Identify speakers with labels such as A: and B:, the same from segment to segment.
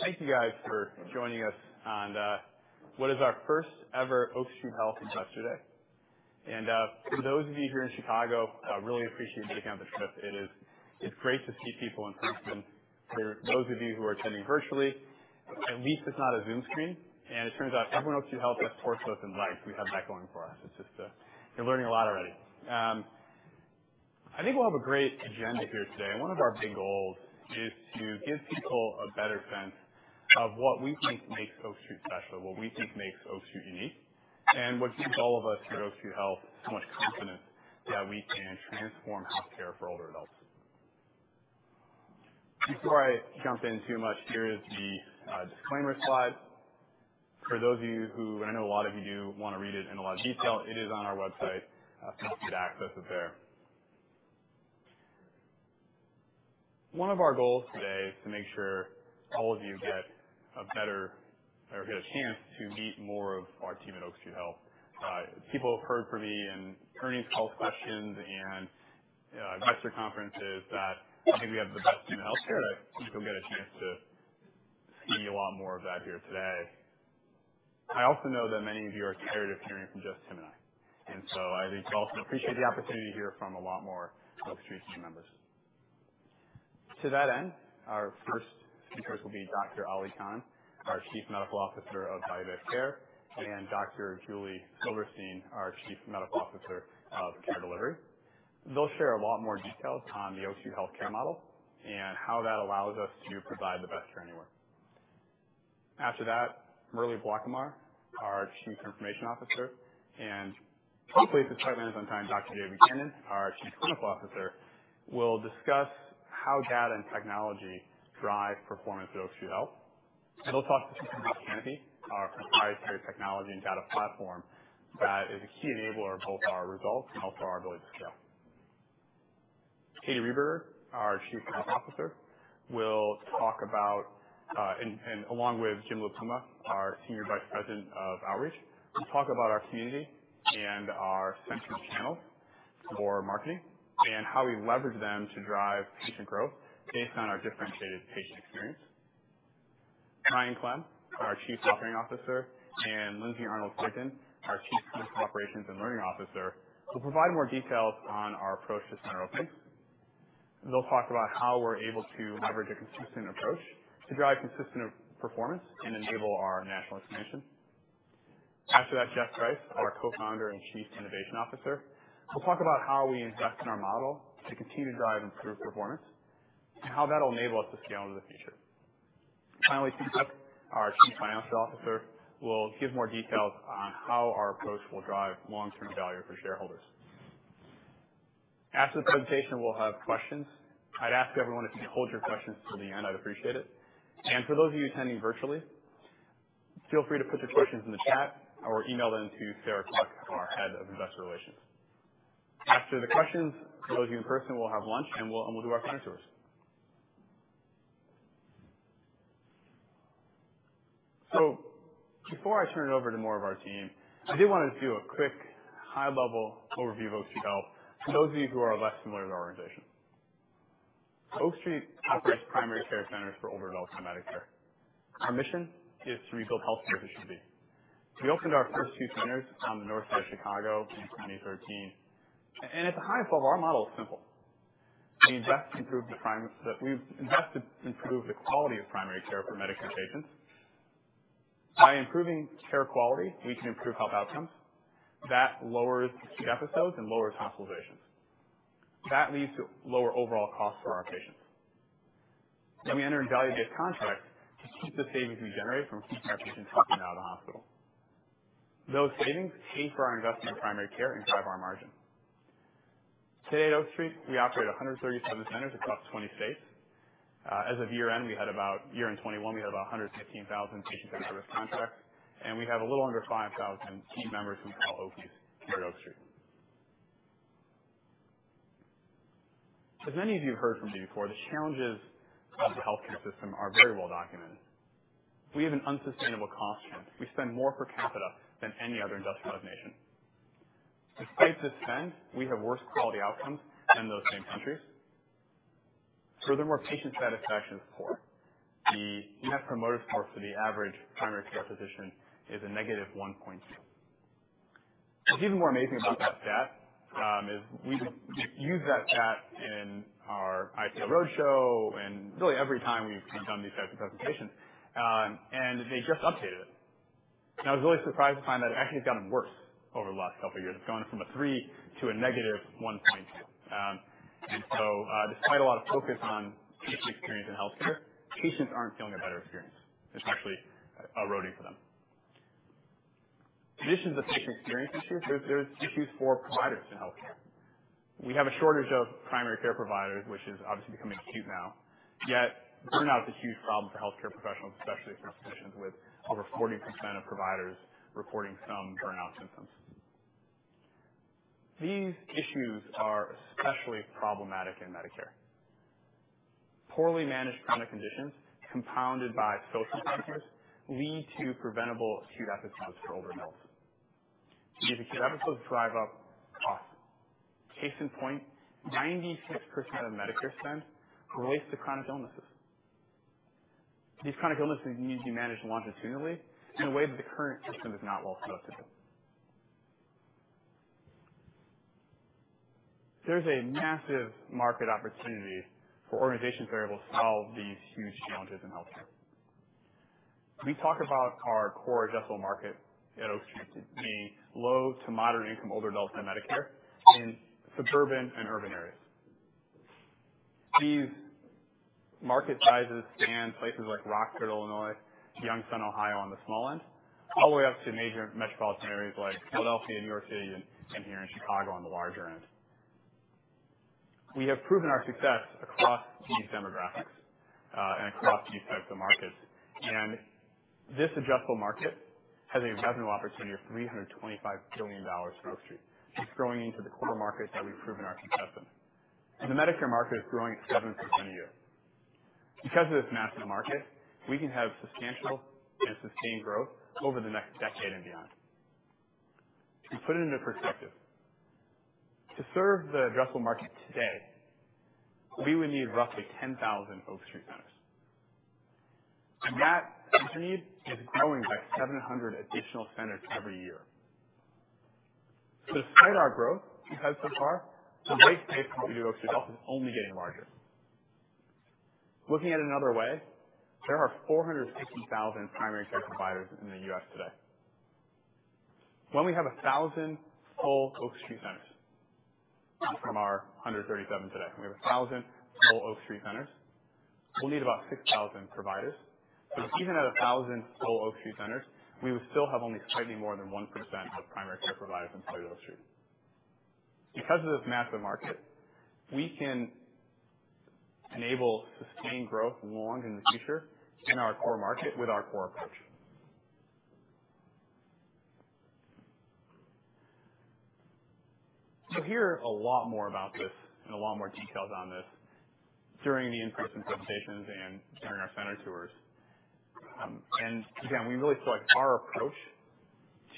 A: All right. Thank you guys for joining us on what is our first ever Oak Street Health Investor Day. For those of you here in Chicago, I really appreciate you taking the trip. It's great to see people in person. For those of you who are attending virtually, at least it's not a Zoom screen, and it turns out everyone at Oak Street Health has forced us online. We have that going for us. We're learning a lot already. I think we'll have a great agenda here today. One of our big goals is to give people a better sense of what we think makes Oak Street special, what we think makes Oak Street unique, and what gives all of us here at Oak Street Health so much confidence that we can transform healthcare for older adults. Before I jump in too much, here is the disclaimer slide. For those of you who, I know a lot of you do wanna read it in a lot of detail, it is on our website if you need to access it there. One of our goals today is to make sure all of you get a chance to meet more of our team at Oak Street Health. People have heard from me in earnings calls, questions, and investor conferences that I think we have the best team in healthcare. I think you'll get a chance to see a lot more of that here today. I also know that many of you are tired of hearing from just Tim and I. I think you also appreciate the opportunity to hear from a lot more Oak Street team members. To that end, our first speakers will be Dr. Ali Khan, our Chief Medical Officer of Value-Based Care, and Dr. Julie Silverstein, our Chief Medical Officer of Care Delivery. They'll share a lot more details on the Oak Street Health care model and how that allows us to provide the best care anywhere. After that, Murali Balakumar, our Chief Information Officer, and hopefully, if the timeline is on time, Dr. David Buchanan, our Chief Clinical Officer, will discuss how data and technology drive performance at Oak Street Health. They'll talk to you about Canopy, our proprietary technology and data platform that is a key enabler of both our results and also our ability to scale. Katie Rehberger, our Chief People Officer, will talk about and along with Jim Lipuma, our Senior Vice President of Outreach, will talk about our community and our central channels for marketing and how we leverage them to drive patient growth based on our differentiated patient experience. Brian Clem, our Chief Operating Officer, and Lindsay Arnold Sugden, our Chief Clinical Operations and Learning Officer, will provide more details on our approach to center openings. They'll talk about how we're able to leverage a consistent approach to drive consistent performance and enable our national expansion. After that, Geoff Price, our Co-founder and Chief Innovation Officer, will talk about how we invest in our model to continue to drive improved performance and how that'll enable us to scale into the future. Finally, Timothy Cook, our Chief Financial Officer, will give more details on how our approach will drive long-term value for shareholders. After the presentation, we'll have questions. I'd ask everyone to hold your questions till the end. I'd appreciate it. For those of you attending virtually, feel free to put your questions in the chat or email them to Sarah Cluck, our Head of Investor Relations. After the questions, for those of you in person, we'll have lunch, and we'll do our clinic tours. Before I turn it over to more of our team, I did wanna do a quick high-level overview of Oak Street Health for those of you who are less familiar with our organization. Oak Street operates primary care centers for older adults on Medicare. Our mission is to rebuild healthcare as it should be. We opened our first two centers on the north side of Chicago in 2013. At the highest level, our model is simple. We invest to improve the prime. We've invested to improve the quality of primary care for Medicare patients. By improving care quality, we can improve health outcomes. That lowers acute episodes and lowers hospitalizations. That leads to lower overall costs for our patients. We enter into value-based contracts to keep the savings we generate from keeping our patients healthy and out of the hospital. Those savings pay for our investment in primary care and drive our margin. Today at Oak Street, we operate 137 centers across 20 states. As of year-end 2021, we had about 116,000 patients under service contract, and we have a little under 5,000 team members we call Oakies here at Oak Street. As many of you have heard from me before, the challenges of the healthcare system are very well documented. We have an unsustainable cost trend. We spend more per capita than any other industrialized nation. Despite this spend, we have worse quality outcomes than those same countries. Furthermore, patient satisfaction is poor. The Net Promoter Score for the average primary care physician is a -1.2. What's even more amazing about that stat is we've used that stat in our IPO roadshow and really every time we've done these types of presentations. They just updated it. I was really surprised to find that it actually has gotten worse over the last couple of years. It's gone from a three to a -1.2. Despite a lot of focus on patient experience in healthcare, patients aren't feeling a better experience. It's actually eroding for them. In addition to patient experience issues, there's issues for providers in healthcare. We have a shortage of primary care providers, which is obviously becoming acute now. Yet burnout is a huge problem for healthcare professionals, especially for physicians, with over 40% of providers reporting some burnout symptoms. These issues are especially problematic in Medicare. Poorly managed chronic conditions compounded by social factors lead to preventable acute episodes for older adults. These episodes drive up costs. Case in point, 96% of Medicare spend relates to chronic illnesses. These chronic illnesses need to be managed longitudinally in a way that the current system is not well suited to. There's a massive market opportunity for organizations that are able to solve these huge challenges in healthcare. We talk about our core addressable market at Oak Street to be low to moderate income older adults on Medicare in suburban and urban areas. These market sizes span places like Rockford, Illinois, Youngstown, Ohio on the small end, all the way up to major metropolitan areas like Philadelphia, New York City, and here in Chicago on the larger end. We have proven our success across these demographics and across these types of markets. This addressable market has a revenue opportunity of $325 billion for Oak Street. It's growing into the core markets that we've proven our success in. The Medicare market is growing at 7% a year. Because of this massive market, we can have substantial and sustained growth over the next decade and beyond. To put it into perspective, to serve the addressable market today, we would need roughly 10,000 Oak Street centers. That need is growing by 700 additional centers every year. Despite our growth we've had so far, the white space for Oak Street Health is only getting larger. Looking at it another way, there are 460,000 primary care providers in the U.S. today. When we have 1,000 full Oak Street centers, from our 137 today, we'll need about 6,000 providers. Even at 1,000 full Oak Street centers, we would still have only slightly more than 1% of primary care providers employed at Oak Street. Because of this massive market, we can enable sustained growth long into the future in our core market with our core approach. You'll hear a lot more about this and a lot more details on this during the in-person presentations and during our center tours. Again, we really feel like our approach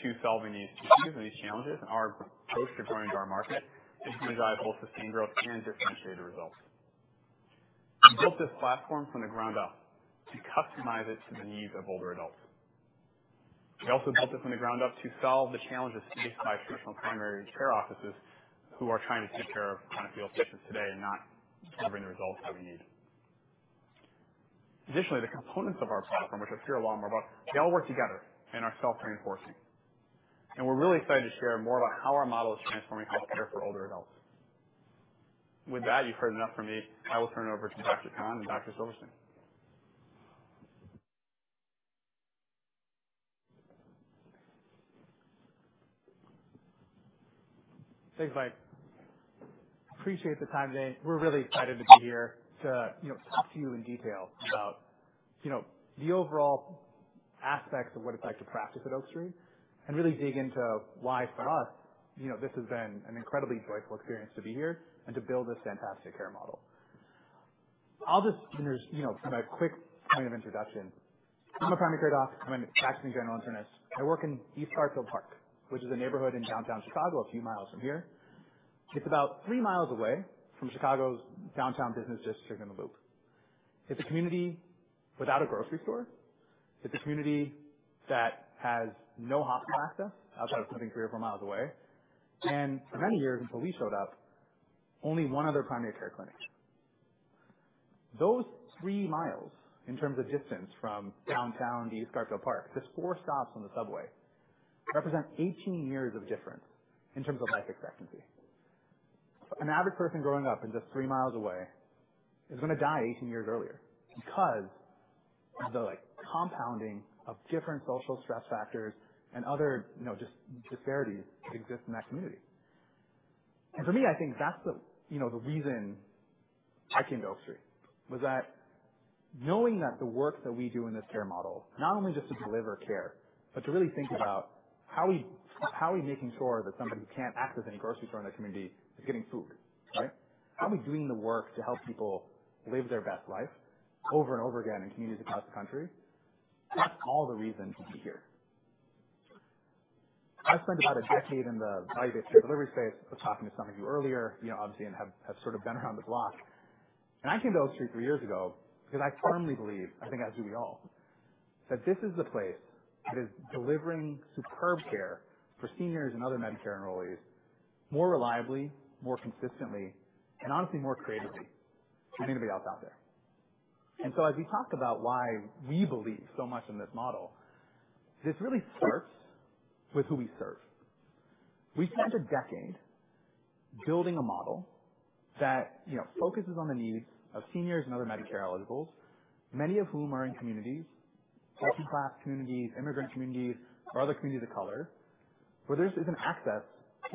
A: to solving these issues and these challenges, our approach to growing into our market is going to drive both sustained growth and differentiated results. We built this platform from the ground up to customize it to the needs of older adults. We also built this from the ground up to solve the challenges faced by traditional primary care offices who are trying to take care of chronically ill patients today and not getting the results that we need. Additionally, the components of our platform, which you'll hear a lot more about, they all work together and are self-reinforcing. We're really excited to share more about how our model is transforming healthcare for older adults. With that, you've heard enough from me. I will turn it over to Dr. Khan and Dr. Silverstein.
B: Thanks, Mike. I appreciate the time today. We're really excited to be here to, you know, talk to you in detail about, you know, the overall aspects of what it's like to practice at Oak Street and really dig into why for us, you know, this has been an incredibly joyful experience to be here and to build this fantastic care model. I'll just introduce, you know, kind of a quick point of introduction. I'm a primary care doc. I'm a practicing general internist. I work in East Garfield Park, which is a neighborhood in downtown Chicago, a few miles from here. It's about 3 miles away from Chicago's downtown business district in the Loop. It's a community without a grocery store. It's a community that has no hospital access outside of Cook County 3 or 4 miles away. For many years, until we showed up, only one other primary care clinic. Those 3 miles in terms of distance from downtown to East Garfield Park, just four stops on the subway, represent 18 years of difference in terms of life expectancy. An average person growing up in just 3 miles away is gonna die 18 years earlier because of the compounding of different social stress factors and other, you know, disparities that exist in that community. For me, I think that's the, you know, the reason I came to Oak Street, was that knowing that the work that we do in this care model, not only just to deliver care, but to really think about how are we making sure that somebody who can't access any grocery store in their community is getting food, right? How are we doing the work to help people live their best life over and over again in communities across the country? That's all the reason to be here. I've spent about a decade in the value-based care delivery space. I was talking to some of you earlier, you know, obviously, and have sort of been around the block. I came to Oak Street three years ago because I firmly believe, I think as do we all, that this is the place that is delivering superb care for seniors and other Medicare enrollees more reliably, more consistently, and honestly, more creatively than anybody else out there. As we talk about why we believe so much in this model, this really starts with who we serve. We've spent a decade building a model that, you know, focuses on the needs of seniors and other Medicare eligibles, many of whom are in communities, working-class communities, immigrant communities, or other communities of color, where there just isn't access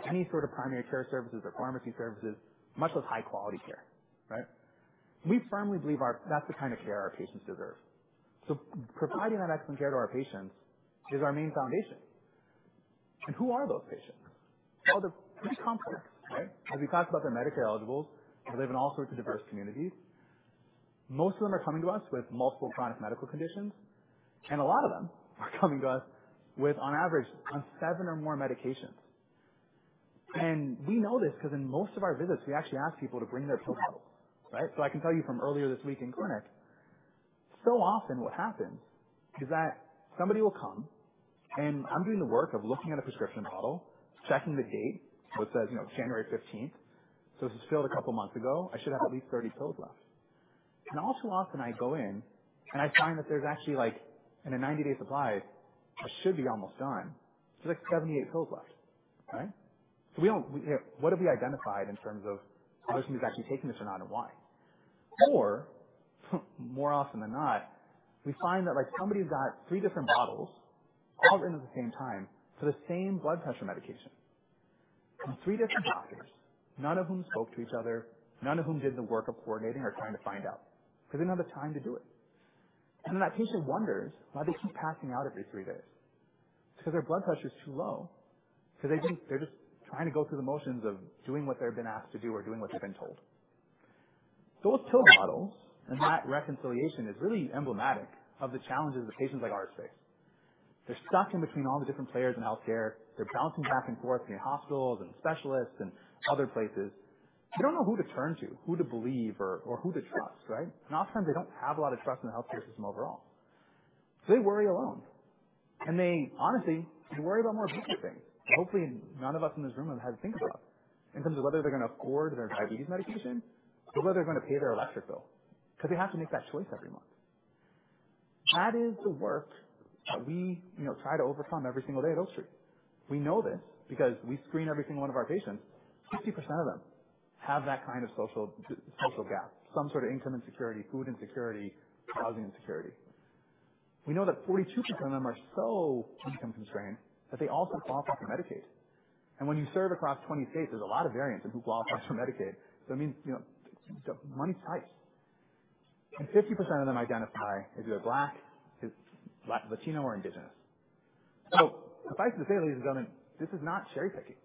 B: to any sort of primary care services or pharmacy services, much less high-quality care, right? We firmly believe that's the kind of care our patients deserve. Providing that excellent care to our patients is our main foundation. Who are those patients? Well, they're pretty complex, right? As we talked about, they're Medicare eligibles. They live in all sorts of diverse communities. Most of them are coming to us with multiple chronic medical conditions, and a lot of them are coming to us with, on average, seven or more medications. We know this because in most of our visits, we actually ask people to bring their pill bottles, right? I can tell you from earlier this week in clinic, so often what happens is that somebody will come and I'm doing the work of looking at a prescription bottle, checking the date. It says, you know, January 15. This was filled a couple months ago. I should have at least 30 pills left. All too often I go in, and I find that there's actually like in a 90-day supply, I should be almost done, there's like 78 pills left, right? What have we identified in terms of whether somebody's actually taking this or not, and why? More often than not, we find that like somebody's got three different bottles all in at the same time for the same blood pressure medication from three different doctors, none of whom spoke to each other. None of whom did the work of coordinating or trying to find out because they didn't have the time to do it. That patient wonders why they keep passing out every three days. It's because their blood pressure is too low, because they're just trying to go through the motions of doing what they've been asked to do or doing what they've been told. Those pill bottles and that reconciliation is really emblematic of the challenges that patients like ours face. They're stuck in between all the different players in healthcare. They're bouncing back and forth between hospitals and specialists and other places. They don't know who to turn to, who to believe or who to trust, right? Oftentimes they don't have a lot of trust in the healthcare system overall. They worry alone, and they honestly, they worry about more difficult things that hopefully none of us in this room have had to think about in terms of whether they're going to afford their diabetes medication or whether they're going to pay their electric bill because they have to make that choice every month. That is the work that we, you know, try to overcome every single day at Oak Street. We know this because we screen every single one of our patients. 50% of them have that kind of social gap, some sort of income insecurity, food insecurity, housing insecurity. We know that 42% of them are so income-constrained that they also qualify for Medicaid. When you serve across 20 states, there's a lot of variance in who qualifies for Medicaid. It means, you know, money's tight, and 50% of them identify as either Black, Hispanic or Latino or Indigenous. Suffice to say, ladies and gentlemen, this is not cherry-picking.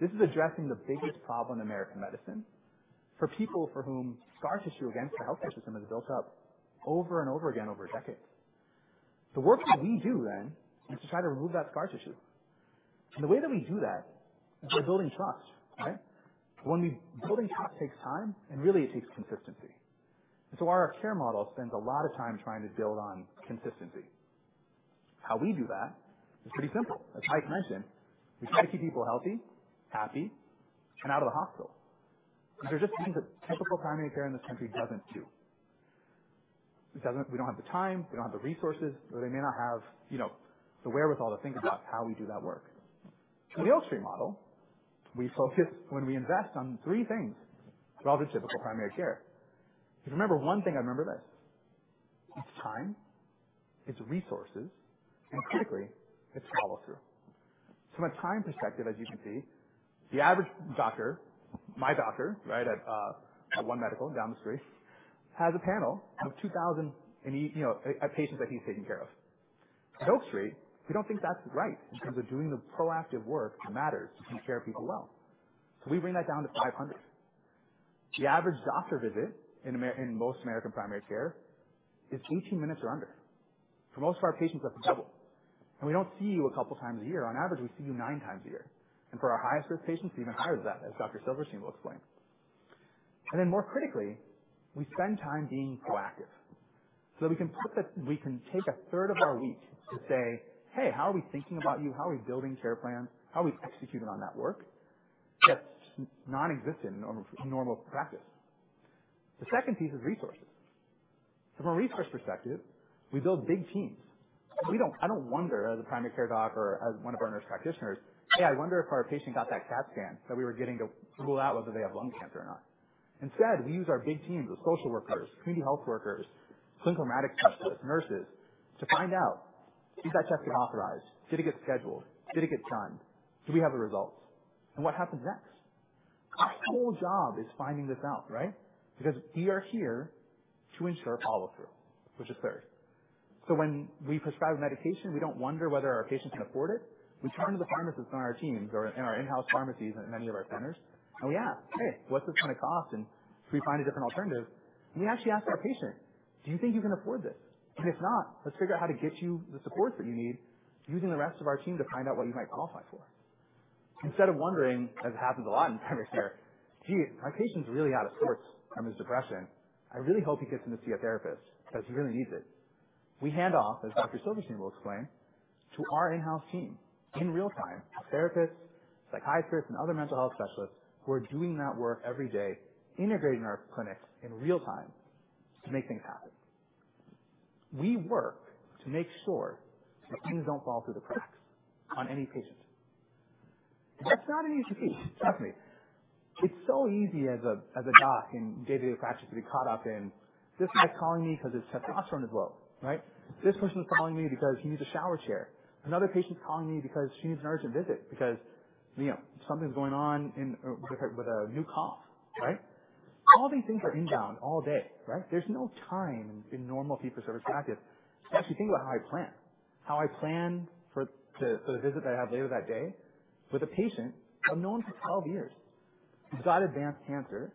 B: This is addressing the biggest problem in American medicine for people for whom scar tissue against the healthcare system has built up over and over again over decades. The work that we do then is to try to remove that scar tissue. The way that we do that is by building trust, right? Building trust takes time, and really it takes consistency. Our care model spends a lot of time trying to build on consistency. How we do that is pretty simple. As Mike mentioned, we try to keep people healthy, happy, and out of the hospital, which are just things that typical primary care in this country doesn't do. It doesn't. We don't have the time, we don't have the resources, or they may not have, you know, the wherewithal to think about how we do that work. In the Oak Street model, we focus when we invest on three things rather than typical primary care. If you remember one thing, I'd remember this. It's time, it's resources, and critically, it's follow-through. From a time perspective, as you can see, the average doctor, my doctor, right, at One Medical down the street, has a panel of 2,000 unique, you know, patients that he's taking care of. At Oak Street, we don't think that's right in terms of doing the proactive work that matters to care for people well. We bring that down to 500. The average doctor visit in most American primary care is 18 minutes or under. For most of our patients, that's double. We don't see you a couple times a year. On average, we see you 9x a year. For our highest risk patients, even higher than that, as Dr. Silverstein will explain. More critically, we spend time being proactive. We can take a third of our week to say, "Hey, how are we thinking about you? How are we building care plans? How are we executing on that work?" That's nonexistent in normal practice. The second piece is resources. From a resource perspective, we build big teams. I don't wonder as a primary care doc or as one of our nurse practitioners, "Hey, I wonder if our patient got that CAT scan that we were getting to rule out whether they have lung cancer or not." Instead, we use our big teams of social workers, community health workers, clinical informatics specialists, nurses to find out, did that test get authorized? Did it get scheduled? Did it get done? Do we have the results? And what happens next? Our whole job is finding this out, right? Because we are here to ensure follow-through, which is third. When we prescribe medication, we don't wonder whether our patients can afford it. We turn to the pharmacists on our teams or in our in-house pharmacies at many of our centers. We ask, "Hey, what's this gonna cost? Can we find a different alternative?" We actually ask our patient, "Do you think you can afford this? And if not, let's figure out how to get you the support that you need using the rest of our team to find out what you might qualify for." Instead of wondering, as it happens a lot in primary care, "Gee, my patient's really out of sorts from his depression. I really hope he gets in to see a therapist because he really needs it." We hand off, as Dr. Silverstein will explain, to our in-house team in real-time, therapists, psychiatrists, and other mental health specialists who are doing that work every day, integrating our clinics in real time to make things happen. We work to make sure that things don't fall through the cracks on any patient. That's not an easy feat, trust me. It's so easy as a doc in day-to-day practice to be caught up in, "This guy's calling me 'cause his testosterone is low," right? "This person's calling me because he needs a shower chair. Another patient's calling me because she needs an urgent visit because, you know, something's going on in, with her, with a new cough," right? All these things are inbound all day, right? There's no time in normal fee-for-service practice to actually think about how I plan. How I plan for the visit that I have later that day with a patient I've known for 12 years. He's got advanced cancer,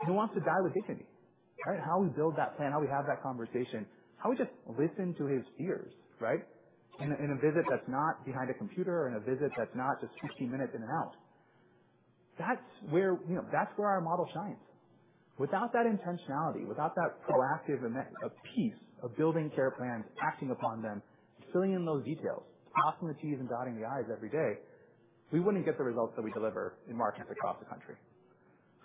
B: and he wants to die with dignity, right? How we build that plan, how we have that conversation, how we just listen to his fears, right? In a visit that's not behind a computer, in a visit that's not just 15 minutes in and out. That's where, you know, that's where our model shines. Without that intentionality, without that proactive piece of building care plans, acting upon them, filling in those details, crossing the T's and dotting the I's every day, we wouldn't get the results that we deliver in markets across the country.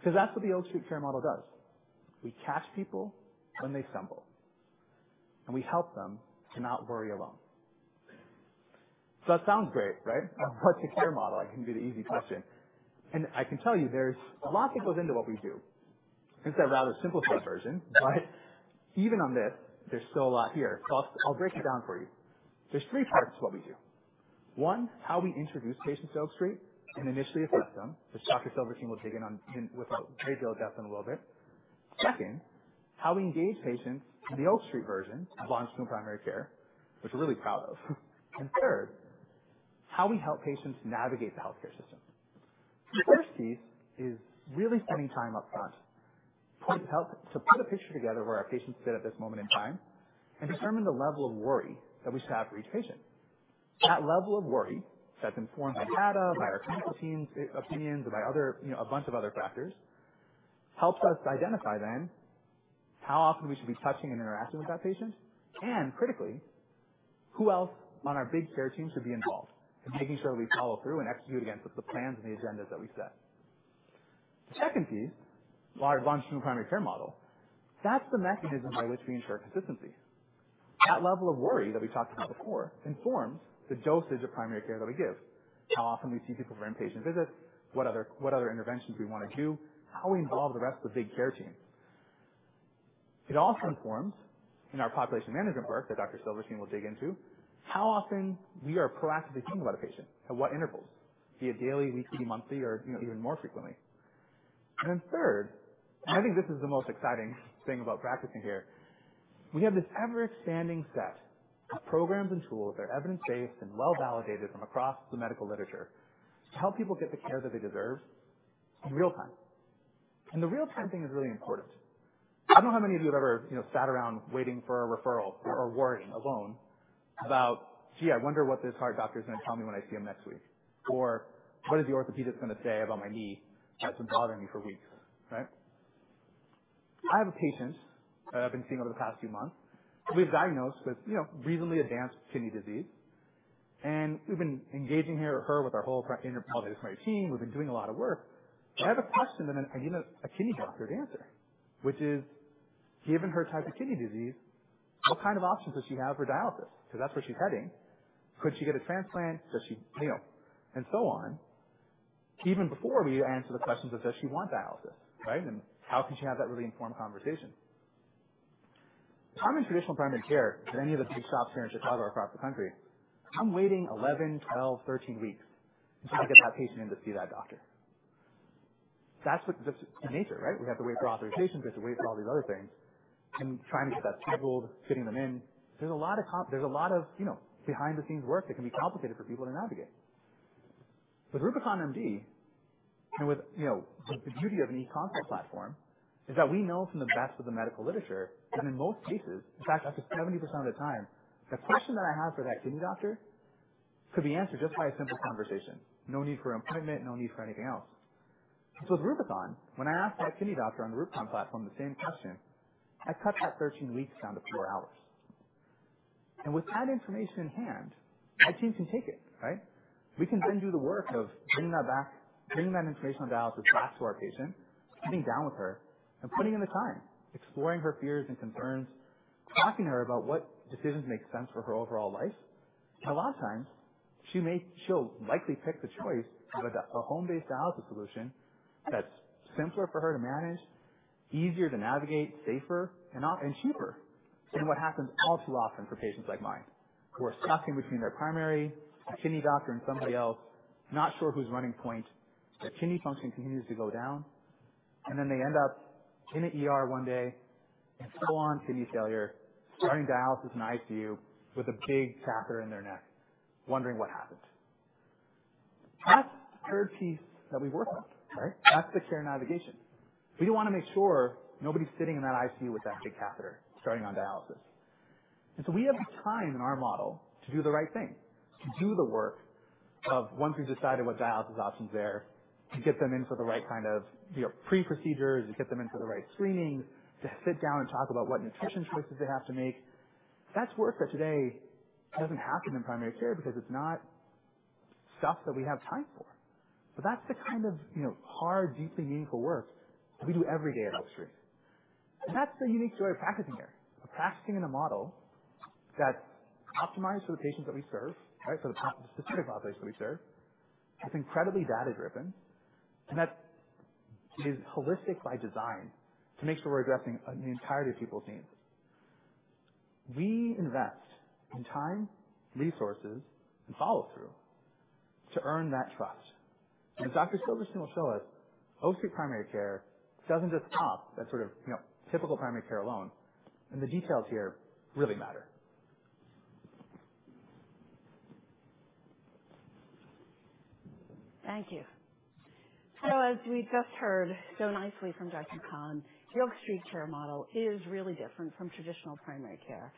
B: 'Cause that's what the Oak Street care model does. We catch people when they stumble, and we help them to not worry alone. That sounds great, right? What's your care model? That can be the easy question. I can tell you there's a lot that goes into what we do. It's a rather simplified version, but even on this, there's still a lot here. I'll break it down for you. There's three parts to what we do. One, how we introduce patients to Oak Street and initially assess them, which Dr. Silverstein will dig in on with a great deal of depth in a little bit. Second, how we engage patients in the Oak Street version of launch to primary care, which we're really proud of. Third, how we help patients navigate the healthcare system. The first piece is really spending time upfront to help put a picture together of where our patients sit at this moment in time and determine the level of worry that we should have for each patient. That level of worry that's informed by data, by our clinical team's opinions, by other, you know, a bunch of other factors, helps us identify then how often we should be touching and interacting with that patient and critically, who else on our big care team should be involved in making sure we follow through and execute against the plans and the agendas that we set. The second piece, our launch to primary care model, that's the mechanism by which we ensure consistency. That level of worry that we talked about before informs the dosage of primary care that we give, how often we see people for in-person visits, what other interventions we wanna do, how we involve the rest of the big care team. It also informs in our population management work that Dr. Silverstein will dig into how often we are proactively thinking about a patient, at what intervals, be it daily, weekly, monthly, or, you know, even more frequently. Third, and I think this is the most exciting thing about practicing here, we have this ever-expanding set of programs and tools that are evidence-based and well-validated from across the medical literature to help people get the care that they deserve in real time. The real time thing is really important. I don't know how many of you have ever, you know, sat around waiting for a referral or worrying alone about, "Gee, I wonder what this heart doctor's gonna tell me when I see him next week," or, "What is the orthopedist gonna say about my knee that's been bothering me for weeks?" Right. I have a patient that I've been seeing over the past few months who we've diagnosed with, you know, reasonably advanced kidney disease, and we've been engaging her with our whole interdisciplinary team. We've been doing a lot of work. But I have a question that I need a kidney doctor to answer, which is, given her type of kidney disease, what kind of options does she have for dialysis? 'Cause that's where she's heading. Could she get a transplant? Does she want dialysis, you know, and so on. Even before we answer the questions of does she want dialysis, right, and how can she have that really informed conversation? In traditional primary care at any of the big shops here in Chicago or across the country, I'm waiting 11, 12, 13 weeks until I get that patient in to see that doctor. That's just its nature, right? We have to wait for authorization. We have to wait for all these other things and trying to get that scheduled, fitting them in. There's a lot of, you know, behind-the-scenes work that can be complicated for people to navigate. With RubiconMD, and with, you know, the beauty of an e-consult platform, is that we know from the best of the medical literature that in most cases, in fact, up to 70% of the time, the question that I have for that kidney doctor could be answered just by a simple conversation. No need for an appointment, no need for anything else. So with Rubicon, when I asked that kidney doctor on the Rubicon platform the same question, I cut that 13 weeks down to four hours. With that information in hand, my team can take it, right? We can then do the work of bringing that back, bringing that information on dialysis back to our patient, sitting down with her and putting in the time, exploring her fears and concerns, talking to her about what decisions make sense for her overall life. A lot of times she'll likely pick the choice of a home-based dialysis solution that's simpler for her to manage, easier to navigate, safer, and cheaper than what happens all too often for patients like mine, who are stuck in between their primary, a kidney doctor, and somebody else, not sure who's running point. Their kidney function continues to go down, and then they end up in an ER one day in full-on kidney failure, starting dialysis in ICU with a big catheter in their neck, wondering what happened. That's the third piece that we work on, right? That's the care navigation. We wanna make sure nobody's sitting in that ICU with that big catheter starting on dialysis. We have the time in our model to do the right thing, to do the work of once we've decided what dialysis option's there, to get them in for the right kind of, you know, pre-procedures, to get them in for the right screenings, to sit down and talk about what nutrition choices they have to make. That's work that today doesn't happen in primary care because it's not stuff that we have time for. That's the kind of, you know, hard, deeply meaningful work that we do every day at Oak Street. That's the unique joy of practicing here, of practicing in a model that's optimized for the patients that we serve, right? For the specific population that we serve. It's incredibly data-driven, and that is holistic by design to make sure we're addressing the entirety of people's needs. We invest in time, resources, and follow-through to earn that trust. As Dr. Silverstein will show us, Oak Street Primary Care doesn't just stop at sort of, you know, typical primary care alone, and the details here really matter.
C: Thank you. As we just heard so nicely from Dr. Khan, the Oak Street care model is really different from traditional primary care.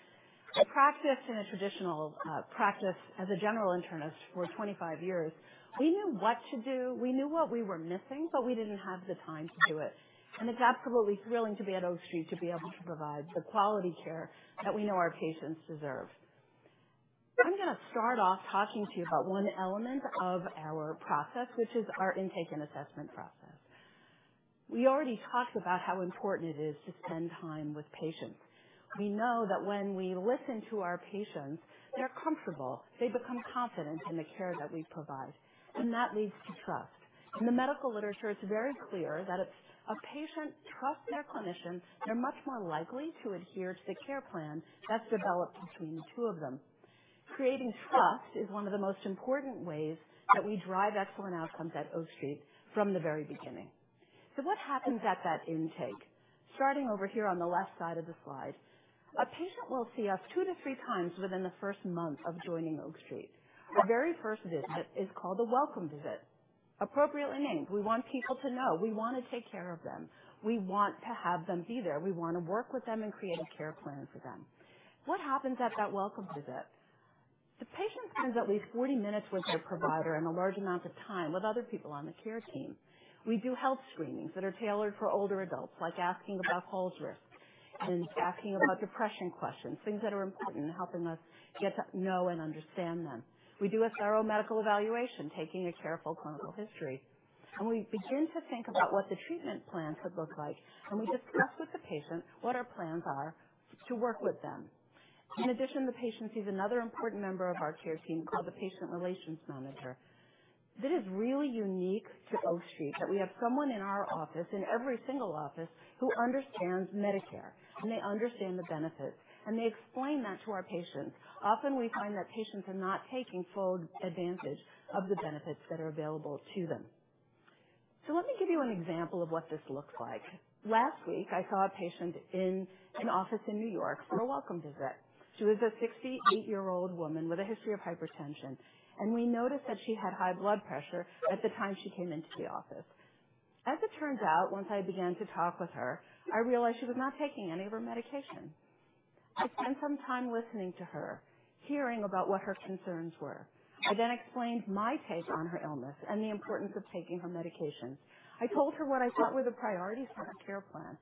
C: I practiced in a traditional practice as a general internist for 25 years. We knew what to do, we knew what we were missing, but we didn't have the time to do it. It's absolutely thrilling to be at Oak Street to be able to provide the quality care that we know our patients deserve. I'm gonna start off talking to you about one element of our process, which is our intake and assessment process. We already talked about how important it is to spend time with patients. We know that when we listen to our patients, they're comfortable, they become confident in the care that we provide, and that leads to trust. In the medical literature, it's very clear that if a patient trusts their clinician, they're much more likely to adhere to the care plan that's developed between the two of them. Creating trust is one of the most important ways that we drive excellent outcomes at Oak Street from the very beginning. What happens at that intake? Starting over here on the left side of the slide, a patient will see us 2x-3x within the first month of joining Oak Street. The very first visit is called a welcome visit. Appropriately named. We want people to know we wanna take care of them. We want to have them be there. We wanna work with them and create a care plan for them. What happens at that welcome visit? The patient spends at least 40 minutes with their provider and a large amount of time with other people on the care team. We do health screenings that are tailored for older adults, like asking about falls risk and asking about depression questions, things that are important in helping us get to know and understand them. We do a thorough medical evaluation, taking a careful clinical history, and we begin to think about what the treatment plan could look like, and we discuss with the patient what our plans are to work with them. In addition, the patient sees another important member of our care team called the Patient Relations Manager. This is really unique to Oak Street that we have someone in our office, in every single office, who understands Medicare, and they understand the benefits, and they explain that to our patients. Often, we find that patients are not taking full advantage of the benefits that are available to them. Let me give you an example of what this looks like. Last week I saw a patient in an office in New York for a welcome visit. She was a 68-year-old woman with a history of hypertension, and we noticed that she had high blood pressure at the time she came into the office. As it turned out, once I began to talk with her, I realized she was not taking any of her medication. I spent some time listening to her, hearing about what her concerns were. I then explained my take on her illness and the importance of taking her medication. I told her what I thought were the priorities for her care plan,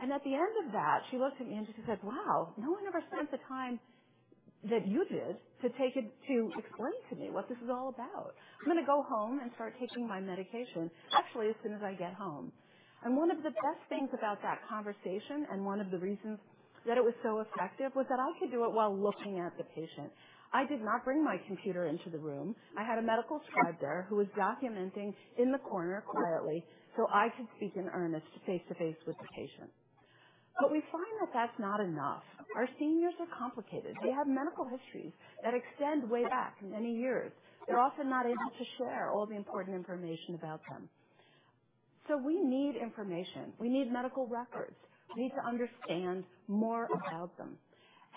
C: and at the end of that, she looked at me and she said, "Wow, no one ever spent the time that you did to explain to me what this is all about. I'm gonna go home and start taking my medication actually, as soon as I get home." One of the best things about that conversation, and one of the reasons that it was so effective, was that I could do it while looking at the patient. I did not bring my computer into the room. I had a medical scribe there who was documenting in the corner quietly so I could speak in earnest face-to-face with the patient. We find that that's not enough. Our seniors are complicated. They have medical histories that extend way back many years. They're often not able to share all the important information about them. We need information. We need medical records. We need to understand more about them.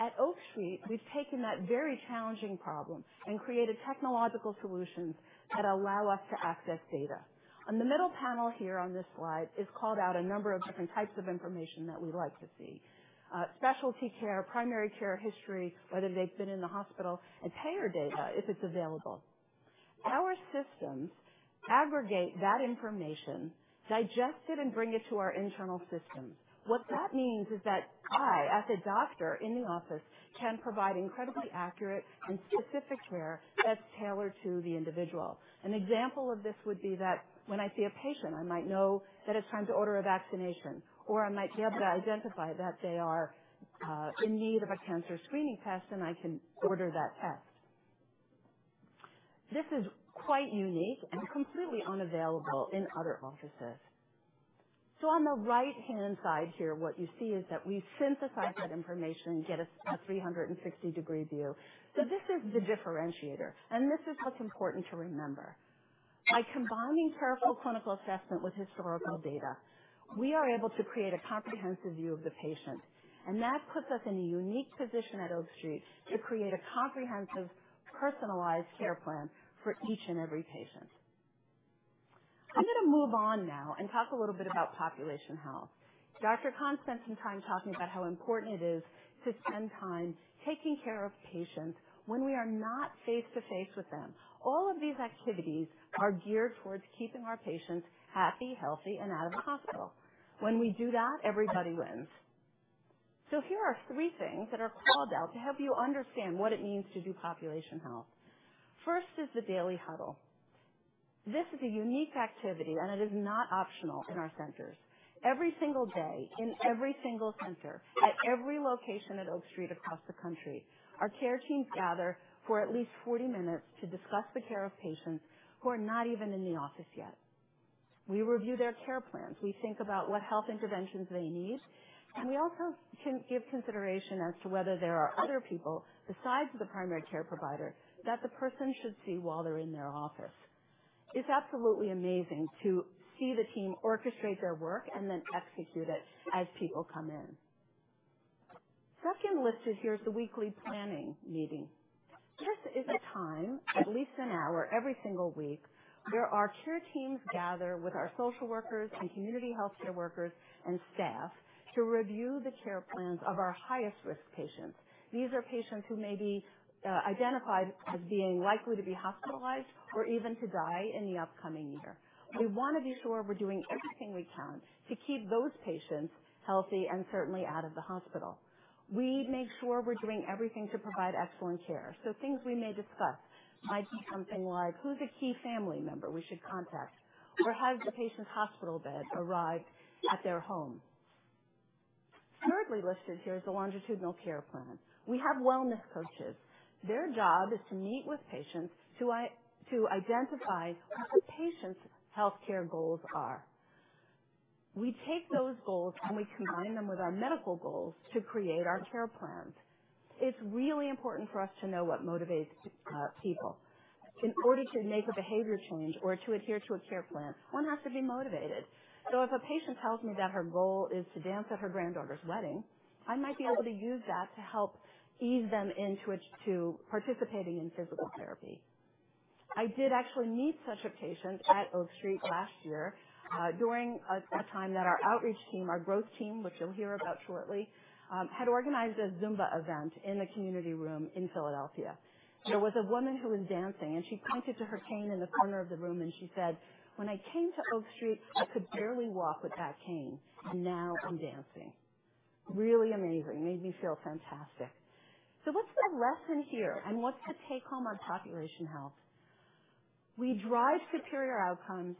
C: At Oak Street, we've taken that very challenging problem and created technological solutions that allow us to access data. On the middle panel here on this slide, it's called out a number of different types of information that we like to see. Specialty care, primary care history, whether they've been in the hospital and payer data, if it's available. Our systems aggregate that information, digest it, and bring it to our internal systems. What that means is that I, as a doctor in the office, can provide incredibly accurate and specific care that's tailored to the individual. An example of this would be that when I see a patient, I might know that it's time to order a vaccination, or I might be able to identify that they are in need of a cancer screening test, and I can order that test. This is quite unique and completely unavailable in other offices. On the right-hand side here, what you see is that we synthesize that information and get a 360-degree view. This is the differentiator, and this is what's important to remember. By combining careful clinical assessment with historical data, we are able to create a comprehensive view of the patient, and that puts us in a unique position at Oak Street to create a comprehensive, personalized care plan for each and every patient. I'm gonna move on now and talk a little bit about population health. Dr. Khan spent some time talking about how important it is to spend time taking care of patients when we are not face-to-face with them. All of these activities are geared towards keeping our patients happy, healthy, and out of the hospital. When we do that, everybody wins. Here are three things that are called out to help you understand what it means to do population health. First is the daily huddle. This is a unique activity, and it is not optional in our centers. Every single day in every single center at every location at Oak Street across the country, our care teams gather for at least 40 minutes to discuss the care of patients who are not even in the office yet. We review their care plans. We think about what health interventions they need, and we also can give consideration as to whether there are other people besides the primary care provider that the person should see while they're in their office. It's absolutely amazing to see the team orchestrate their work and then execute it as people come in. Second listed here is the weekly planning meeting. This is a time, at least an hour every single week, where our care teams gather with our social workers and community health care workers and staff to review the care plans of our highest-risk patients. These are patients who may be identified as being likely to be hospitalized or even to die in the upcoming year. We want to be sure we're doing everything we can to keep those patients healthy and certainly out of the hospital. We make sure we're doing everything to provide excellent care. Things we may discuss might be something like, who's a key family member we should contact? Or has the patient's hospital bed arrived at their home? Thirdly listed here is the longitudinal care plan. We have wellness coaches. Their job is to meet with patients to identify what the patient's healthcare goals are. We take those goals, and we combine them with our medical goals to create our care plans. It's really important for us to know what motivates people. In order to make a behavior change or to adhere to a care plan, one has to be motivated. If a patient tells me that her goal is to dance at her granddaughter's wedding, I might be able to use that to help ease them into it to participating in physical therapy. I did actually meet such a patient at Oak Street last year, during a time that our outreach team, our growth team, which you'll hear about shortly, had organized a Zumba event in the community room in Philadelphia. There was a woman who was dancing, and she pointed to her cane in the corner of the room, and she said, "When I came to Oak Street, I could barely walk with that cane. Now I'm dancing." Really amazing. Made me feel fantastic. What's the lesson here, and what's the take-home on population health? We drive superior outcomes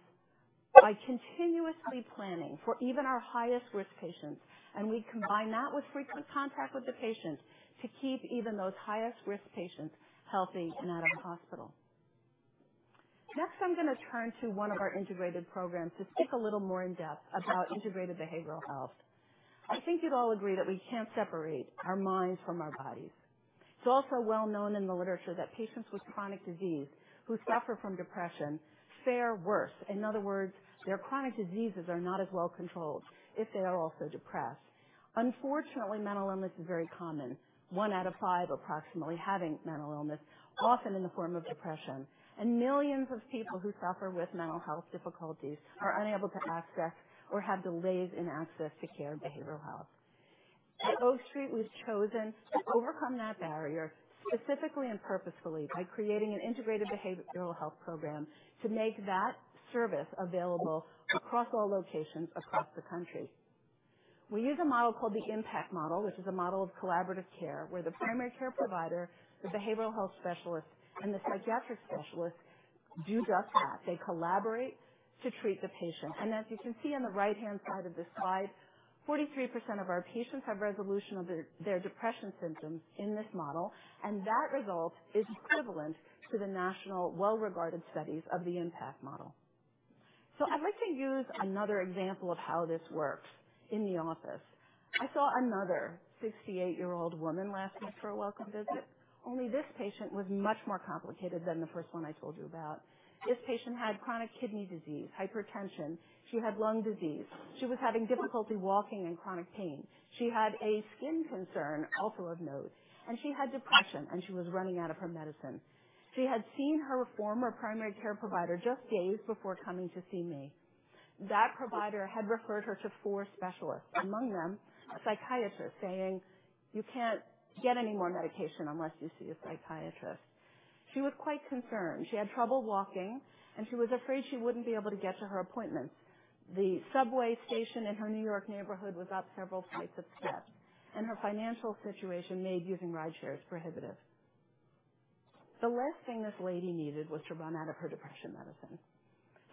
C: by continuously planning for even our highest-risk patients, and we combine that with frequent contact with the patients to keep even those highest-risk patients healthy and out of the hospital. Next, I'm gonna turn to one of our integrated programs to speak a little more in depth about integrated behavioral health. I think you'd all agree that we can't separate our minds from our bodies. It's also well known in the literature that patients with chronic disease who suffer from depression fare worse. In other words, their chronic diseases are not as well controlled if they are also depressed. Unfortunately, mental illness is very common. One out of five approximately having mental illness, often in the form of depression, and millions of people who suffer with mental health difficulties are unable to access or have delays in access to care and behavioral health. Oak Street was chosen to overcome that barrier specifically and purposefully by creating an integrated behavioral health program to make that service available across all locations across the country. We use a model called the IMPACT model. This is a model of collaborative care where the primary care provider, the behavioral health specialist, and the psychiatric specialist do just that. They collaborate to treat the patient. As you can see on the right-hand side of this slide, 43% of our patients have resolution of their depression symptoms in this model, and that result is equivalent to the national well-regarded studies of the IMPACT model. I'd like to use another example of how this works in the office. I saw another 68-year-old woman last week for a welcome visit. Only this patient was much more complicated than the first one I told you about. This patient had chronic kidney disease, hypertension. She had lung disease. She was having difficulty walking and chronic pain. She had a skin concern also of note, and she had depression, and she was running out of her medicine. She had seen her former primary care provider just days before coming to see me. That provider had referred her to four specialists, among them a psychiatrist, saying, "You can't get any more medication unless you see a psychiatrist." She was quite concerned. She had trouble walking, and she was afraid she wouldn't be able to get to her appointments. The subway station in her New York neighborhood was up several flights of steps, and her financial situation made using rideshares prohibitive. The last thing this lady needed was to run out of her depression medicine.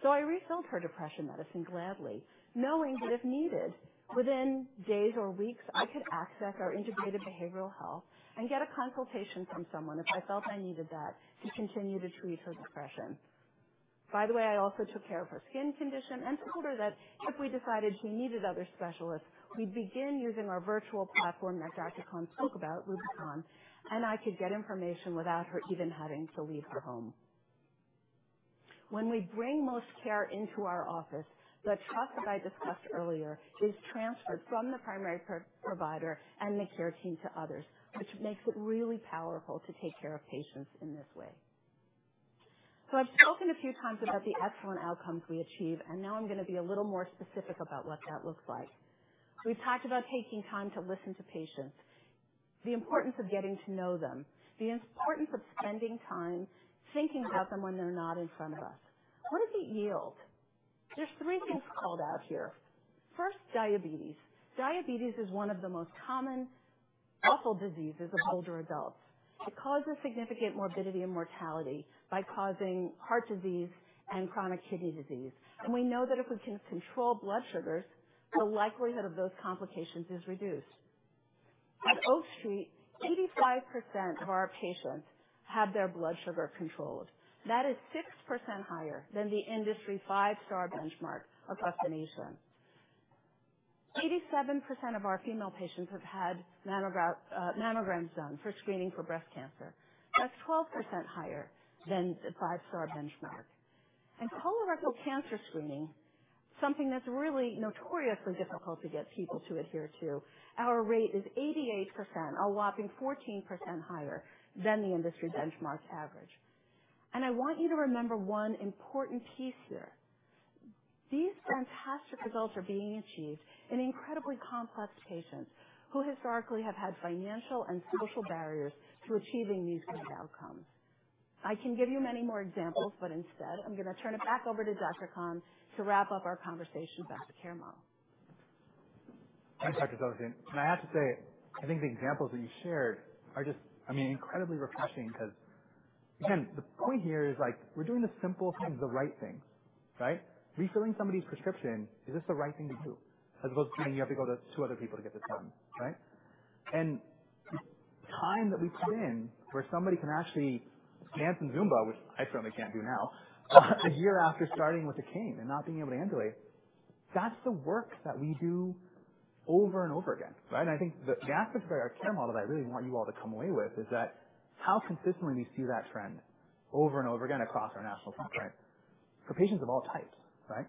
C: I refilled her depression medicine gladly, knowing that if needed, within days or weeks, I could access our integrated behavioral health and get a consultation from someone if I felt I needed that to continue to treat her depression. By the way, I also took care of her skin condition and told her that if we decided she needed other specialists, we'd begin using our virtual platform that Dr. Khan spoke about, Rubicon, and I could get information without her even having to leave her home. When we bring most care into our office, the trust that I discussed earlier is transferred from the primary care provider and the care team to others, which makes it really powerful to take care of patients in this way. I've spoken a few times about the excellent outcomes we achieve, and now I'm gonna be a little more specific about what that looks like. We've talked about taking time to listen to patients, the importance of getting to know them, the importance of spending time thinking about them when they're not in front of us. What does it yield? Just three things called out here. First, diabetes. Diabetes is one of the most common awful diseases of older adults. It causes significant morbidity and mortality by causing heart disease and chronic kidney disease. We know that if we can control blood sugars, the likelihood of those complications is reduced. At Oak Street, 85% of our patients have their blood sugar controlled. That is 6% higher than the industry five-star benchmark across the nation. 87% of our female patients have had mammograms done for screening for breast cancer. That's 12% higher than the five-star benchmark. Colorectal cancer screening, something that's really notoriously difficult to get people to adhere to, our rate is 88%, a whopping 14% higher than the industry benchmark's average. I want you to remember one important piece here. These fantastic results are being achieved in incredibly complex patients who historically have had financial and social barriers to achieving these kind of outcomes. I can give you many more examples, but instead, I'm gonna turn it back over to Dr. Khan to wrap up our conversation about the care model.
B: Thanks, Dr. Silverstein. I have to say, I think the examples that you shared are just, I mean, incredibly refreshing because, again, the point here is, like, we're doing the simple things the right things, right? Refilling somebody's prescription is just the right thing to do as opposed to then you have to go to two other people to get this done, right? The time that we put in where somebody can actually dance in Zumba, which I certainly can't do now, a year after starting with a cane and not being able to ambulate, that's the work that we do over and over again, right? I think the aspect of our care model that I really want you all to come away with is that how consistently we see that trend over and over again across our national footprint for patients of all types, right?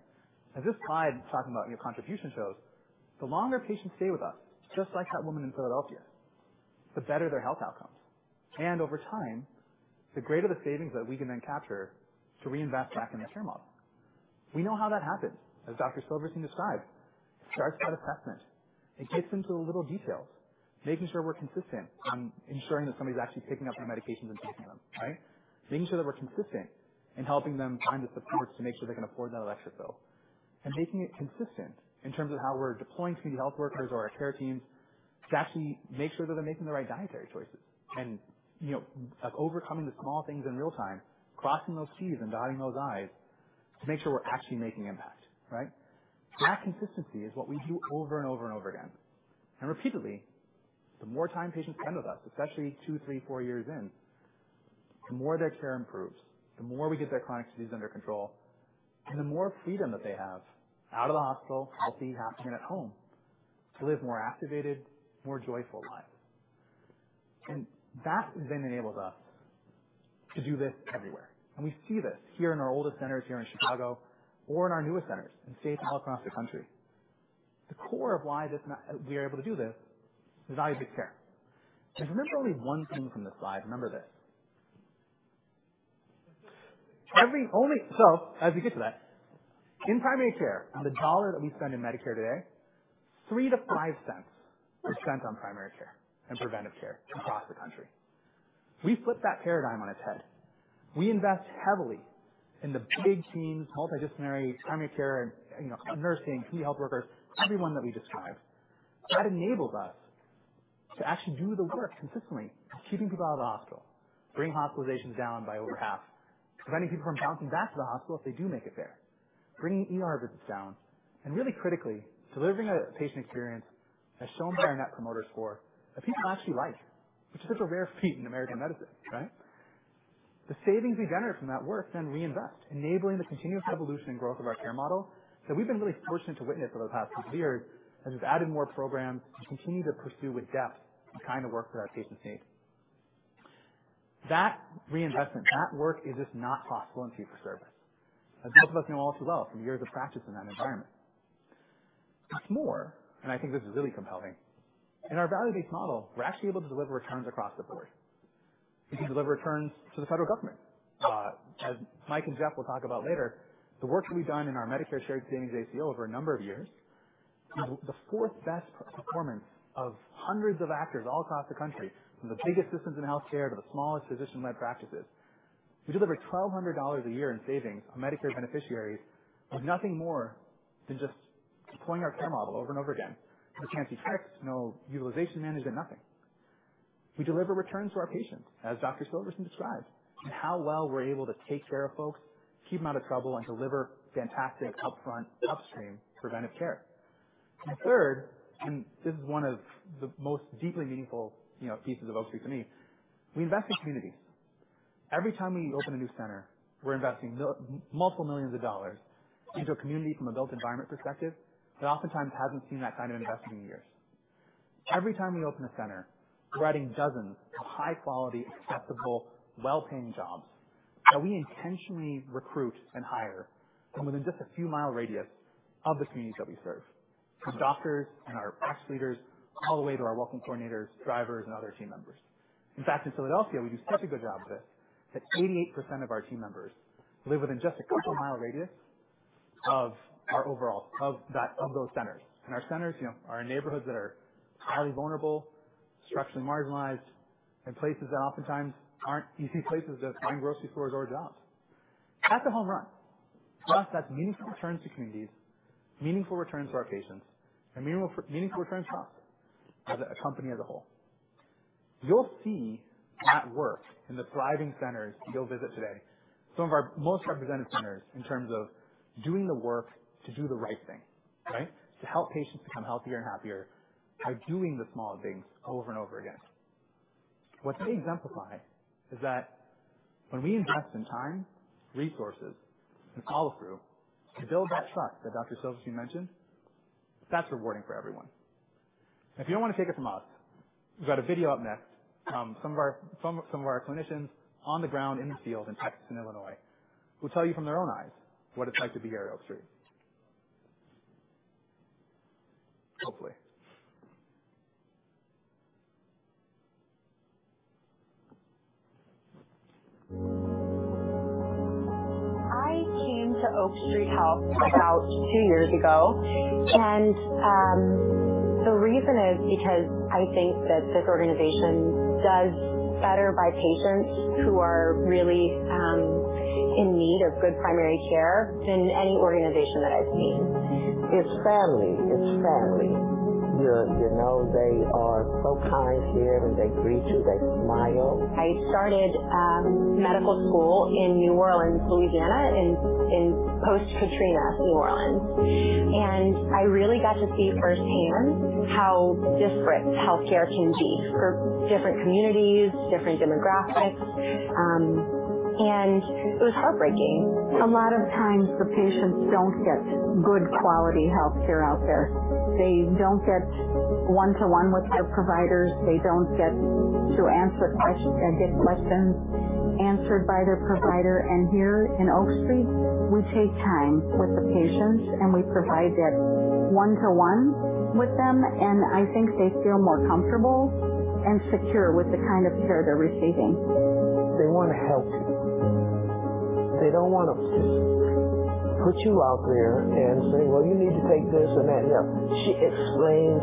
B: As this slide talking about your contribution shows, the longer patients stay with us, just like that woman in Philadelphia, the better their health outcomes. Over time, the greater the savings that we can then capture to reinvest back in this care model. We know how that happens, as Dr. Silverstein described. It starts with assessment. It gets into the little details, making sure we're consistent on ensuring that somebody's actually picking up their medications and taking them, right? Making sure that we're consistent in helping them find the supports to make sure they can afford that electric bill. Making it consistent in terms of how we're deploying community health workers or our care teams to actually make sure that they're making the right dietary choices. You know, like overcoming the small things in real-time, crossing those T's and dotting those I's to make sure we're actually making impact, right? That consistency is what we do over and over and over again. Repeatedly, the more time patients spend with us, especially two, three, four years in, the more their care improves, the more we get their chronic diseases under control, and the more freedom that they have out of the hospital, healthy, happy, and at home to live more activated, more joyful lives. That then enables us to do this everywhere. We see this here in our oldest centers here in Chicago or in our newest centers in states all across the country. The core of why this we are able to do this is value-based care. If you remember only one thing from this slide, remember this. Every only. As we get to that, in primary care, on the dollar that we spend in Medicare today, $3 cents-$5 cents are spent on primary care and preventive care across the country. We flip that paradigm on its head. We invest heavily in the big teams, health educators, primary care, you know, nursing, community health workers, everyone that we described. That enables us to actually do the work consistently, keeping people out of the hospital, bringing hospitalizations down by over half, preventing people from bouncing back to the hospital if they do make it there, bringing ER visits down, and really critically, delivering a patient experience, as shown by our Net Promoter Score, that people actually like, which is such a rare feat in American medicine, right? The savings we generate from that work then reinvest, enabling the continuous evolution and growth of our care model that we've been really fortunate to witness over the past few years as we've added more programs to continue to pursue with depth the kind of work that our patients need. That reinvestment, that work is just not possible in fee-for-service, as most of us know all too well from years of practice in that environment. What's more, and I think this is really compelling, in our value-based model, we're actually able to deliver returns across the board. We can deliver returns to the federal government. As Mike and Geoff will talk about later, the work that we've done in our Medicare Shared Savings ACO over a number of years is the fourth best performance of hundreds of ACOs all across the country, from the biggest systems in healthcare to the smallest physician-led practices. We deliver $1,200 a year in savings on Medicare beneficiaries with nothing more than just deploying our care model over and over again. No fancy tricks, no utilization management, nothing. We deliver returns to our patients, as Dr. Silverstein described, in how well we're able to take care of folks, keep them out of trouble, and deliver fantastic upfront, upstream preventive care. Third, and this is one of the most deeply meaningful, you know, pieces of Oak Street for me, we invest in communities. Every time we open a new center, we're investing $ multiple millions into a community from a built environment perspective that oftentimes hasn't seen that kind of investment in years. Every time we open a center, we're adding dozens of high-quality, accessible, well-paying jobs that we intentionally recruit and hire from within just a few mile radius of the communities that we serve, from doctors and our practice leaders all the way to our Welcome Coordinators, drivers, and other team members. In fact, in Philadelphia, we do such a good job of this that 88% of our team members live within just a couple mile radius of those centers. Our centers, you know, are in neighborhoods that are highly vulnerable, structurally marginalized, and places that oftentimes aren't easy places to find grocery stores or jobs. That's a home run. To us, that's meaningful returns to communities, meaningful returns to our patients, and meaningful returns to us as a company as a whole. You'll see at work in the thriving centers you'll visit today some of our most represented centers in terms of doing the work to do the right thing, right? To help patients become healthier and happier by doing the small things over and over again. What they exemplify is that when we invest in time, resources, and follow-through to build that trust that Dr. Silverstein mentioned, that's rewarding for everyone. If you don't want to take it from us, we've got a video up next from some of our clinicians on the ground in the field in Texas and Illinois, who tell you from their own eyes what it's like to be Oak Street. Hopefully.
D: I came to Oak Street Health about two years ago. The reason is because I think that this organization does better by patients who are really in need of good primary care than any organization that I've seen. It's family. You know, they are so kind here, when they greet you, they smile. I started medical school in New Orleans, Louisiana, in post-Katrina New Orleans. I really got to see firsthand how different healthcare can be for different communities, different demographics, and it was heartbreaking. A lot of times, the patients don't get good quality health care out there. They don't get one-to-one with their providers. They don't get questions answered by their provider. Here in Oak Street, we take time with the patients, and we provide it one-to-one with them. I think they feel more comfortable and secure with the kind of care they're receiving. They wanna help you. They don't wanna just put you out there and say, "Well, you need to take this and that and the other." She explains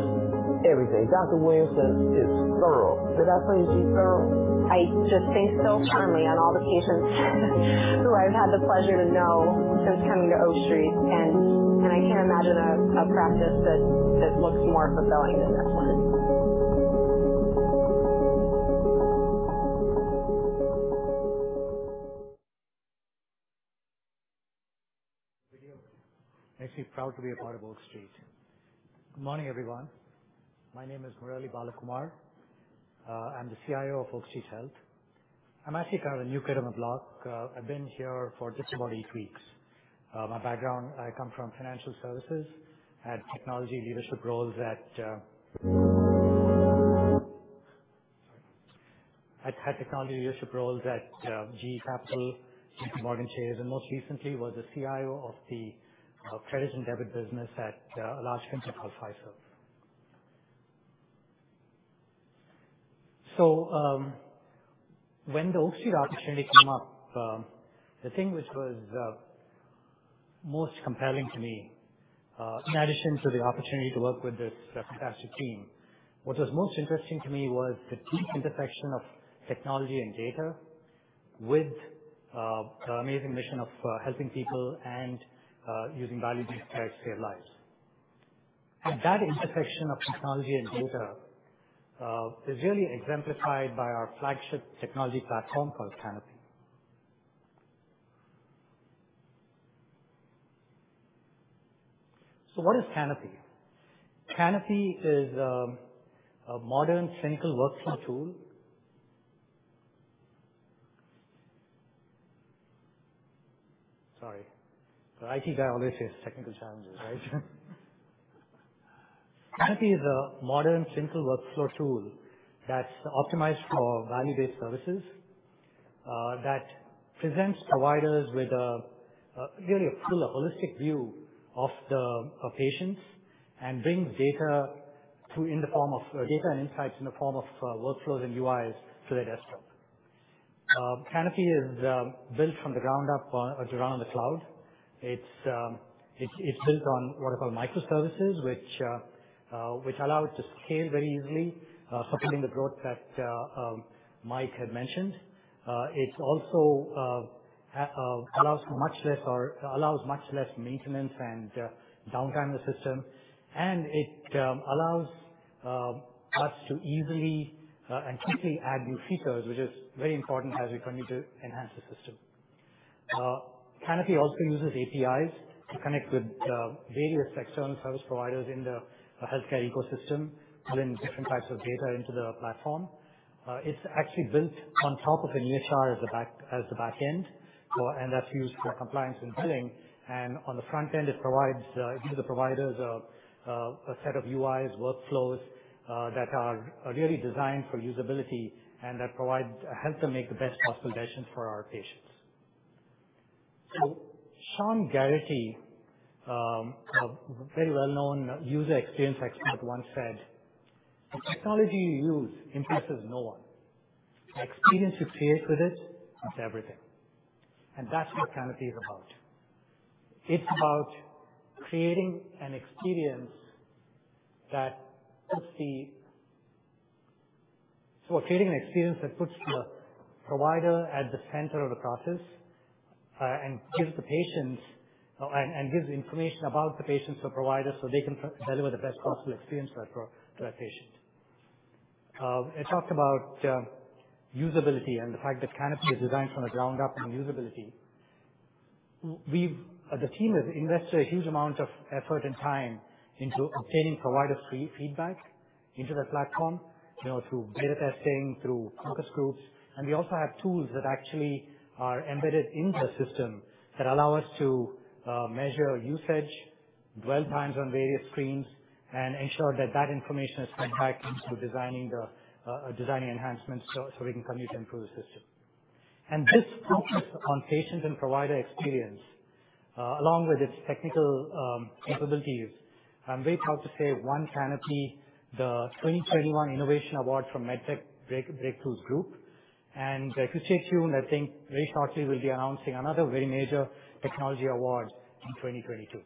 D: everything. Tuwanda Williamson is thorough. Did I say she's thorough? I just stay so firmly on all the patients who I've had the pleasure to know since coming to Oak Street, and I can't imagine a practice that looks more fulfilling than this one.
E: Video makes me proud to be a part of Oak Street. Good morning, everyone. My name is Murali Balakumar. I'm the CIO of Oak Street Health. I'm actually kind of a new kid on the block. I've been here for just about eight weeks. My background, I come from financial services. I've had technology leadership roles at GE Capital, JPMorgan Chase, and most recently was the CIO of the credits and debit business at a large firm called Fiserv. When the Oak Street opportunity came up, the thing which was most compelling to me, in addition to the opportunity to work with this fantastic team, what was most interesting to me was the deep intersection of technology and data with the amazing mission of helping people and using value-based care to scale lives. That intersection of technology and data is really exemplified by our flagship technology platform called Canopy. What is Canopy? Canopy is a modern clinical workflow tool. Sorry. The IT guy always has technical challenges, right? Canopy is a modern clinical workflow tool that's optimized for value-based services that presents providers with a really full holistic view of the patients and brings data through in the form of data and insights in the form of workflows and UIs to their desktop. Canopy is built from the ground up to run on the cloud. It builds on what are called microservices, which allow it to scale very easily, supporting the growth that Mike had mentioned. It also allows much less maintenance and downtime in the system, and it allows us to easily and quickly add new features, which is very important as we continue to enhance the system. Canopy also uses APIs to connect with various external service providers in the healthcare ecosystem to bring different types of data into the platform. It's actually built on top of an EHR as the back end, and that's used for compliance and billing. On the front end, it gives the providers a set of UIs, workflows that are really designed for usability and help them make the best possible decisions for our patients. Sean Gerety, a very well-known user experience expert, once said, "The technology you use impresses no one. The experience you create with it, that's everything." That's what Canopy is about. It's about creating an experience that puts the Creating an experience that puts the provider at the center of the process and gives the information about the patients to providers so they can deliver the best possible experience for that patient. I talked about usability and the fact that Canopy is designed from the ground up in usability. We've, as a team, have invested a huge amount of effort and time into obtaining provider feedback into the platform, you know, through beta testing, through focus groups. We also have tools that actually are embedded into the system that allow us to measure usage, dwell times on various screens, and ensure that information is fed back into designing enhancements so we can continue to improve the system. This focus on patients and provider experience, along with its technical capabilities, we're proud to say won Canopy the 2021 Innovation Award from MedTech Breakthrough. If you stay tuned, I think very shortly we'll be announcing another very major technology award in 2022.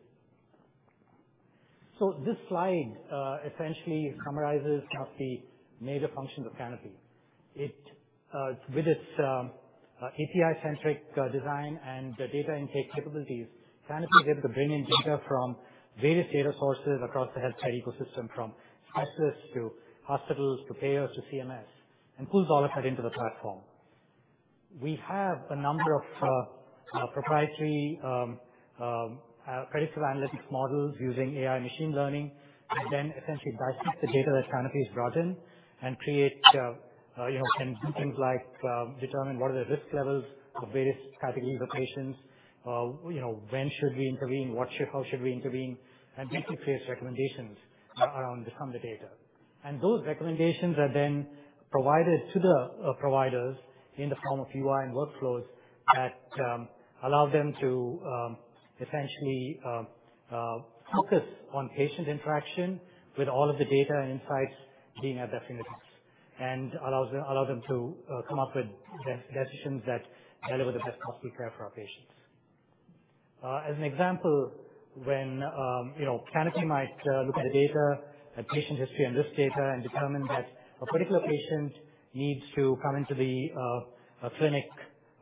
E: This slide essentially summarizes the major functions of Canopy. It, with its API-centric design and data intake capabilities, Canopy is able to bring in data from various data sources across the healthcare ecosystem, from EHRs to hospitals to payers to CMS, and pulls all of that into the platform. We have a number of proprietary predictive analytics models using AI machine learning that then essentially dissects the data that Canopy's brought in and create, you know, can do things like determine what are the risk levels of various categories of patients, you know, when should we intervene, how should we intervene, and basically creates recommendations around some of the data. Those recommendations are then provided to the providers in the form of UI and workflows that allow them to essentially focus on patient interaction with all of the data and insights being at their fingertips and allows them to come up with decisions that deliver the best possible care for our patients. As an example, when you know, Canopy might look at the data, a patient history and risk data, and determine that a particular patient needs to come into the clinic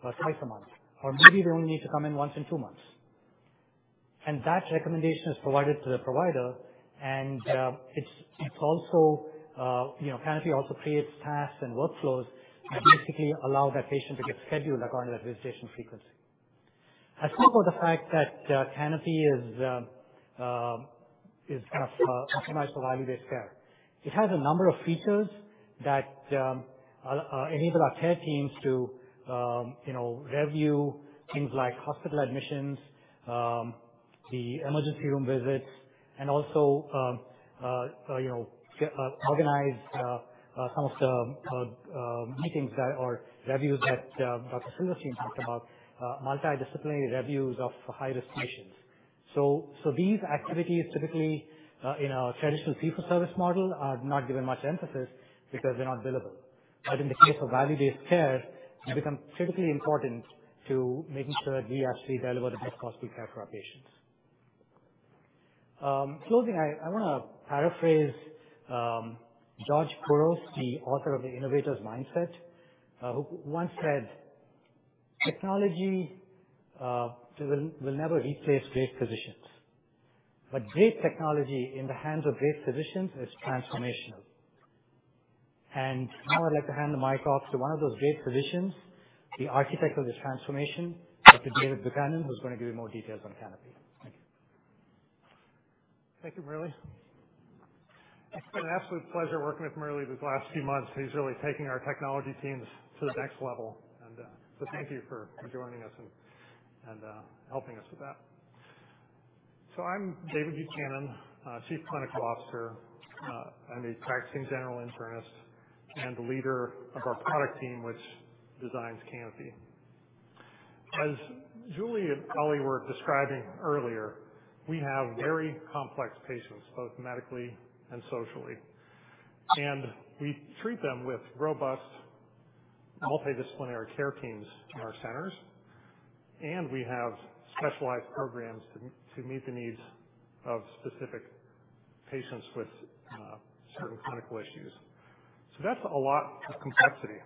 E: twice a month, or maybe they only need to come in once in two months. That recommendation is provided to the provider, and it's also you know, Canopy also creates tasks and workflows that basically allow that patient to get scheduled according to that visitation frequency. I spoke about the fact that Canopy is kind of optimized for value-based care. It has a number of features that enable our care teams to, you know, review things like hospital admissions, the emergency room visits, and also, you know, organize some of the meetings that are reviews that Dr. Silverstein talked about, multidisciplinary reviews of high-risk patients. These activities typically in a traditional fee-for-service model are not given much emphasis because they're not billable. In the case of value-based care, they become critically important to making sure we actually deliver the best possible care for our patients. Closing, I wanna paraphrase George Couros, the author of The Innovator's Mindset, who once said, "Technology will never replace great physicians, but great technology in the hands of great physicians is transformational." Now I'd like to hand the mic off to one of those great physicians, the architect of this transformation, Dr. David Buchanan, who's gonna give you more details on Canopy. Thank you.
F: Thank you, Murali. It's been an absolute pleasure working with Murali these last few months. He's really taking our technology teams to the next level. Thank you for joining us and helping us with that. I'm David Buchanan, Chief Clinical Officer. I'm a practicing general internist and the leader of our product team, which designs Canopy. As Julie and Ellie were describing earlier, we have very complex patients, both medically and socially. We treat them with robust multidisciplinary care teams in our centers, and we have specialized programs to meet the needs of specific patients with certain clinical issues. That's a lot of complexity.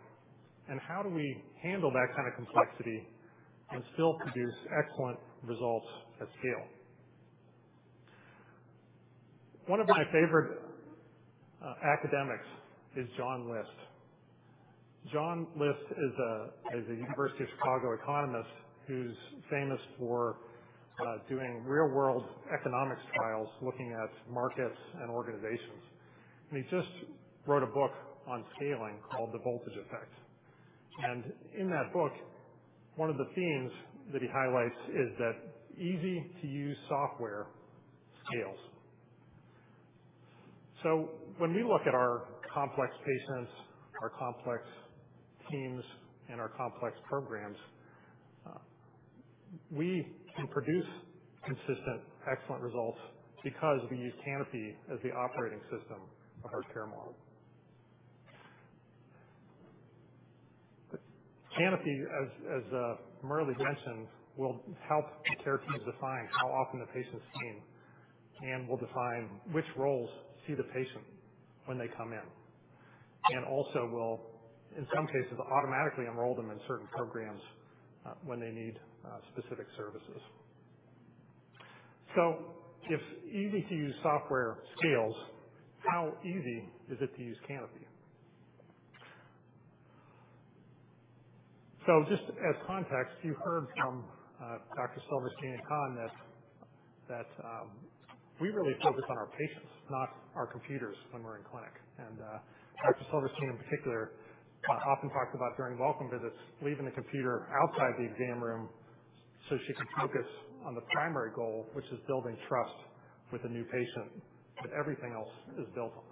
F: How do we handle that kind of complexity and still produce excellent results at scale? One of my favorite academics is John List. John A. List is a University of Chicago economist who's famous for doing real-world economics trials, looking at markets and organizations. He just wrote a book on scaling called The Voltage Effect. In that book, one of the themes that he highlights is that easy-to-use software scales. When we look at our complex patients, our complex teams, and our complex programs, we can produce consistent, excellent results because we use Canopy as the operating system of our care model. Canopy, as Murali mentioned, will help care teams define how often the patient is seen and will define which roles see the patient when they come in and also will, in some cases, automatically enroll them in certain programs when they need specific services. If easy-to-use software scales, how easy is it to use Canopy? Just as context, you heard from Dr. Silverstein and Dr. Khan that we really focus on our patients, not our computers when we're in clinic. Dr. Silverstein in particular often talks about during welcome visits, leaving the computer outside the exam room so she can focus on the primary goal, which is building trust with a new patient that everything else is built on.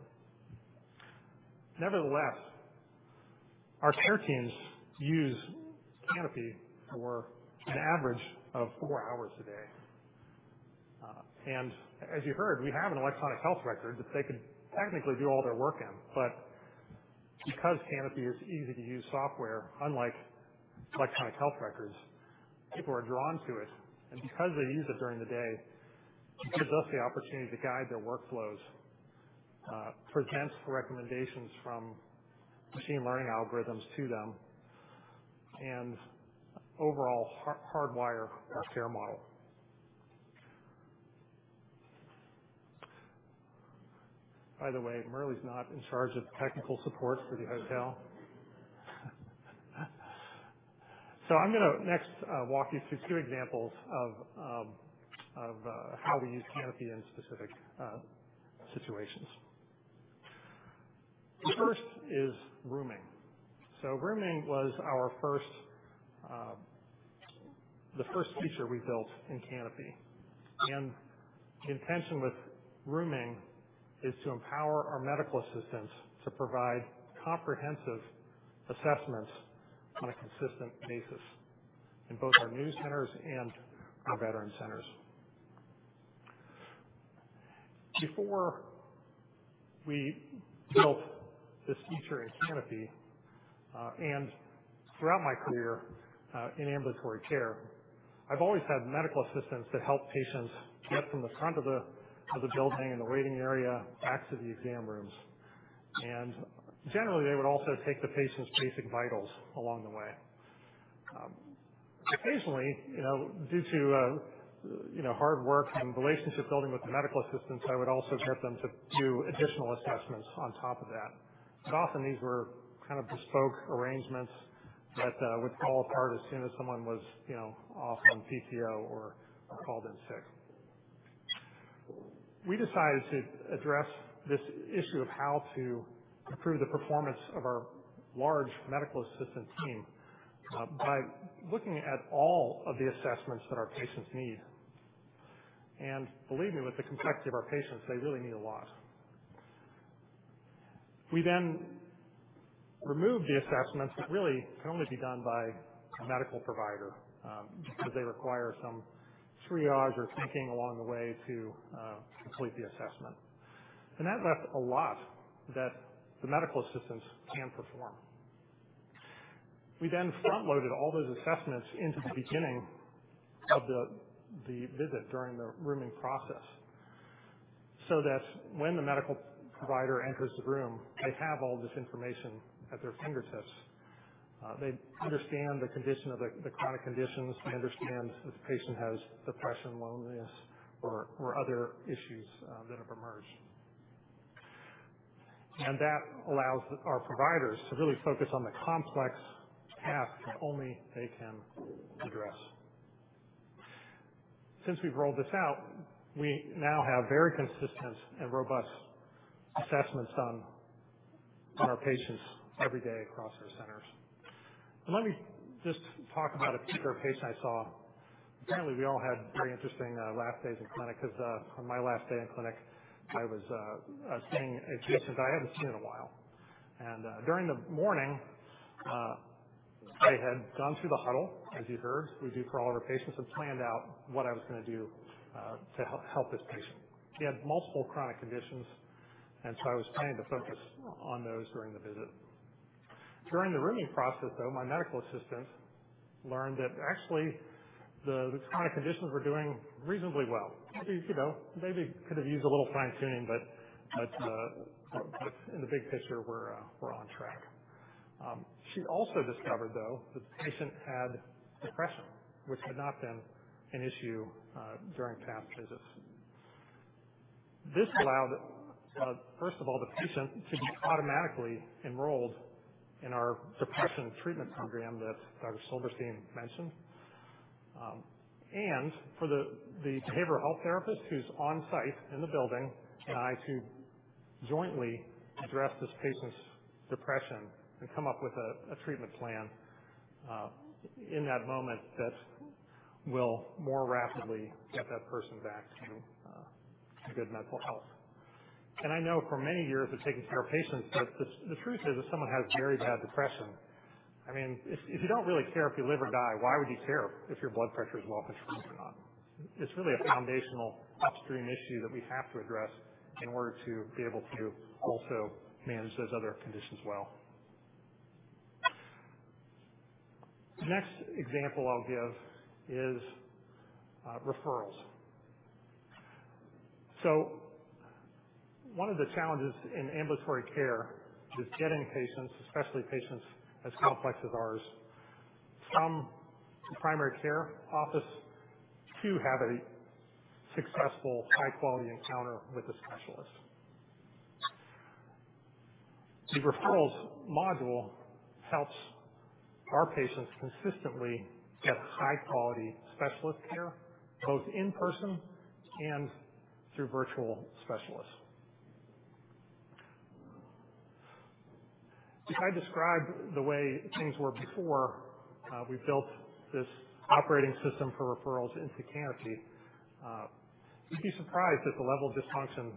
F: Nevertheless, our care teams use Canopy for an average of four hours a day. As you heard, we have an electronic health record that they could technically do all their work in, but because Canopy is easy-to-use software, unlike electronic health records, people are drawn to it. Because they use it during the day, it gives us the opportunity to guide their workflows, present recommendations from machine learning algorithms to them and overall hardwire our care model. By the way, Merle's not in charge of technical support for the hotel. I'm gonna next walk you through two examples of how we use Canopy in specific situations. The first is rooming. Rooming was our first feature we built in Canopy. The intention with rooming is to empower our medical assistants to provide comprehensive assessments on a consistent basis in both our new centers and our veteran centers. Before we built this feature in Canopy, and throughout my career in ambulatory care, I've always had medical assistants that help patients get from the front of the building in the waiting area back to the exam rooms. Generally, they would also take the patient's basic vitals along the way. Occasionally, you know, due to you know, hard work and relationship building with the medical assistants, I would also get them to do additional assessments on top of that. Often these were kind of bespoke arrangements that would fall apart as soon as someone was, you know, off on PTO or called in sick. We decided to address this issue of how to improve the performance of our large medical assistant team by looking at all of the assessments that our patients need. Believe me, with the complexity of our patients, they really need a lot. We then removed the assessments that really can only be done by a medical provider, because they require some triage or thinking along the way to complete the assessment. That left a lot that the medical assistants can perform. We then front-loaded all those assessments into the beginning of the visit during the rooming process, so that when the medical provider enters the room, they have all this information at their fingertips. They understand the condition of the chronic conditions. They understand if the patient has depression, loneliness, or other issues that have emerged. That allows our providers to really focus on the complex tasks that only they can address. Since we've rolled this out, we now have very consistent and robust assessments on our patients every day across our centers. Let me just talk about a particular patient I saw. Apparently, we all had very interesting last days in clinic 'cause on my last day in clinic, I was seeing a patient I hadn't seen in a while. During the morning, I had gone through the huddle, as you heard, we do it for all of our patients, and planned out what I was gonna do to help this patient. He had multiple chronic conditions, and so I was planning to focus on those during the visit. During the rooming process, though, my medical assistant learned that actually his chronic conditions were doing reasonably well. You know, maybe could have used a little fine-tuning, but in the big picture, we're on track. She also discovered, though, that the patient had depression, which had not been an issue during past visits. This allowed, first of all, the patient to be automatically enrolled in our depression treatment program that Dr. Silverstein mentioned. For the behavioral health therapist who's on-site in the building and I to jointly address this patient's depression and come up with a treatment plan in that moment that will more rapidly get that person back to good medical health. I know for many years of taking care of patients that the truth is, if someone has very bad depression, I mean, if you don't really care if you live or die, why would you care if your blood pressure is well controlled or not? It's really a foundational upstream issue that we have to address in order to be able to also manage those other conditions well. The next example I'll give is referrals. One of the challenges in ambulatory care is getting patients, especially patients as complex as ours, from the primary care office to have a successful high-quality encounter with a specialist. The referrals module helps our patients consistently get high-quality specialist care, both in person and through virtual specialists. If I describe the way things were before we built this operating system for referrals into Canopy, you'd be surprised at the level of dysfunction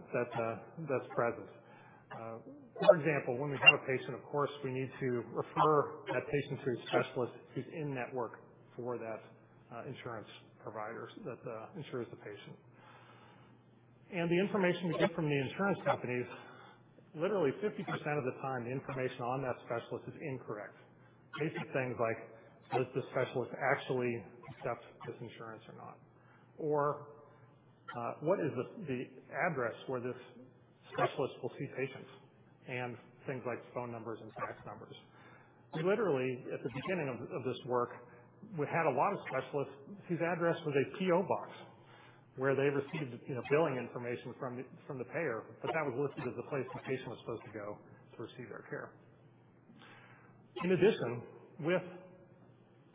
F: that's present. For example, when we have a patient, of course, we need to refer that patient to a specialist who's in-network for that insurance provider that insures the patient. The information we get from the insurance companies, literally 50% of the time, the information on that specialist is incorrect. Basic things like, does this specialist actually accept this insurance or not? Or, what is the address where this specialist will see patients, and things like phone numbers and fax numbers. Literally, at the beginning of this work, we had a lot of specialists whose address was a P.O. Box where they received billing information from the payer, but that was listed as the place the patient was supposed to go to receive their care. In addition, with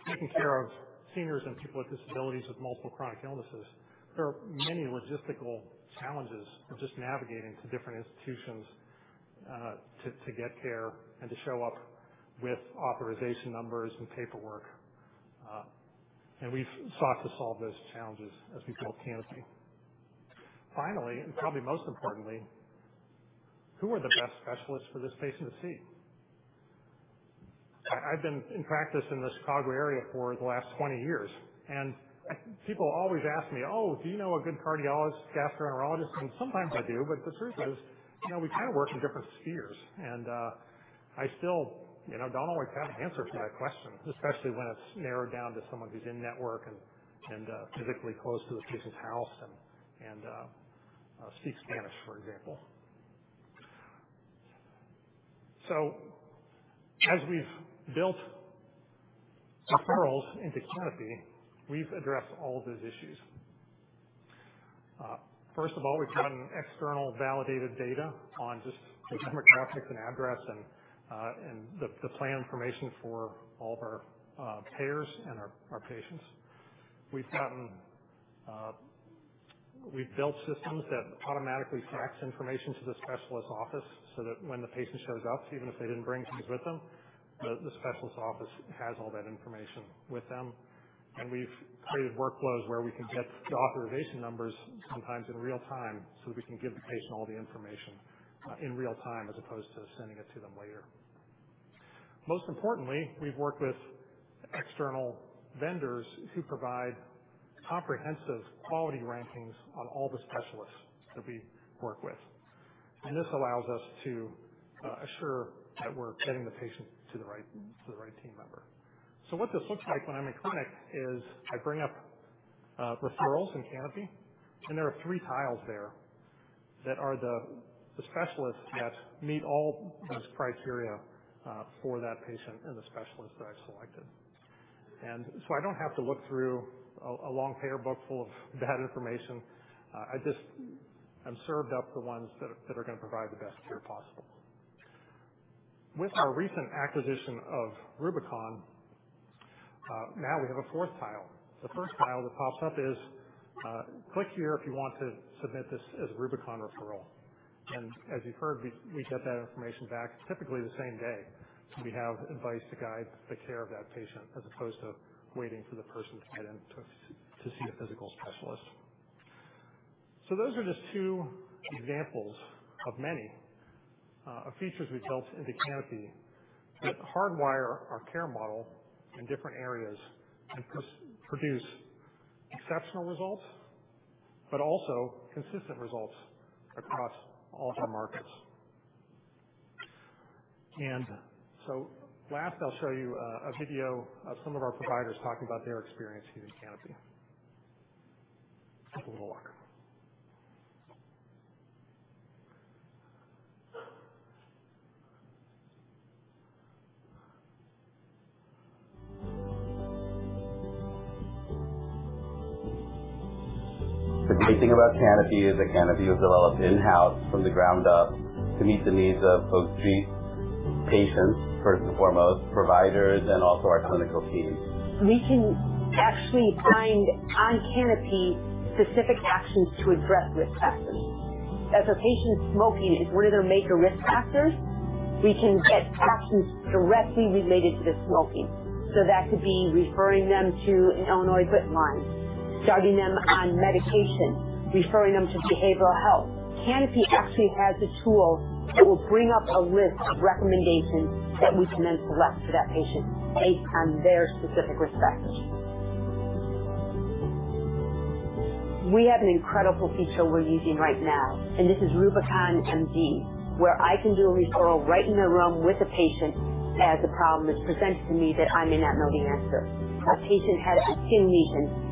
F: taking care of seniors and people with disabilities with multiple chronic illnesses, there are many logistical challenges of just navigating to different institutions to get care and to show up with authorization numbers and paperwork. We've sought to solve those challenges as we build Canopy. Finally, and probably most importantly, who are the best specialists for this patient to see? I've been in practice in the Chicago area for the last 20 years, and people always ask me, "Oh, do you know a good cardiologist, gastroenterologist?" Sometimes I do. The truth is, you know, we kinda work in different spheres. I still, you know, don't always have an answer to that question, especially when it's narrowed down to someone who's in-network and physically close to this patient's house and speaks Spanish, for example. As we've built referrals into Canopy, we've addressed all of those issues. We've gotten externally validated data on just demographics and address and the plan information for all of our payers and our patients. We've built systems that automatically fax information to the specialist office so that when the patient shows up, even if they didn't bring things with them, the specialist office has all that information with them. We've created workflows where we can get the authorization numbers sometimes in real time, so we can give the patient all the information in real time, as opposed to sending it to them later. Most importantly, we've worked with external vendors who provide comprehensive quality rankings on all the specialists that we work with. This allows us to assure that we're getting the patient to the right team member. What this looks like when I'm in clinic is I bring up referrals in Canopy, and there are three tiles there that are the specialists that meet all those criteria for that patient and the specialist that I've selected. I don't have to look through a long payer book full of bad information. I just am served up the ones that are gonna provide the best care possible. With our recent acquisition of Rubicon, now we have a fourth tile. The first tile that pops up is, "Click here if you want to submit this as a Rubicon referral." As you've heard, we get that information back typically the same day. We have advice to guide the care of that patient as opposed to waiting for the person to get in to see a specialist. Those are just two examples of many features we've built into Canopy that hardwire our care model in different areas and produce exceptional results, but also consistent results across all of our markets. Last, I'll show you a video of some of our providers talking about their experience using Canopy. Couple more.
D: The great thing about Canopy is that Canopy was developed in-house from the ground up to meet the needs of treating patients first and foremost, providers, and also our clinical teams. We can actually find on Canopy specific actions to address risk factors. As a patient's smoking is one of their major risk factors, we can get actions directly related to the smoking. That could be referring them to an Illinois Quitline, starting them on medication, referring them to behavioral health. Canopy actually has a tool that will bring up a list of recommendations that we can then select for that patient based on their specific risk factors. We have an incredible feature we're using right now, and this is RubiconMD, where I can do a referral right in the room with a patient as a problem is presented to me that I may not know the answer. A patient had a skin lesion.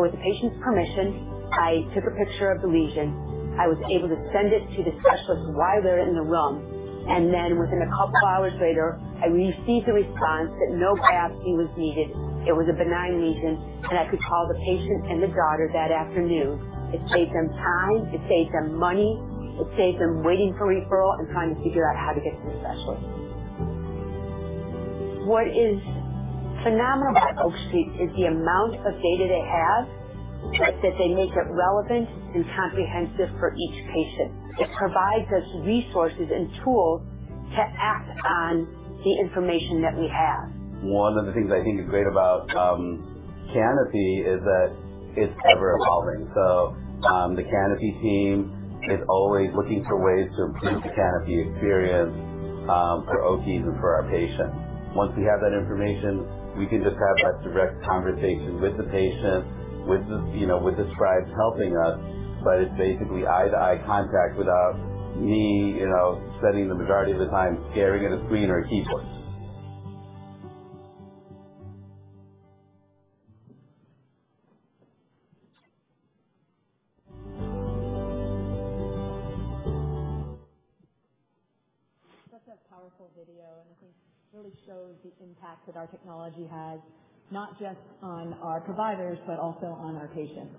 D: With the patient's permission, I took a picture of the lesion. I was able to send it to the specialist while they're in the room. Within a couple of hours later, I received a response that no biopsy was needed. It was a benign lesion, and I could call the patient and the daughter that afternoon. It saved them time. It saved them money. It saved them waiting for referral and trying to figure out how to get to the specialist. What is phenomenal about Oak Street is the amount of data they have, but that they make it relevant and comprehensive for each patient. It provides us resources and tools to act on the information that we have. One of the things I think is great about Canopy is that it's ever-evolving. The Canopy team is always looking for ways to improve the Canopy experience for Oakies and for our patients. Once we have that information, we can just have that direct conversation with the patient, with the, you know, with the scribes helping us. It's basically eye-to-eye contact without me, you know, spending the majority of the time staring at a screen or a keyboard.
G: Such a powerful video, and I think really shows the impact that our technology has, not just on our providers, but also on our patients.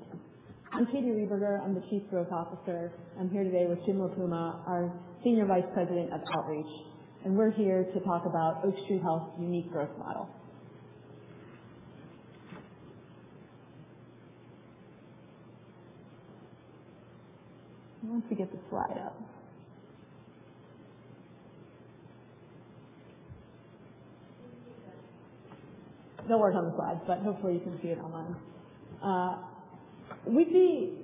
G: I'm Katie Rehberger. I'm the Chief Growth Officer. I'm here today with Jim Lipuma, our Senior Vice President of Outreach, and we're here to talk about Oak Street Health's unique growth model. Once we get the slide up. No words on the slide, but hopefully, you can see it online. We'd be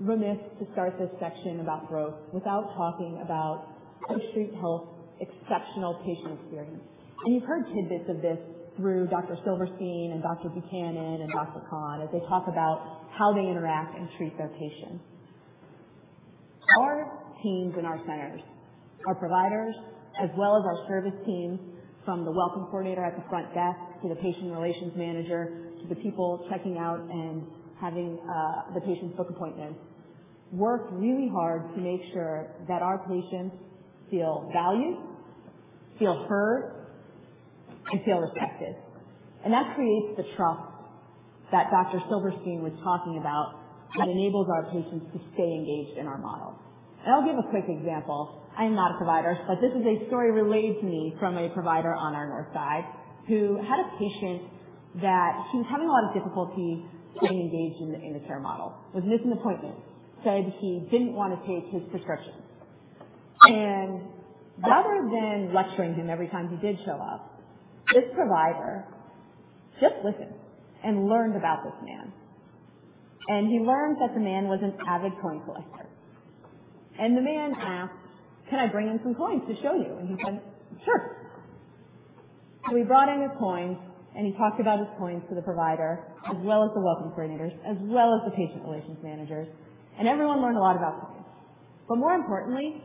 G: remiss to start this section about growth without talking about Oak Street Health's exceptional patient experience. You've heard tidbits of this through Dr. Silverstein and Dr. Buchanan and Dr. Khan as they talk about how they interact and treat their patients. Our teams and our centers, our providers, as well as our service team, from the Welcome Coordinator at the front desk to the patient relations manager, to the people checking out and having the patients book appointments, work really hard to make sure that our patients feel valued, feel heard, and feel respected. That creates the trust that Dr. Silverstein was talking about that enables our patients to stay engaged in our model. I'll give a quick example. I am not a provider, but this is a story relayed to me from a provider on our north side who had a patient that he was having a lot of difficulty getting engaged in the in-chair model, was missing appointments, said he didn't want to take his prescriptions. Rather than lecturing him every time he did show up, this provider just listened and learned about this man. He learned that the man was an avid coin collector. The man asked, "Can I bring in some coins to show you?" He said, "Sure." He brought in his coins, and he talked about his coins to the provider, as well as the Welcome Coordinators, as well as the patient relations managers. Everyone learned a lot about coins. More importantly,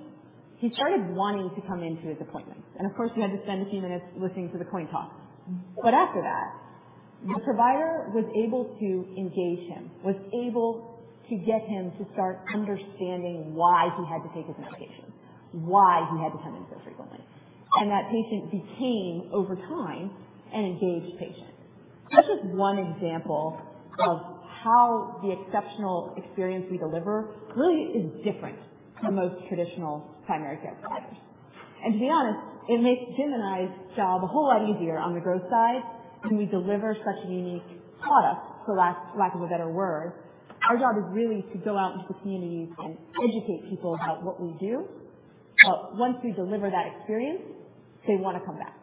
G: he started wanting to come into his appointments. Of course, we had to spend a few minutes listening to the coin talk. After that, the provider was able to engage him, was able to get him to start understanding why he had to take his medication, why he had to come in so frequently. That patient became, over time, an engaged patient. That's just one example of how the exceptional experience we deliver really is different from most traditional primary care providers. To be honest, it makes Jim and I's job a whole lot easier on the growth side when we deliver such a unique product, for lack of a better word. Our job is really to go out into the communities and educate people about what we do. Once we deliver that experience, they wanna come back.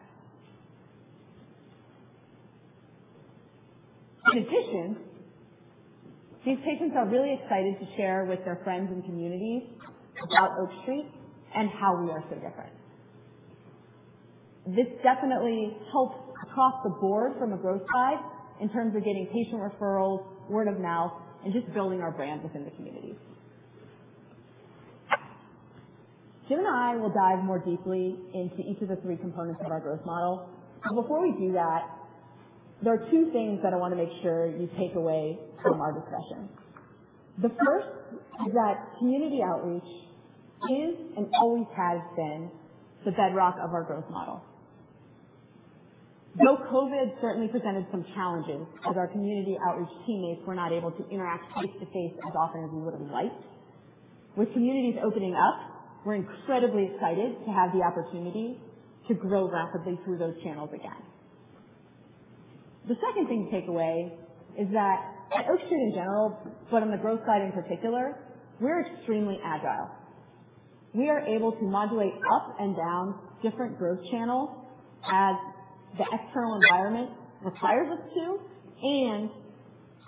G: In addition, these patients are really excited to share with their friends and communities about Oak Street and how we are so different. This definitely helps across the board from a growth side in terms of getting patient referrals, word of mouth, and just building our brand within the community. Jim and I will dive more deeply into each of the three components of our growth model. Before we do that, there are two things that I wanna make sure you take away from our discussion. The first is that community outreach is, and always has been, the bedrock of our growth model. Though COVID certainly presented some challenges, as our community outreach teammates were not able to interact face-to-face as often as we would have liked, with communities opening up, we're incredibly excited to have the opportunity to grow rapidly through those channels again. The second thing to take away is that at Oak Street in general, but on the growth side in particular, we're extremely agile. We are able to modulate up and down different growth channels as the external environment requires us to and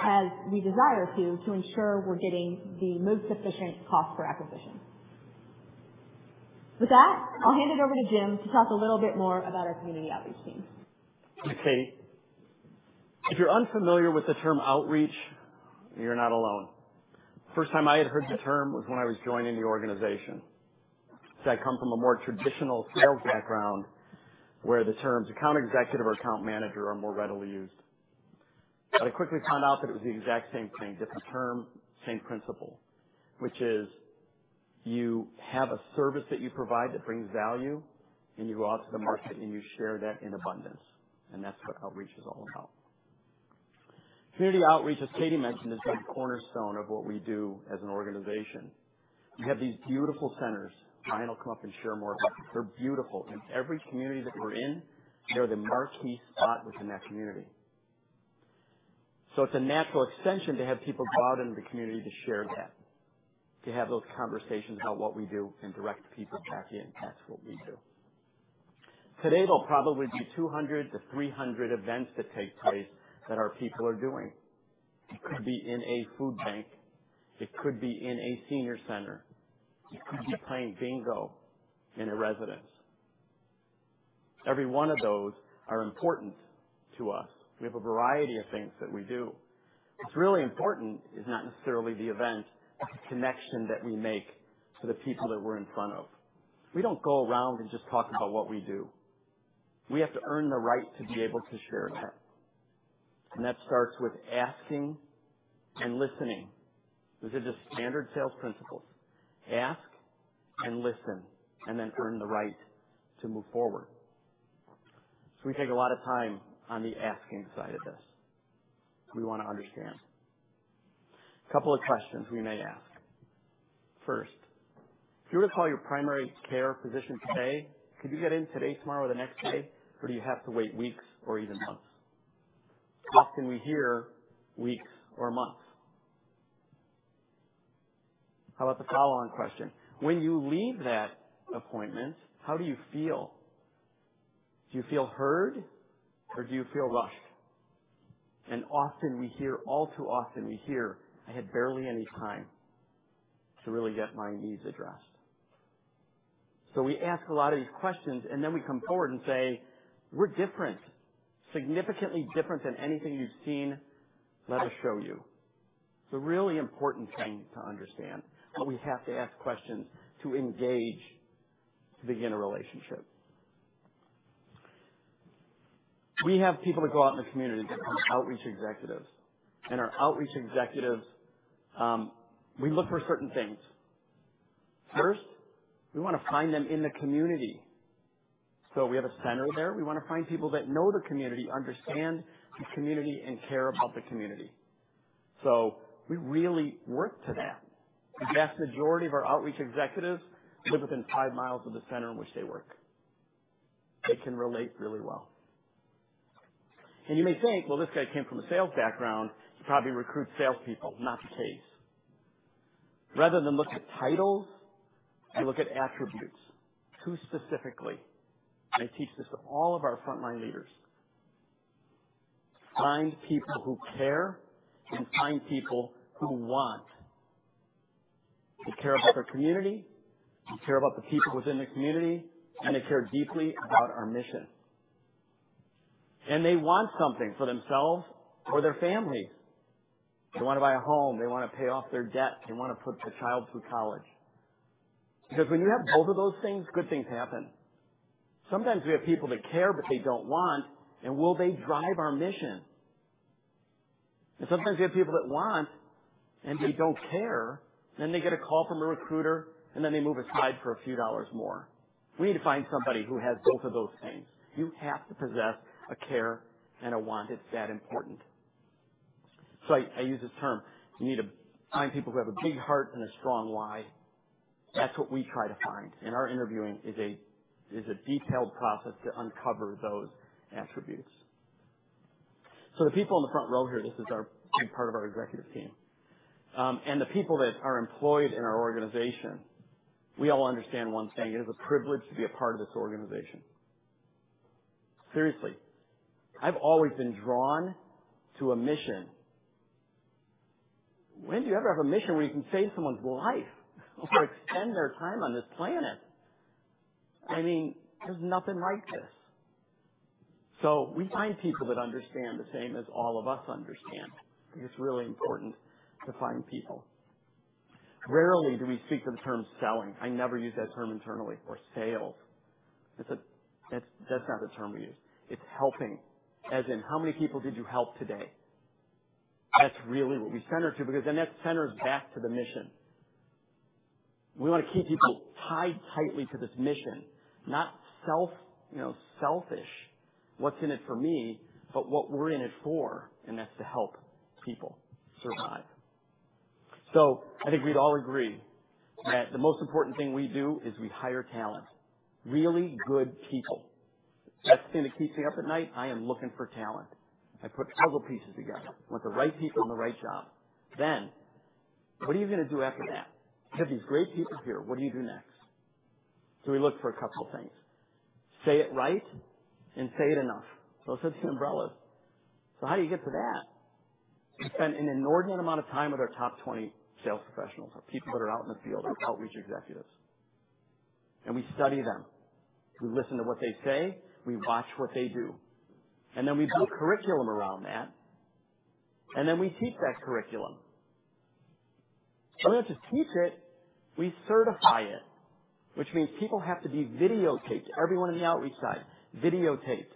G: as we desire to ensure we're getting the most efficient cost per acquisition. With that, I'll hand it over to Jim to talk a little bit more about our community outreach team.
H: Thanks, Katie. If you're unfamiliar with the term outreach, you're not alone. First time I had heard the term was when I was joining the organization. I come from a more traditional sales background where the terms account executive or account manager are more readily used. I quickly found out that it was the exact same thing, different term, same principle. Which is you have a service that you provide that brings value, and you go out to the market and you share that in abundance. That's what outreach is all about. Community outreach, as Katie mentioned, is the cornerstone of what we do as an organization. We have these beautiful centers. Brian will come up and share more, but they're beautiful. In every community that we're in, they're the marquee spot within that community. It's a natural extension to have people go out into the community to share that, to have those conversations about what we do and direct people back in. That's what we do. Today, there'll probably be 200-300 events that take place that our people are doing. It could be in a food bank, it could be in a senior center. It could be playing bingo in a residence. Every one of those are important to us. We have a variety of things that we do. What's really important is not necessarily the event, it's the connection that we make to the people that we're in front of. We don't go around and just talk about what we do. We have to earn the right to be able to share that. That starts with asking and listening. These are just standard sales principles. Ask and listen, and then earn the right to move forward. We take a lot of time on the asking side of this. We wanna understand. A couple of questions we may ask. First, if you were to call your primary care physician today, could you get in today, tomorrow, the next day? Or do you have to wait weeks or even months? Often we hear weeks or months. How about the follow-on question? When you leave that appointment, how do you feel? Do you feel heard or do you feel rushed? Often we hear, all too often we hear, "I had barely any time to really get my needs addressed." We ask a lot of these questions, and then we come forward and say, "We're different, significantly different than anything you've seen. Let us show you." It's a really important thing to understand that we have to ask questions to engage, to begin a relationship. We have people that go out in the community. They're called outreach executives. Our outreach executives, we look for certain things. First, we wanna find them in the community. We have a center there. We wanna find people that know the community, understand the community, and care about the community. We really work to that. The vast majority of our outreach executives live within five miles of the center in which they work. They can relate really well. You may think, "Well, this guy came from a sales background. He probably recruits salespeople." Not the case. Rather than look at titles, I look at attributes. Who specifically? I teach this to all of our frontline leaders. Find people who care and find people who want to care about their community, who care about the people within the community, and they care deeply about our mission. They want something for themselves or their families. They wanna buy a home, they wanna pay off their debt, they wanna put their child through college. Because when you have both of those things, good things happen. Sometimes we have people that care, but they don't want, and will they drive our mission? Sometimes we have people that want, and they don't care, then they get a call from a recruiter, and then they move aside for a few dollars more. We need to find somebody who has both of those things. You have to possess a care and a want. It's that important. I use this term, you need to find people who have a big heart and a strong why. That's what we try to find. Our interviewing is a detailed process to uncover those attributes. The people in the front row here, this is a big part of our executive team, and the people that are employed in our organization, we all understand one thing. It is a privilege to be a part of this organization. Seriously. I've always been drawn to a mission. When do you ever have a mission where you can save someone's life or extend their time on this planet? I mean, there's nothing like this. We find people that understand the same as all of us understand, and it's really important to find people. Rarely do we speak the term selling. I never use that term internally or sales. That's not the term we use. It's helping. As in how many people did you help today? That's really what we center to because then that centers back to the mission. We wanna keep people tied tightly to this mission, not self, you know, selfish, what's in it for me, but what we're in it for, and that's to help people survive. I think we'd all agree that the most important thing we do is we hire talent, really good people. That's gonna keep me up at night. I am looking for talent. I put puzzle pieces together. I want the right people in the right job. What are you gonna do after that? You have these great people here. What do you do next? We look for a couple things. Say it right and say it enough. Those are two umbrellas. How do you get to that? We spend an inordinate amount of time with our top 20 sales professionals or people that are out in the field, our outreach executives. We study them. We listen to what they say, we watch what they do, and then we build curriculum around that, and then we teach that curriculum. To teach it, we certify it, which means people have to be videotaped, everyone in the outreach side videotaped,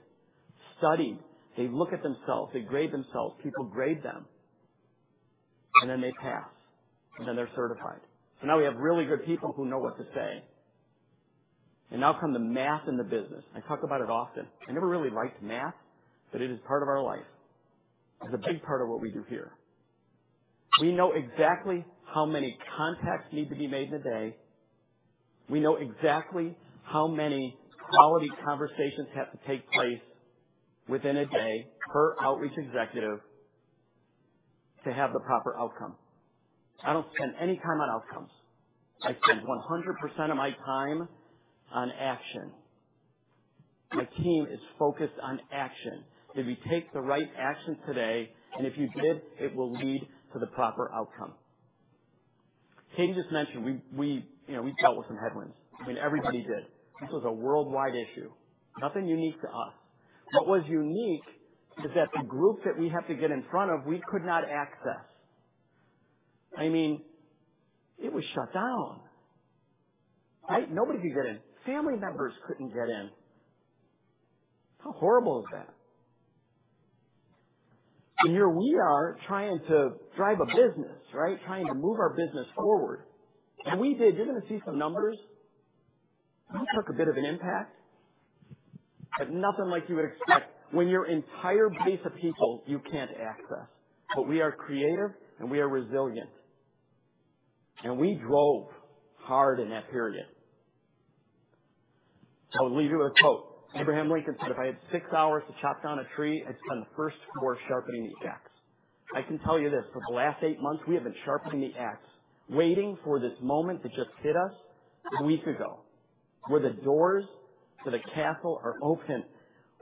H: studied. They look at themselves, they grade themselves, people grade them, and then they pass, and then they're certified. Now we have really good people who know what to say. Now come the math in the business. I talk about it often. I never really liked math, but it is part of our life. It's a big part of what we do here. We know exactly how many contacts need to be made in a day. We know exactly how many quality conversations have to take place within a day per outreach executive to have the proper outcome. I don't spend any time on outcomes. I spend 100% of my time on action. My team is focused on action. Did we take the right action today? If you did, it will lead to the proper outcome. Katie just mentioned, you know, we dealt with some headwinds. I mean, everybody did. This was a worldwide issue. Nothing unique to us. What was unique is that the group that we have to get in front of, we could not access. I mean, it was shut down, right? Nobody could get in. Family members couldn't get in. How horrible is that? Here we are trying to drive a business, right? Trying to move our business forward. We did. You're gonna see some numbers. We took a bit of an impact, but nothing like you would expect when your entire base of people you can't access. We are creative, and we are resilient, and we drove hard in that period. I'll leave you with a quote. Abraham Lincoln said, "If I had six hours to chop down a tree, I'd spend the first four sharpening the ax." I can tell you this, for the last eight months, we have been sharpening the ax, waiting for this moment to just hit us a week ago, where the doors to the castle are open.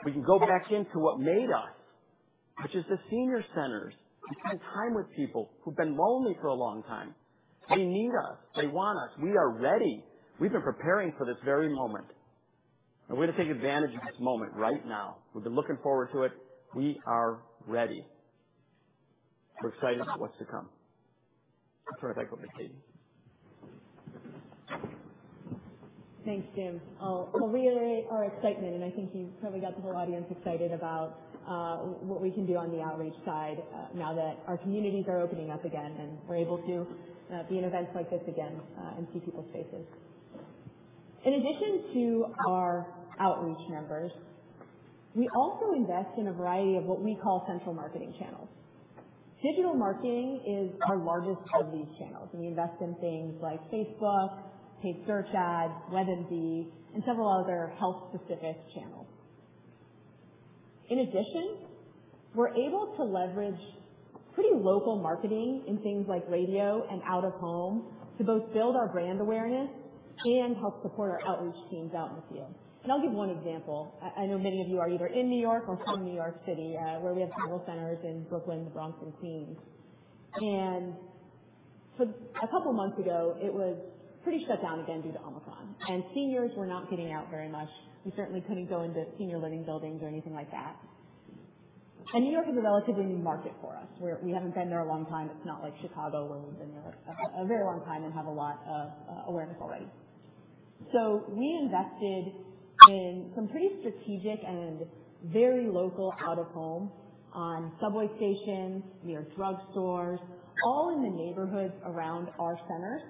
H: We can go back into what made us, which is the senior centers, and spend time with people who've been lonely for a long time. They need us. They want us. We are ready. We've been preparing for this very moment, and we're gonna take advantage of this moment right now. We've been looking forward to it. We are ready. We're excited for what's to come. Perfect. Over to Katie.
G: Thanks, Jim. I'll reiterate our excitement, and I think you probably got the whole audience excited about what we can do on the outreach side now that our communities are opening up again, and we're able to be in events like this again, and see people's faces. In addition to our outreach members, we also invest in a variety of what we call central marketing channels. Digital marketing is our largest of these channels. We invest in things like Facebook, paid search ads, WebMD, and several other health-specific channels. In addition, we're able to leverage pretty local marketing in things like radio and out of home to both build our brand awareness and help support our outreach teams out in the field. I'll give one example. I know many of you are either in New York or from New York City, where we have several centers in Brooklyn, the Bronx, and Queens. A couple months ago, it was pretty shut down again due to Omicron, and seniors were not getting out very much. We certainly couldn't go into senior living buildings or anything like that. New York is a relatively new market for us. We haven't been there a long time. It's not like Chicago, where we've been there a very long time and have a lot of awareness already. We invested in some pretty strategic and very local out of home on subway stations, near drugstores, all in the neighborhoods around our centers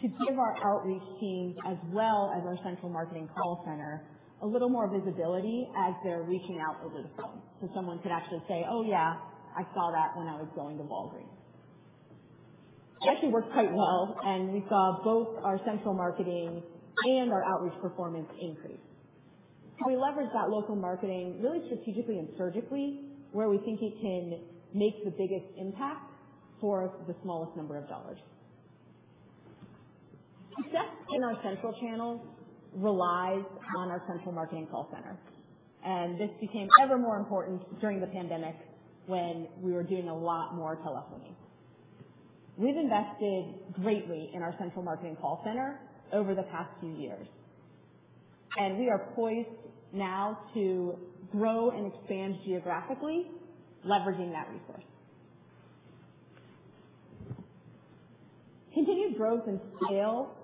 G: to give our outreach teams as well as our central marketing call center a little more visibility as they're reaching out over the phone. Someone could actually say, "Oh, yeah, I saw that when I was going to Walgreens." It actually worked quite well, and we saw both our central marketing and our outreach performance increase. We leverage that local marketing really strategically and surgically where we think it can make the biggest impact for the smallest number of dollars. Success in our central channels relies on our central marketing call center, and this became ever more important during the pandemic when we were doing a lot more telephony. We've invested greatly in our central marketing call center over the past few years, and we are poised now to grow and expand geographically, leveraging that resource. Continued growth and scale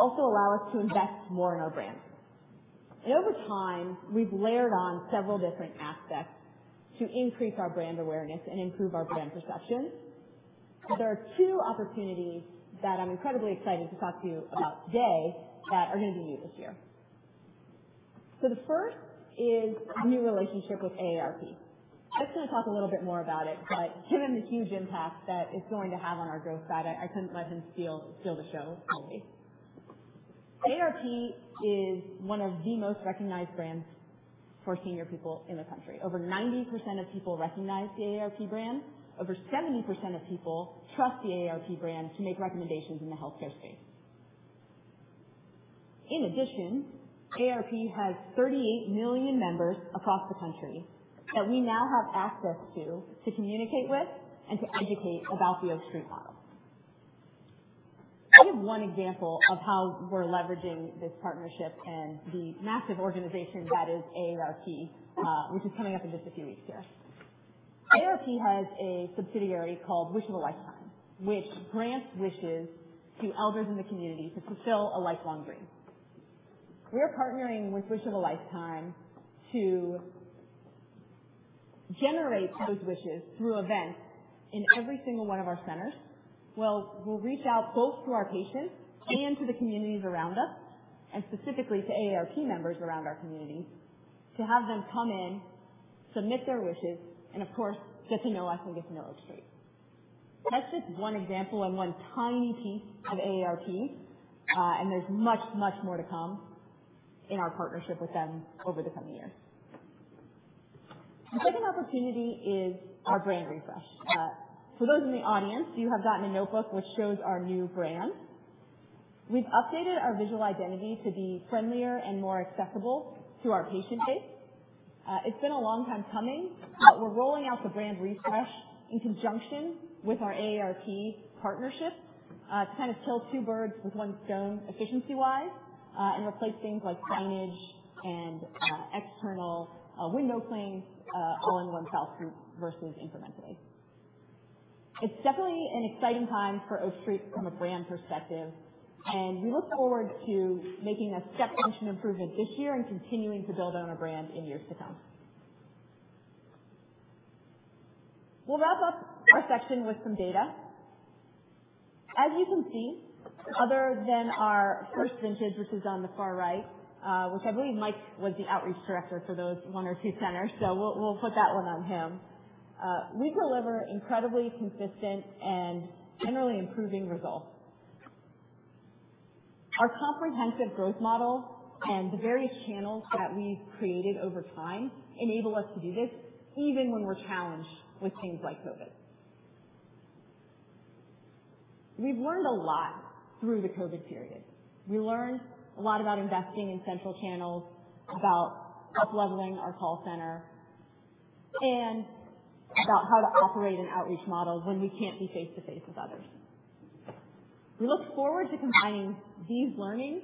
G: also allow us to invest more in our brand. Over time, we've layered on several different aspects to increase our brand awareness and improve our brand perception. There are two opportunities that I'm incredibly excited to talk to you about today that are gonna be new this year. The first is our new relationship with AARP. Jim's gonna talk a little bit more about it, but given the huge impact that it's going to have on our growth strategy, I couldn't let him steal the show totally. AARP is one of the most recognized brands for senior people in the country. Over 90% of people recognize the AARP brand. Over 70% of people trust the AARP brand to make recommendations in the healthcare space. In addition, AARP has 38 million members across the country that we now have access to communicate with and to educate about the Oak Street model. I have one example of how we're leveraging this partnership and the massive organization that is AARP, which is coming up in just a few weeks here. AARP has a subsidiary called Wish of a Lifetime, which grants wishes to elders in the community to fulfill a lifelong dream. We're partnering with Wish of a Lifetime to generate those wishes through events in every single one of our centers. We'll reach out both to our patients and to the communities around us, and specifically to AARP members around our communities, to have them come in, submit their wishes and of course, get to know us and get to know Oak Street. That's just one example and one tiny piece of AARP, and there's much, much more to come in our partnership with them over the coming years. The second opportunity is our brand refresh. For those in the audience, you have gotten a notebook which shows our new brand. We've updated our visual identity to be friendlier and more accessible to our patient base. It's been a long time coming, but we're rolling out the brand refresh in conjunction with our AARP partnership, to kind of kill two birds with one stone efficiency-wise, and replace things like signage and external window clings, all in one fell swoop versus incrementally. It's definitely an exciting time for Oak Street from a brand perspective, and we look forward to making a step-function improvement this year and continuing to build on our brand in years to come. We'll wrap up our section with some data. As you can see, other than our first vintage, which is on the far right, which I believe Mike was the outreach director for those one or two centers, so we'll put that one on him. We deliver incredibly consistent and generally improving results. Our comprehensive growth model and the various channels that we've created over time enable us to do this even when we're challenged with things like COVID. We've learned a lot through the COVID period. We learned a lot about investing in central channels, about upleveling our call center, and about how to operate an outreach model when we can't be face to face with others. We look forward to combining these learnings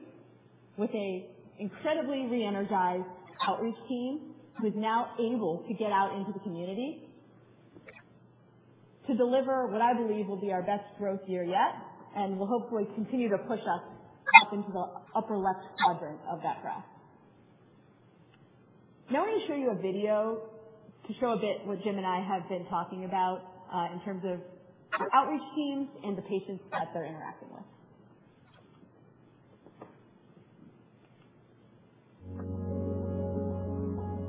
G: with a incredibly re-energized outreach team, who is now able to get out into the community to deliver what I believe will be our best growth year yet and will hopefully continue to push us up into the upper left quadrant of that graph. Now I'm gonna show you a video to show a bit what Jim and I have been talking about, in terms of the outreach teams and the patients that they're interacting with.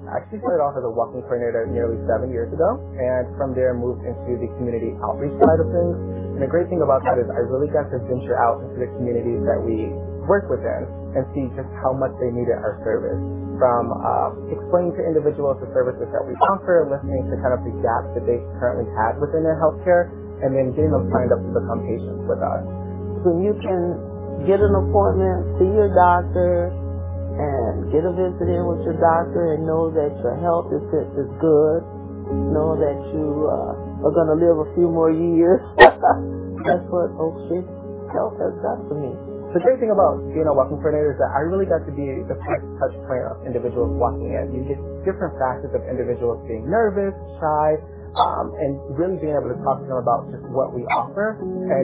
D: I actually started off as a Welcome Coordinator nearly seven years ago, and from there moved into the community outreach side of things. The great thing about that is I really got to venture out into the communities that we work within and see just how much they needed our service. From explaining to individuals the services that we offer, listening to kind of the gaps that they currently had within their healthcare, and then getting them signed up to become patients with us. You can get an appointment, see your doctor, and get a visit in with your doctor and know that your health is just as good. Know that you are gonna live a few more years. That's what Oak Street Health has done for me. The great thing about being a Welcome Coordinator is that I really got to be the first touchpoint of individuals walking in. You get different facets of individuals being nervous, shy, and really being able to talk to them about just what we offer.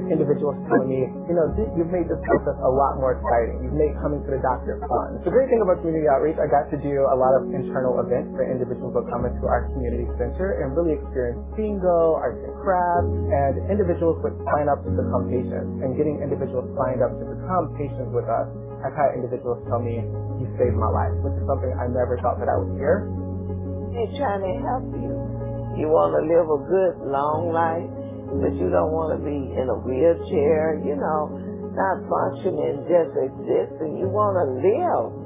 D: Individuals telling me, "You know, you've made this process a lot more exciting. You've made coming to the doctor fun." The great thing about community outreach, I got to do a lot of internal events where individuals would come into our community center and really experience bingo, arts and crafts. Individuals would sign up to become patients. Getting individuals signed up to become patients with us, I've had individuals tell me, "You saved my life," which is something I never thought that I would hear. They're trying to help you. You wanna live a good, long life, but you don't wanna be in a wheelchair, you know, not functioning, just existing. You wanna live.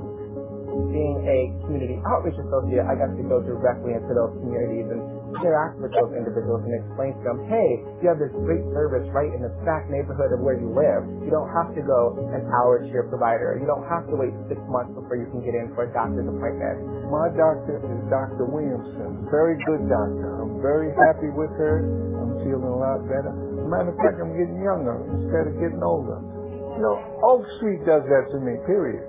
D: Being a community outreach associate, I got to go directly into those communities and interact with those individuals and explain to them, "Hey, you have this great service right in the exact neighborhood of where you live. You don't have to go an hour to your provider. You don't have to wait six months before you can get in for a doctor's appointment. My doctor is Tuwanda Williamson, very good doctor. I'm very happy with her. I'm feeling a lot better. Matter of fact, I'm getting younger instead of getting older. You know, Oak Street does that to me, period.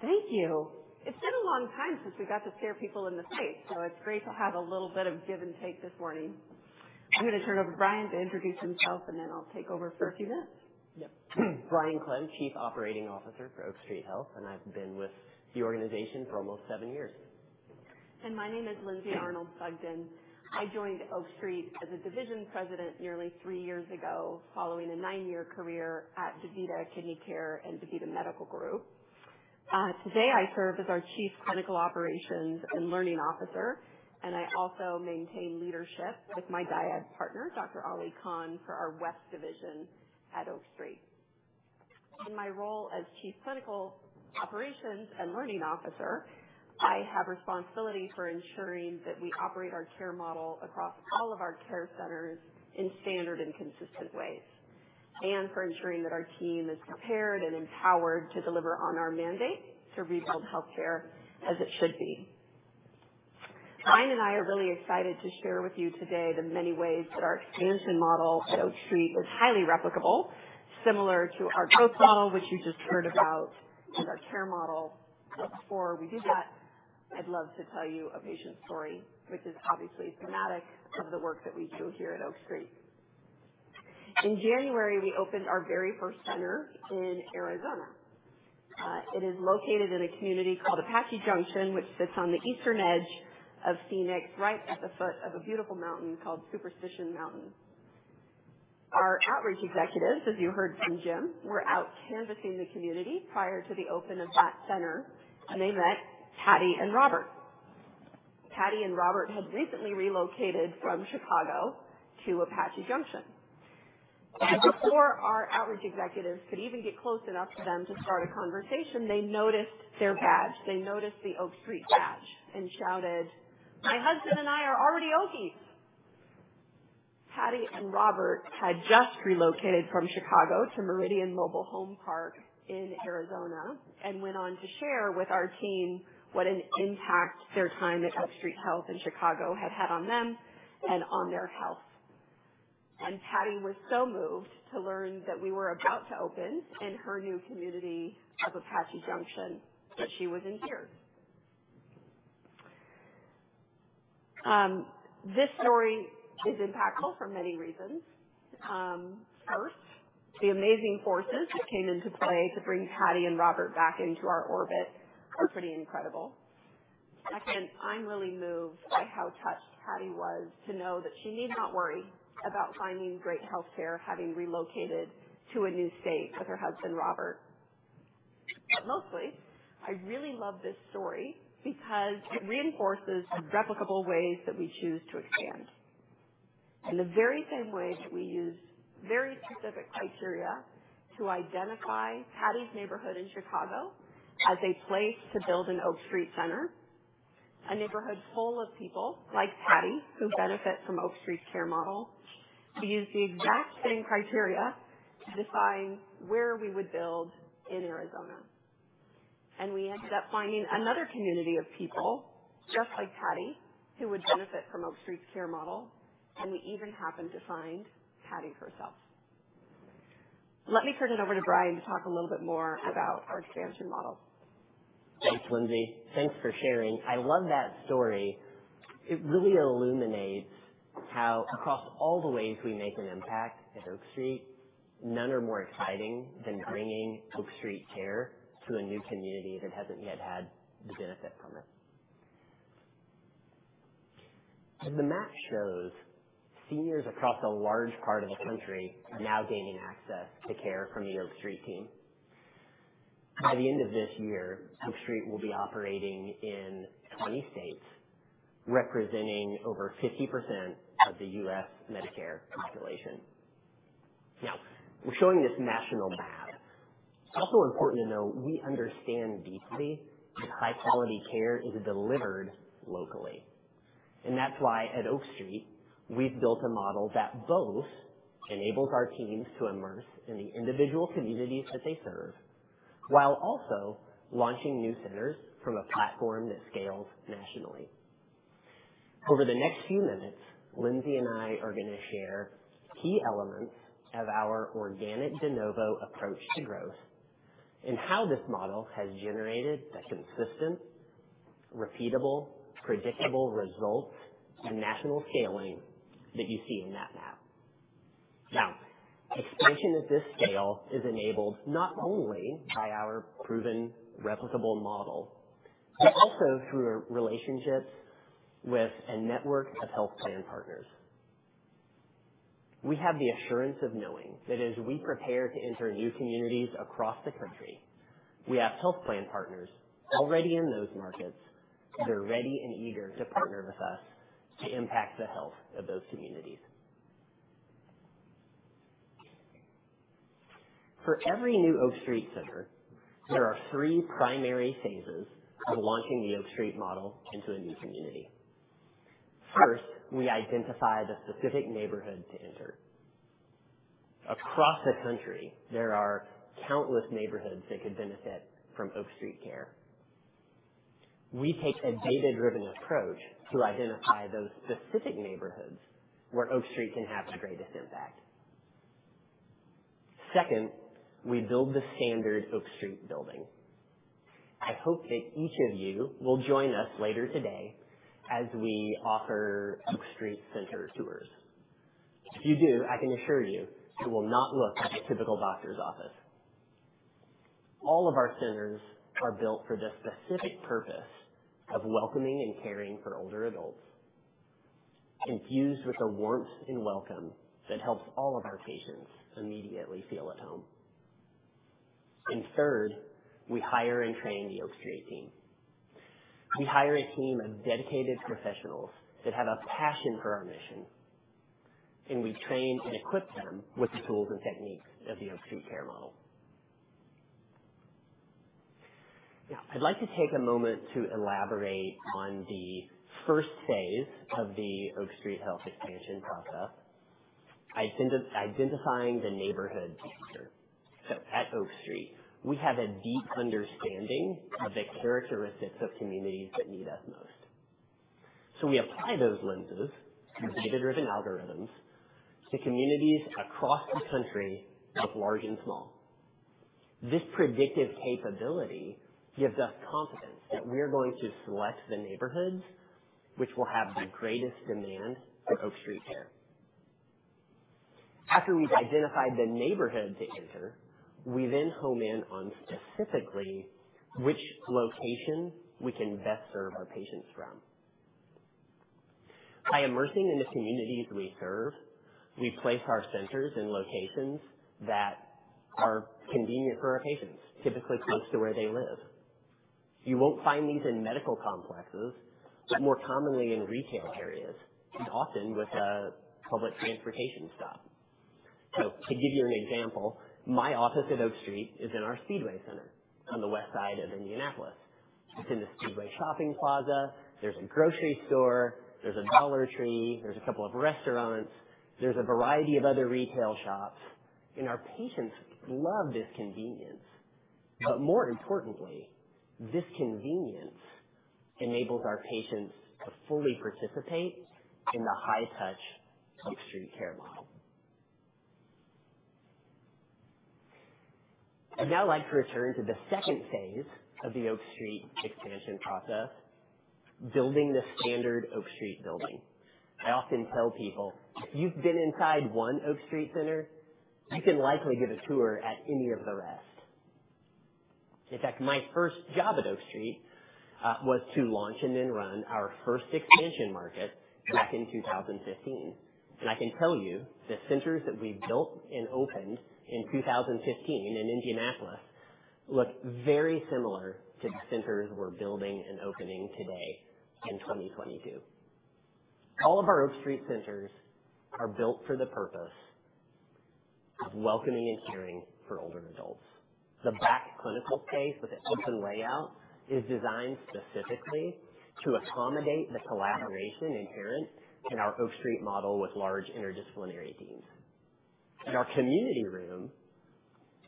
I: Good morning. Thank you. It's been a long time since we got to stare people in the face, so it's great to have a little bit of give and take this morning. I'm gonna turn over to Brian to introduce himself, and then I'll take over for a few minutes.
J: Yep. Brian Clem, Chief Operating Officer for Oak Street Health, and I've been with the organization for almost seven years.
I: My name is Lindsay Arnold Sugden. I joined Oak Street as a division president nearly three years ago, following a nine-year career at DaVita Kidney Care and DaVita Medical Group. Today I serve as our Chief Clinical Operations and Learning Officer, and I also maintain leadership with my dyad partner, Dr. Ali Khan, for our West Division at Oak Street. In my role as Chief Clinical Operations and Learning Officer, I have responsibility for ensuring that we operate our care model across all of our care centers in standard and consistent ways, and for ensuring that our team is prepared and empowered to deliver on our mandate to rebuild healthcare as it should be. Brian and I are really excited to share with you today the many ways that our expansion model at Oak Street is highly replicable, similar to our profile, which you just heard about in our care model. Before we do that, I'd love to tell you a patient story which is obviously thematic of the work that we do here at Oak Street. In January, we opened our very first center in Arizona. It is located in a community called Apache Junction, which sits on the eastern edge of Phoenix, right at the foot of a beautiful mountain called Superstition Mountain. Our outreach executives, as you heard from Jim, were out canvassing the community prior to the open of that center, and they met Patty and Robert. Patty and Robert had recently relocated from Chicago to Apache Junction. Before our outreach executives could even get close enough to them to start a conversation, they noticed their badge. They noticed the Oak Street badge and shouted, "My husband and I are already Oakies." Patty and Robert had just relocated from Chicago to Meridian Mobile Home Park in Arizona and went on to share with our team what an impact their time at Oak Street Health in Chicago had had on them and on their health. Patty was so moved to learn that we were about to open in her new community of Apache Junction that she was in tears. This story is impactful for many reasons. First, the amazing forces that came into play to bring Patty and Robert back into our orbit are pretty incredible. Second, I'm really moved by how touched Patty was to know that she need not worry about finding great healthcare, having relocated to a new state with her husband, Robert. Mostly, I really love this story because it reinforces the replicable ways that we choose to expand. In the very same way that we use very specific criteria to identify Patty's neighborhood in Chicago as a place to build an Oak Street center. A neighborhood full of people like Patty, who benefit from Oak Street's care model. We use the exact same criteria to define where we would build in Arizona, and we ended up finding another community of people just like Patty, who would benefit from Oak Street's care model, and we even happened to find Patty herself. Let me turn it over to Brian to talk a little bit more about our expansion model.
J: Thanks, Lindsay. Thanks for sharing. I love that story. It really illuminates how across all the ways we make an impact at Oak Street, none are more exciting than bringing Oak Street care to a new community that hasn't yet had the benefit from it. As the map shows, seniors across a large part of the country are now gaining access to care from the Oak Street team. By the end of this year, Oak Street will be operating in 20 states, representing over 50% of the U.S. Medicare population. Now, we're showing this national map. Also important to know, we understand deeply that high-quality care is delivered locally. That's why at Oak Street, we've built a model that both enables our teams to immerse in the individual communities that they serve, while also launching new centers from a platform that scales nationally. Over the next few minutes, Lindsay and I are gonna share key elements of our organic de novo approach to growth and how this model has generated the consistent, repeatable, predictable results and national scaling that you see in that map. Expansion at this scale is enabled not only by our proven replicable model, but also through our relationships with a network of health plan partners. We have the assurance of knowing that as we prepare to enter new communities across the country, we have health plan partners already in those markets that are ready and eager to partner with us to impact the health of those communities. For every new Oak Street center, there are three primary phases of launching the Oak Street model into a new community. First, we identify the specific neighborhood to enter. Across the country, there are countless neighborhoods that could benefit from Oak Street care. We take a data-driven approach to identify those specific neighborhoods where Oak Street can have the greatest impact. Second, we build the standard Oak Street building. I hope that each of you will join us later today as we offer Oak Street center tours. If you do, I can assure you it will not look like a typical doctor's office. All of our centers are built for the specific purpose of welcoming and caring for older adults, infused with the warmth and welcome that helps all of our patients immediately feel at home. Third, we hire and train the Oak Street team. We hire a team of dedicated professionals that have a passion for our mission. We train and equip them with the tools and techniques of the Oak Street Care model. I'd like to take a moment to elaborate on the first phase of the Oak Street Health expansion process, identifying the neighborhood to enter. At Oak Street, we have a deep understanding of the characteristics of communities that need us most. We apply those lenses and data-driven algorithms to communities across the country of large and small. This predictive capability gives us confidence that we are going to select the neighborhoods which will have the greatest demand for Oak Street Care. After we've identified the neighborhood to enter, we then home in on specifically which location we can best serve our patients from. By immersing in the communities we serve, we place our centers in locations that are convenient for our patients, typically close to where they live. You won't find these in medical complexes, but more commonly in retail areas, and often with a public transportation stop. To give you an example, my office at Oak Street is in our Speedway center on the west side of Indianapolis. It's in a Speedway shopping plaza. There's a grocery store, there's a Dollar Tree, there's a couple of restaurants, there's a variety of other retail shops. Our patients love this convenience. More importantly, this convenience enables our patients to fully participate in the high touch Oak Street care model. I'd now like to return to the second phase of the Oak Street expansion process, building the standard Oak Street building. I often tell people, if you've been inside one Oak Street center, you can likely give a tour at any of the rest. In fact, my first job at Oak Street was to launch and then run our first expansion market back in 2015. I can tell you the centers that we built and opened in 2015 in Indianapolis look very similar to the centers we're building and opening today in 2022. All of our Oak Street centers are built for the purpose of welcoming and caring for older adults. The back clinical space with its open layout is designed specifically to accommodate the collaboration inherent in our Oak Street model with large interdisciplinary teams. Our community room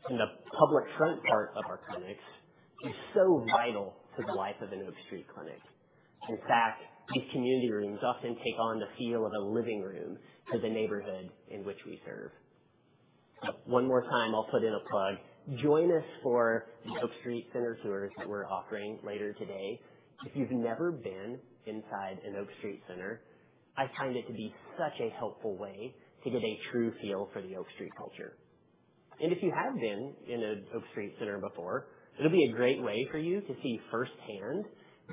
J: in the public front part of our clinics is so vital to the life of an Oak Street clinic. In fact, these community rooms often take on the feel of a living room to the neighborhood in which we serve. One more time I'll put in a plug. Join us for the Oak Street center tours that we're offering later today. If you've never been inside an Oak Street center, I find it to be such a helpful way to get a true feel for the Oak Street culture. If you have been in an Oak Street center before, it'll be a great way for you to see firsthand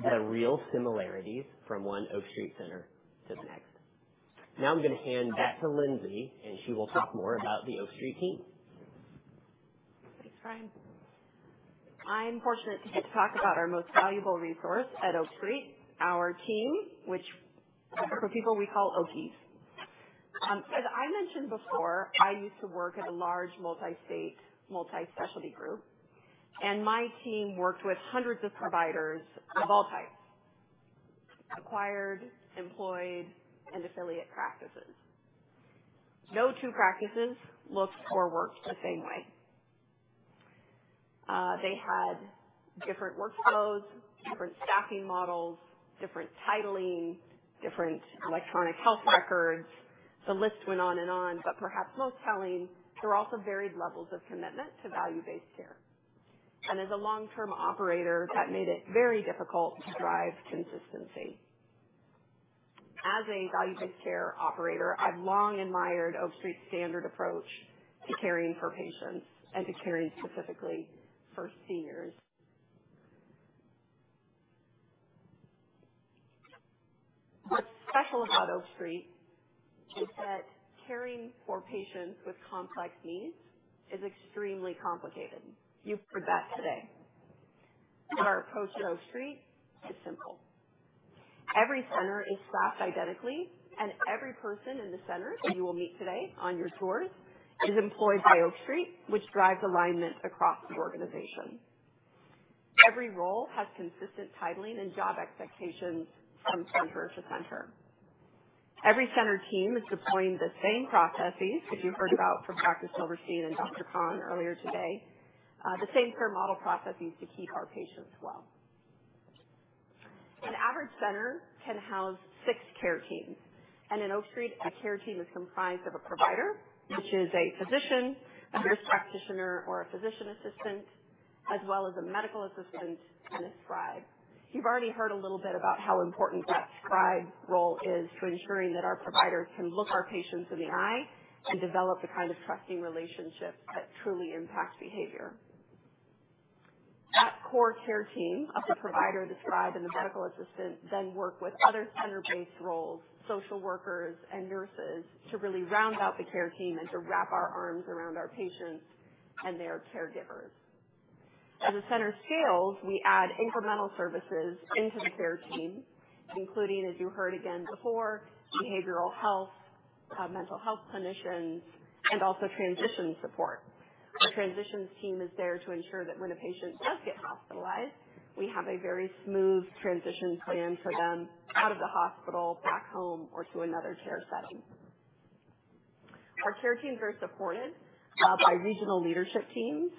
J: the real similarities from one Oak Street center to the next. Now I'm gonna hand back to Lindsay, and she will talk more about the Oak Street team.
I: Thanks, Brian. I'm fortunate to get to talk about our most valuable resource at Oak Street, our team, which for people we call Oakies. As I mentioned before, I used to work at a large multi-state, multi-specialty group, and my team worked with hundreds of providers of all types, acquired, employed, and affiliate practices. No two practices looked or worked the same way. They had different workflows, different staffing models, different titling, different electronic health records. The list went on and on, but perhaps most telling, there were also varied levels of commitment to value-based care. As a long-term operator, that made it very difficult to drive consistency. As a value-based care operator, I've long admired Oak Street's standard approach to caring for patients and to caring specifically for seniors. What's special about Oak Street is that caring for patients with complex needs is extremely complicated. You've heard that today. Our approach at Oak Street is simple. Every center is staffed identically, and every person in the centers that you will meet today on your tours is employed by Oak Street, which drives alignment across the organization. Every role has consistent titling and job expectations from center to center. Every center team is deploying the same processes that you heard about from Dr. Silverstein and Dr. Khan earlier today, the same care model processes to keep our patients well. An average center can house six care teams, and in Oak Street, a care team is comprised of a provider, which is a physician, a nurse practitioner, or a physician assistant, as well as a medical assistant and a scribe. You've already heard a little bit about how important that scribe role is to ensuring that our providers can look our patients in the eye and develop the kind of trusting relationships that truly impact behavior. That core care team of the provider, the scribe, and the medical assistant then work with other center-based roles, social workers and nurses, to really round out the care team and to wrap our arms around our patients and their caregivers. As the center scales, we add incremental services into the care team, including, as you heard again before, behavioral health, mental health clinicians, and also transition support. The transitions team is there to ensure that when a patient does get hospitalized, we have a very smooth transition plan for them out of the hospital, back home, or to another care setting. Our care teams are supported by regional leadership teams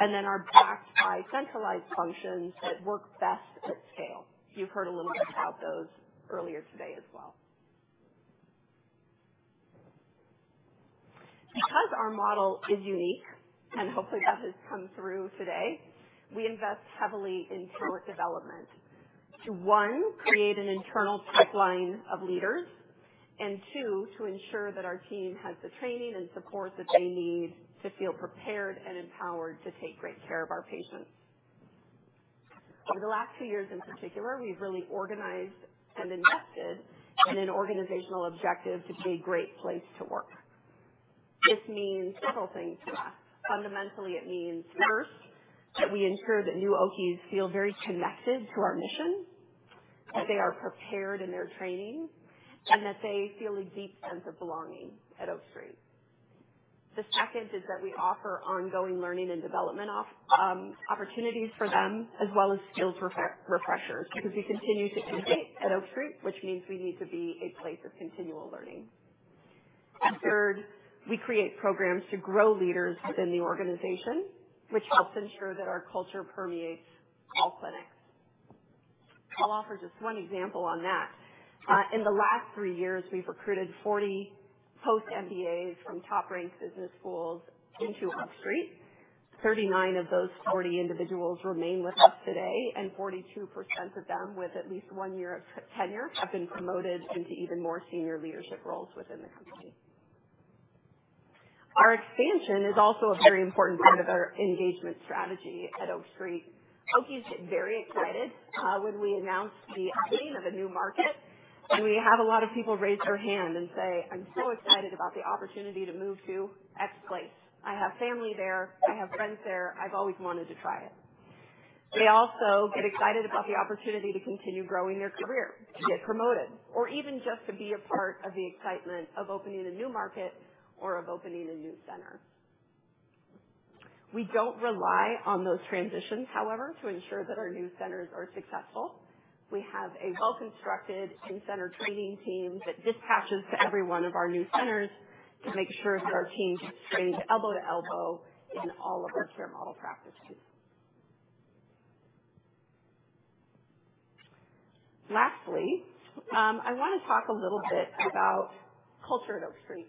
I: and then are backed by centralized functions that work best at scale. You've heard a little bit about those earlier today as well. Because our model is unique, and hopefully that has come through today, we invest heavily in talent development to, one, create an internal pipeline of leaders and, two, to ensure that our team has the training and support that they need to feel prepared and empowered to take great care of our patients. Over the last two years in particular, we've really organized and invested in an organizational objective to be a great place to work. This means several things to us. Fundamentally, it means, first, that we ensure that new Oakies feel very connected to our mission, that they are prepared in their training, and that they feel a deep sense of belonging at Oak Street. The second is that we offer ongoing learning and development opportunities for them, as well as skills refreshers, because we continue to innovate at Oak Street, which means we need to be a place of continual learning. Third, we create programs to grow leaders within the organization, which helps ensure that our culture permeates all clinics. I'll offer just one example on that. In the last three years, we've recruited 40 post-MBAs from top-ranked business schools into Oak Street. 39 of those 40 individuals remain with us today, and 42% of them with at least one year of tenure have been promoted into even more senior leadership roles within the company. Our expansion is also a very important part of our engagement strategy at Oak Street. Oakies get very excited when we announce the opening of a new market, and we have a lot of people raise their hand and say, "I'm so excited about the opportunity to move to X place. I have family there. I have friends there. I've always wanted to try it." They also get excited about the opportunity to continue growing their career, to get promoted, or even just to be a part of the excitement of opening a new market or of opening a new center. We don't rely on those transitions, however, to ensure that our new centers are successful. We have a well-constructed in-center training team that dispatches to every one of our new centers to make sure that our teams train elbow to elbow in all of our care model practices. Lastly, I wanna talk a little bit about culture at Oak Street.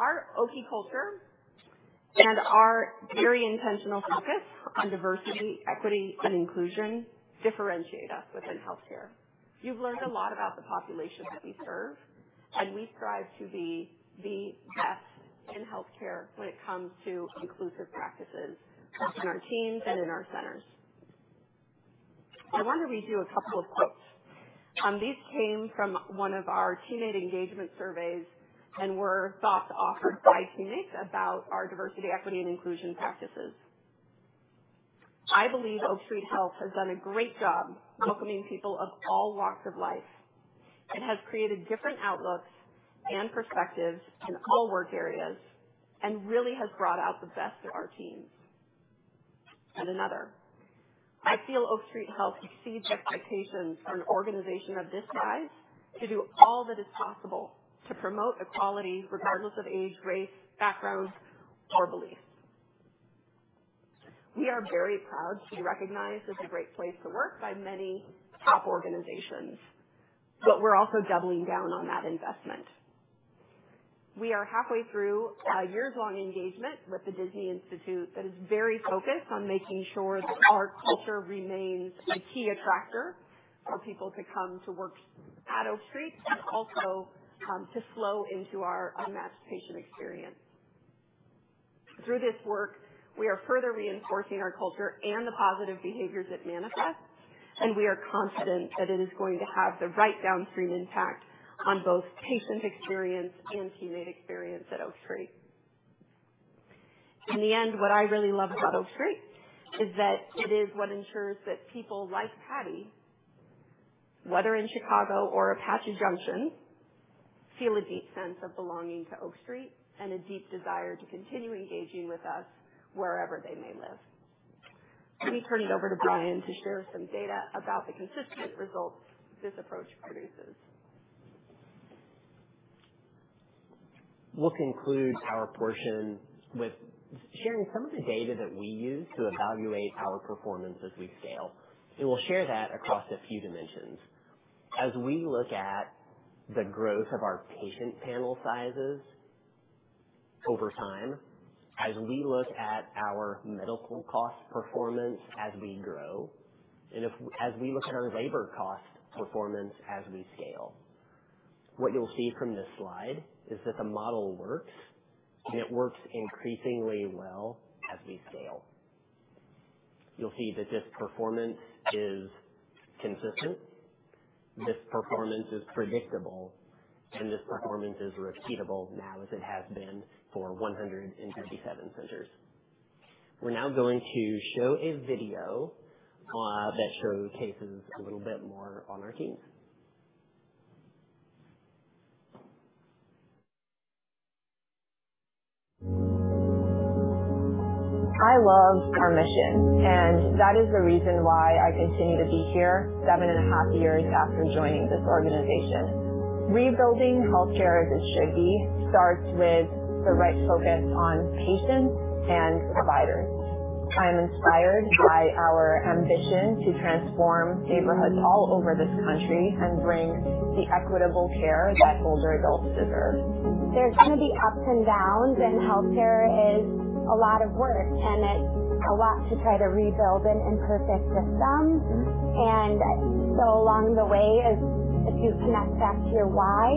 I: Our Oakie culture and our very intentional focus on diversity, equity, and inclusion differentiate us within healthcare. You've learned a lot about the population that we serve, and we strive to be the best in healthcare when it comes to inclusive practices, both in our teams and in our centers. I wanted to read you a couple of quotes. These came from one of our teammate engagement surveys and were thoughts offered by teammates about our diversity, equity, and inclusion practices. "I believe Oak Street Health has done a great job welcoming people of all walks of life. It has created different outlooks and perspectives in all work areas and really has brought out the best in our teams." Another, "I feel Oak Street Health exceeds expectations for an organization of this size to do all that is possible to promote equality regardless of age, race, background, or beliefs." We are very proud to be recognized as a great place to work by many top organizations, but we're also doubling down on that investment. We are halfway through a years-long engagement with the Disney Institute that is very focused on making sure that our culture remains a key attractor for people to come to work at Oak Street, but also, to flow into our unmatched patient experience. Through this work, we are further reinforcing our culture and the positive behaviors it manifests, and we are confident that it is going to have the right downstream impact on both patient experience and teammate experience at Oak Street. In the end, what I really love about Oak Street is that it is what ensures that people like Patty, whether in Chicago or Apache Junction, feel a deep sense of belonging to Oak Street and a deep desire to continue engaging with us wherever they may live. Let me turn it over to Brian to share some data about the consistent results this approach produces.
J: We'll conclude our portion with sharing some of the data that we use to evaluate our performance as we scale, and we'll share that across a few dimensions. As we look at the growth of our patient panel sizes over time, as we look at our medical cost performance as we grow, and as we look at our labor cost performance as we scale, what you'll see from this slide is that the model works, and it works increasingly well as we scale. You'll see that this performance is consistent. This performance is predictable and this performance is repeatable now as it has been for 157 centers. We're now going to show a video that showcases a little bit more on our team.
D: I love our mission, and that is the reason why I continue to be here seven and a half years after joining this organization. Rebuilding healthcare as it should be starts with the right focus on patients and providers. I'm inspired by our ambition to transform neighborhoods all over this country and bring the equitable care that older adults deserve. There's gonna be ups and downs, and healthcare is a lot of work, and it's a lot to try to rebuild an imperfect system. Along the way, if you connect back to your why,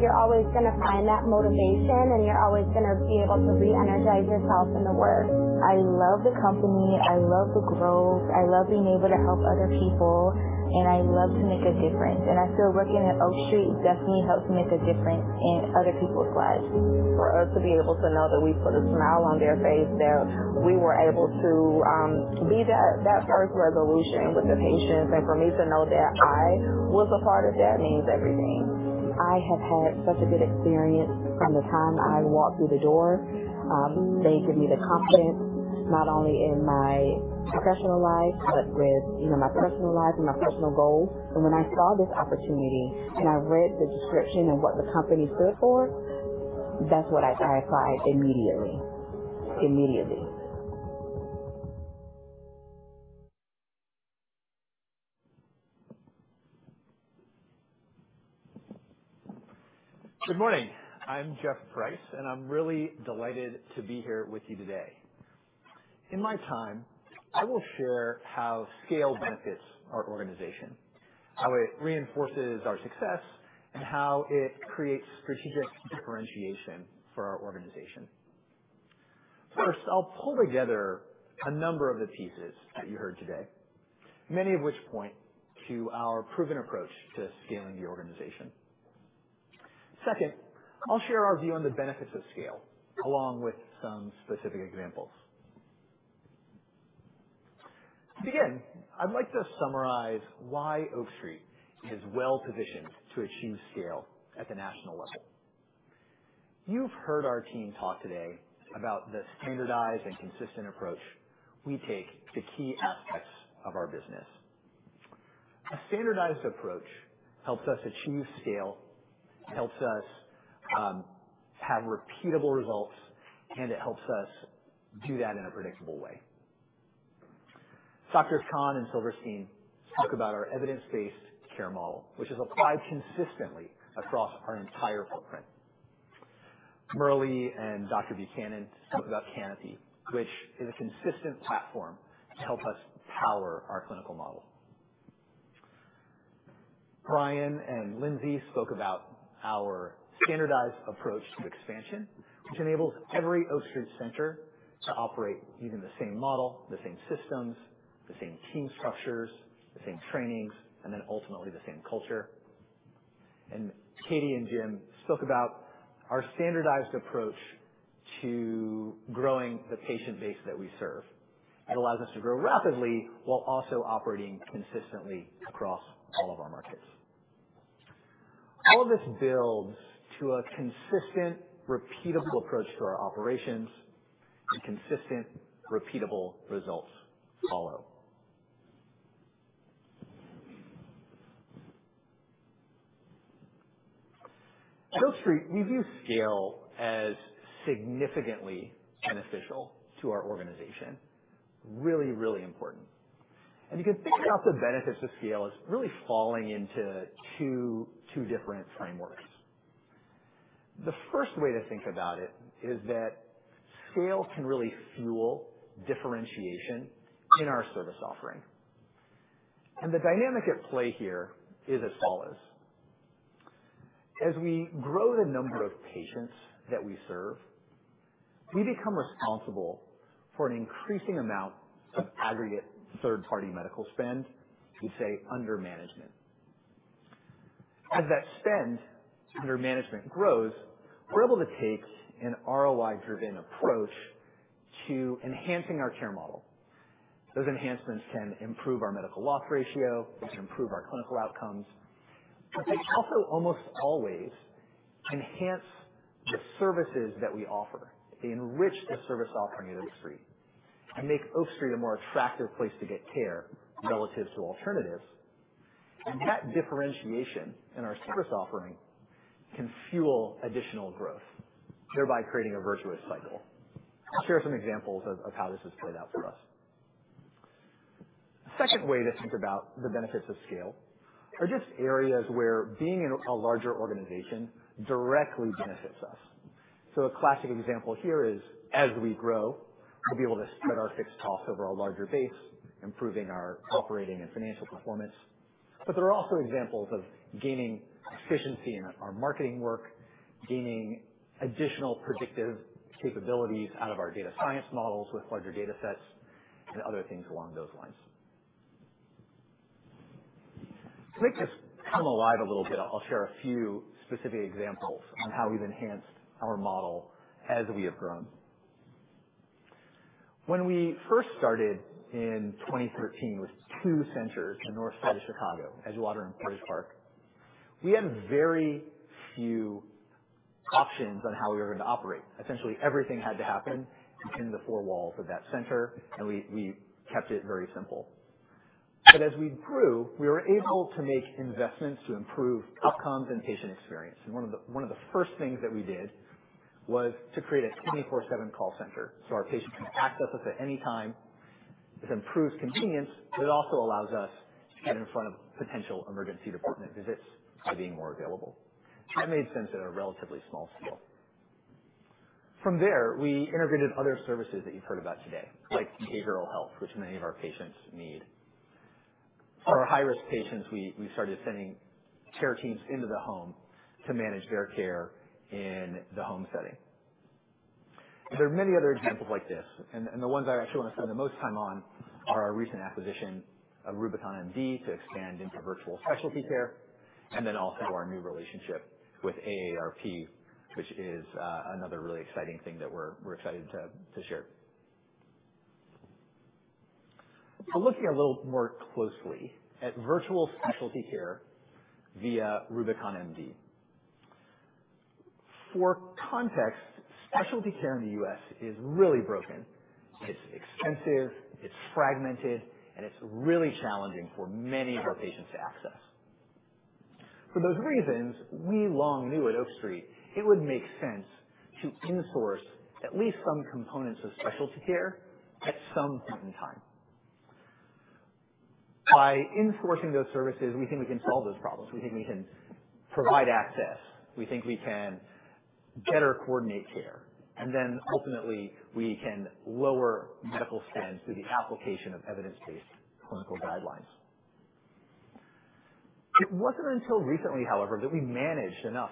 D: you're always gonna find that motivation, and you're always gonna be able to re-energize yourself in the work. I love the company, I love the growth, I love being able to help other people, and I love to make a difference. I feel working at Oak Street definitely helps make a difference in other people's lives. For us to be able to know that we put a smile on their face, that we were able to be that first resolution with the patients, and for me to know that I was a part of that means everything. I have had such a good experience from the time I walked through the door. They give me the confidence not only in my professional life, but with, you know, my personal life and my personal goals. When I saw this opportunity and I read the description and what the company stood for, that's what I applied immediately.
K: Good morning. I'm Geoff Price, and I'm really delighted to be here with you today. In my time, I will share how scale benefits our organization, how it reinforces our success, and how it creates strategic differentiation for our organization. First, I'll pull together a number of the pieces that you heard today, many of which point to our proven approach to scaling the organization. Second, I'll share our view on the benefits of scale, along with some specific examples. To begin, I'd like to summarize why Oak Street is well-positioned to achieve scale at the national level. You've heard our team talk today about the standardized and consistent approach we take to key aspects of our business. A standardized approach helps us achieve scale, helps us have repeatable results, and it helps us do that in a predictable way. Dr. Khan and Dr. Silverstein talk about our evidence-based care model, which is applied consistently across our entire footprint. Murali and Dr. Buchanan spoke about Canopy, which is a consistent platform to help us power our clinical model. Brian and Lindsay spoke about our standardized approach to expansion, which enables every Oak Street center to operate using the same model, the same systems, the same team structures, the same trainings, and then ultimately the same culture. Katie and Jim spoke about our standardized approach to growing the patient base that we serve. It allows us to grow rapidly while also operating consistently across all of our markets. All of this builds to a consistent, repeatable approach to our operations and consistent, repeatable results follow. At Oak Street, we view scale as significantly beneficial to our organization. Really, really important. You can think about the benefits of scale as really falling into two different frameworks. The first way to think about it is that scale can really fuel differentiation in our service offering. The dynamic at play here is as follows. As we grow the number of patients that we serve, we become responsible for an increasing amount of aggregate third-party medical spend we have under management. As that spend under management grows, we're able to take an ROI-driven approach to enhancing our care model. Those enhancements can improve our medical loss ratio. They can improve our clinical outcomes. They also almost always enhance the services that we offer. They enrich the service offering at Oak Street and make Oak Street a more attractive place to get care relative to alternatives. That differentiation in our service offering can fuel additional growth, thereby creating a virtuous cycle. I'll share some examples of how this has played out for us. Second way to think about the benefits of scale are just areas where being in a larger organization directly benefits us. A classic example here is, as we grow, we'll be able to spread our fixed costs over a larger base, improving our operating and financial performance. There are also examples of gaining efficiency in our marketing work, gaining additional predictive capabilities out of our data science models with larger datasets. Other things along those lines. To make this come alive a little bit, I'll share a few specific examples on how we've enhanced our model as we have grown. When we first started in 2013 with two centers in the north side of Chicago, Edgewater and Portage Park, we had very few options on how we were gonna operate. Essentially, everything had to happen within the four walls of that center, and we kept it very simple. As we grew, we were able to make investments to improve outcomes and patient experience. One of the first things that we did was to create a 24/7 call center so our patients can access us at any time. This improves convenience, but it also allows us to get in front of potential emergency department visits by being more available. That made sense at a relatively small scale. From there, we integrated other services that you've heard about today, like behavioral health, which many of our patients need. For our high-risk patients, we started sending care teams into the home to manage their care in the home setting. There are many other examples like this, and the ones I actually wanna spend the most time on are our recent acquisition of RubiconMD to expand into virtual specialty care, and then also our new relationship with AARP, which is, another really exciting thing that we're excited to share. Looking a little more closely at virtual specialty care via RubiconMD. For context, specialty care in the U.S. is really broken. It's expensive, it's fragmented, and it's really challenging for many of our patients to access. For those reasons, we long knew at Oak Street it would make sense to in-source at least some components of specialty care at some point in time. By in-sourcing those services, we think we can solve those problems. We think we can provide access, we think we can better coordinate care, and then ultimately, we can lower medical spend through the application of evidence-based clinical guidelines. It wasn't until recently, however, that we managed enough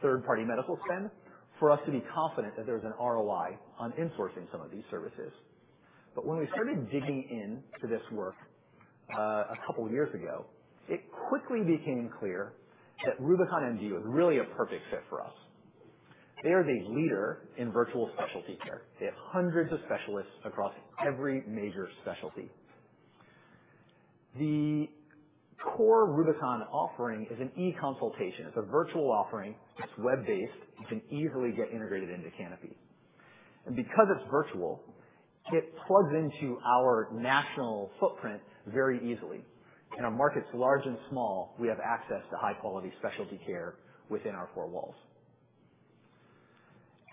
K: third-party medical spend for us to be confident that there was an ROI on in-sourcing some of these services. When we started digging into this work, a couple years ago, it quickly became clear that RubiconMD was really a perfect fit for us. They are the leader in virtual specialty care. They have hundreds of specialists across every major specialty. The core Rubicon offering is an e-consultation. It's a virtual offering. It's web-based. It can easily get integrated into Canopy. And because it's virtual, it plugs into our national footprint very easily. In our markets large and small, we have access to high-quality specialty care within our four walls.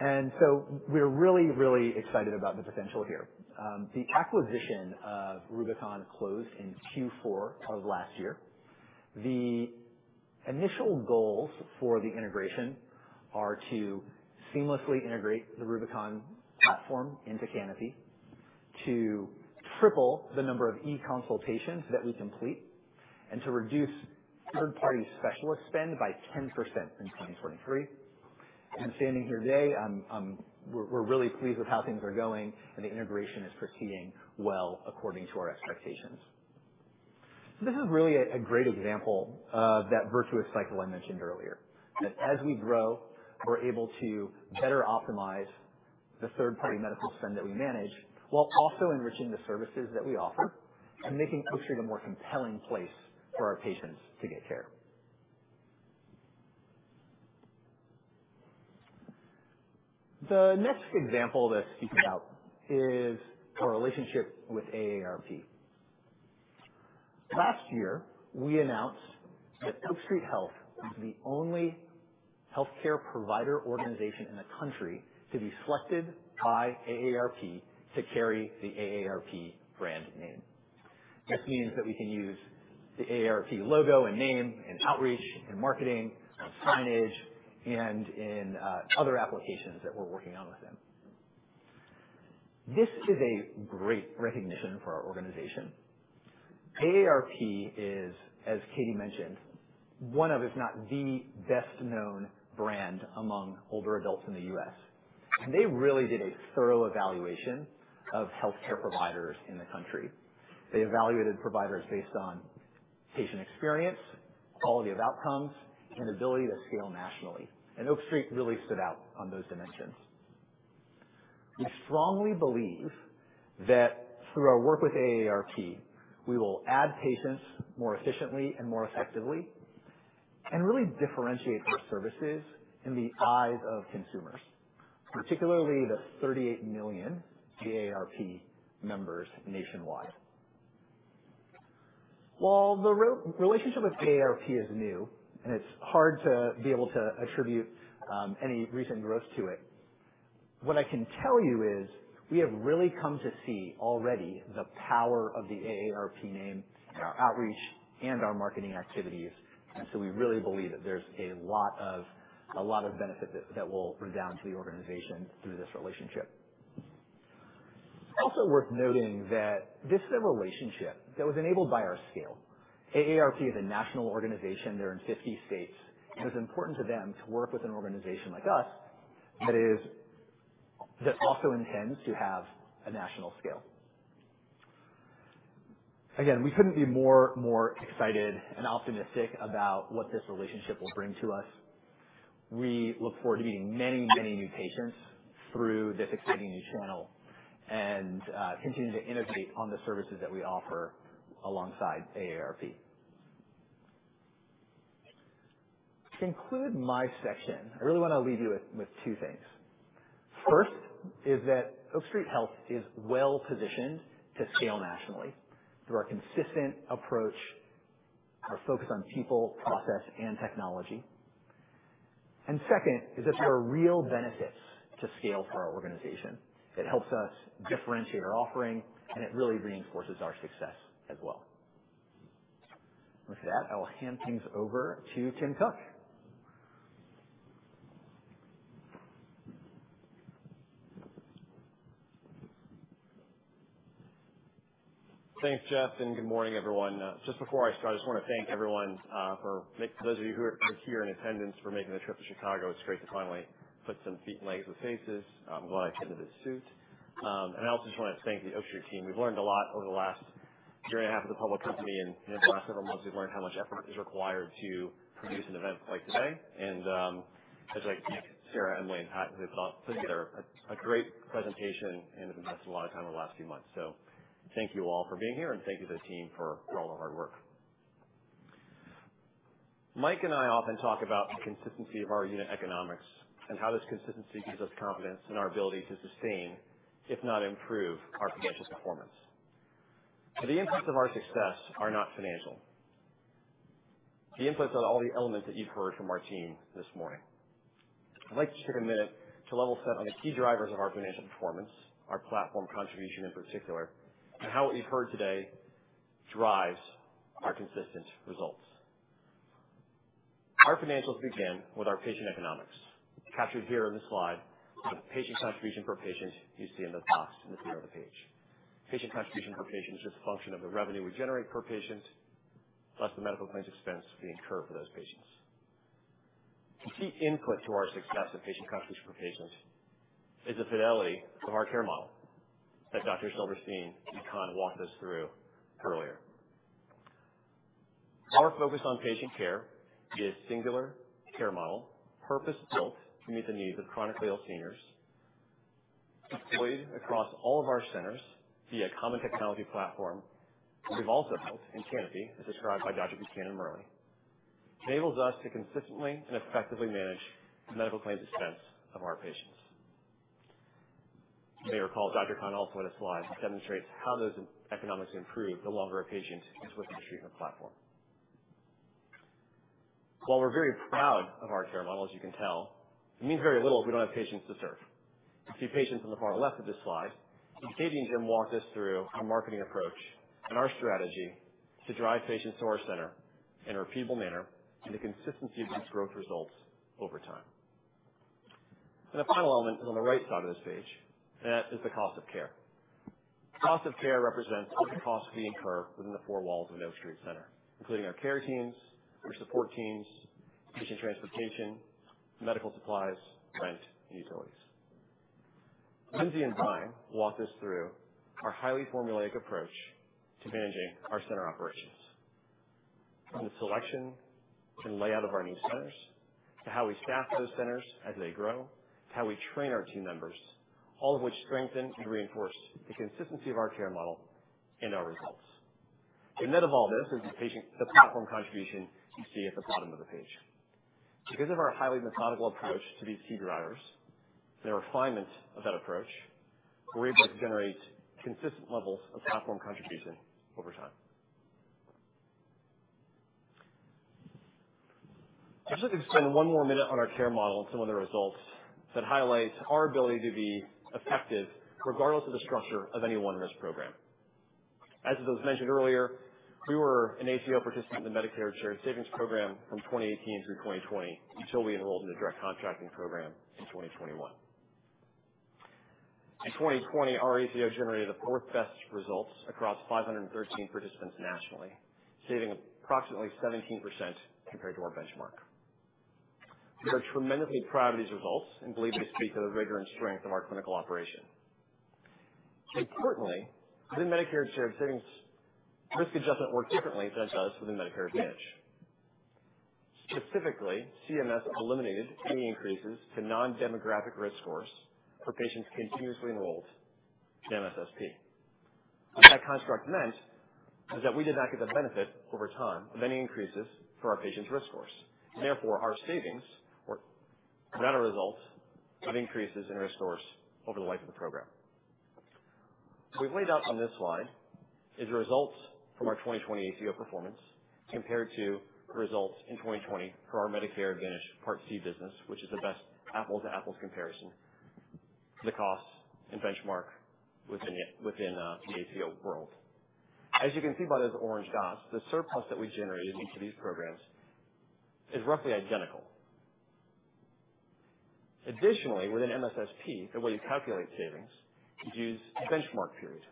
K: We're really, really excited about the potential here. The acquisition of Rubicon closed in Q4 of last year. The initial goals for the integration are to seamlessly integrate the Rubicon platform into Canopy, to triple the number of e-consultations that we complete, and to reduce third-party specialist spend by 10% in 2023. Standing here today, we're really pleased with how things are going and the integration is proceeding well according to our expectations. This is really a great example of that virtuous cycle I mentioned earlier, that as we grow, we're able to better optimize the third-party medical spend that we manage while also enriching the services that we offer and making Oak Street a more compelling place for our patients to get care. The next example that I speak about is our relationship with AARP. Last year, we announced that Oak Street Health was the only healthcare provider organization in the country to be selected by AARP to carry the AARP brand name. This means that we can use the AARP logo and name in outreach, in marketing, on signage, and in other applications that we're working on with them. This is a great recognition for our organization. AARP is, as Katie mentioned, one of, if not the best known brand among older adults in the U.S., and they really did a thorough evaluation of healthcare providers in the country. They evaluated providers based on patient experience, quality of outcomes, and ability to scale nationally. Oak Street really stood out on those dimensions. We strongly believe that through our work with AARP, we will add patients more efficiently and more effectively and really differentiate our services in the eyes of consumers, particularly the 38 million AARP members nationwide. While the relationship with AARP is new, and it's hard to be able to attribute any recent growth to it, what I can tell you is we have really come to see already the power of the AARP name in our outreach and our marketing activities. We really believe that there's a lot of benefit that will redound to the organization through this relationship. It's also worth noting that this is a relationship that was enabled by our scale. AARP is a national organization. They're in 50 states. It's important to them to work with an organization like us. That is, that also intends to have a national scale. Again, we couldn't be more excited and optimistic about what this relationship will bring to us. We look forward to meeting many, many new patients through this exciting new channel and continuing to innovate on the services that we offer alongside AARP. To conclude my section, I really wanna leave you with two things. First is that Oak Street Health is well-positioned to scale nationally through our consistent approach, our focus on people, process, and technology. Second is that there are real benefits to scale for our organization. It helps us differentiate our offering, and it really reinforces our success as well. With that, I will hand things over to Tim Cook.
L: Thanks, Geoff, and good morning, everyone. Just before I start, I just wanna thank everyone for those of you who are here in attendance for making the trip to Chicago. It's great to finally put faces with names. I'm glad I came to this suite. I also just wanna thank the Oak Street team. We've learned a lot over the last year and a half as a public company, and in the last several months, we've learned how much effort is required to produce an event like today. I'd just like to thank Sarah and Lane and Pat, who have put together a great presentation and have invested a lot of time in the last few months. Thank you all for being here, and thank you to the team for all the hard work. Mike and I often talk about the consistency of our unit economics and how this consistency gives us confidence in our ability to sustain, if not improve, our financial performance. The inputs of our success are not financial. The inputs are all the elements that you've heard from our team this morning. I'd like to take a minute to level set on the key drivers of our financial performance, our platform contribution in particular, and how what you've heard today drives our consistent results. Our financials begin with our patient economics, captured here in the slide with the patient contribution per patient you see in the box in the center of the page. Patient contribution per patient is just a function of the revenue we generate per patient, plus the medical claims expense we incur for those patients. The key input to our success in patient contributions per patient is the fidelity of our care model that Dr. Silverstein and Dr. Khan walked us through earlier. Our focus on patient care is our singular care model, purpose-built to meet the needs of chronically ill seniors, deployed across all of our centers via common technology platform. We also have Canopy, as described by Dr. Buchanan earlier, enables us to consistently and effectively manage the medical claims expense of our patients. You may recall Dr. Khan also had a slide that demonstrates how those economics improve the longer a patient is with the treatment platform. While we're very proud of our care model, as you can tell, it means very little if we don't have patients to serve. To see patients on the far left of this slide, Katie and Jim walked us through our marketing approach and our strategy to drive patients to our center in a repeatable manner, and the consistency of these growth results over time. The final element is on the right side of this page, and that is the cost of care. Cost of care represents all the costs we incur within the four walls of an Oak Street center, including our care teams, our support teams, patient transportation, medical supplies, rent, and utilities. Lindsay and Brian walk us through our highly formulaic approach to managing our center operations. From the selection and layout of our new centers, to how we staff those centers as they grow, to how we train our team members, all of which strengthen and reinforce the consistency of our care model and our results. Net of all this is the platform contribution you see at the bottom of the page. Because of our highly methodical approach to these key drivers and the refinement of that approach, we're able to generate consistent levels of platform contribution over time. I'd just like to spend one more minute on our care model and some of the results that highlight our ability to be effective regardless of the structure of any one risk program. As it was mentioned earlier, we were an ACO participant in the Medicare Shared Savings Program from 2018 through 2020 until we enrolled in the direct contracting program in 2021. In 2020, our ACO generated the fourth best results across 513 participants nationally, saving approximately 17% compared to our benchmark. We are tremendously proud of these results and believe they speak to the rigor and strength of our clinical operation. Importantly, the Medicare Shared Savings risk adjustment works differently than it does for the Medicare Advantage. Specifically, CMS eliminated any increases to non-demographic risk scores for patients continuously enrolled in MSSP. What that construct meant is that we did not get the benefit over time of any increases for our patients' risk scores. Therefore, our savings were, without a result, of increases in risk scores over the life of the program. What we've laid out on this slide is the results from our 2020 ACO performance compared to results in 2020 for our Medicare Advantage Part C business, which is the best apples-to-apples comparison to the cost and benchmark within the ACO world. As you can see by those orange dots, the surplus that we generated in each of these programs is roughly identical. Additionally, within MSSP, the way you calculate savings is to use a benchmark period.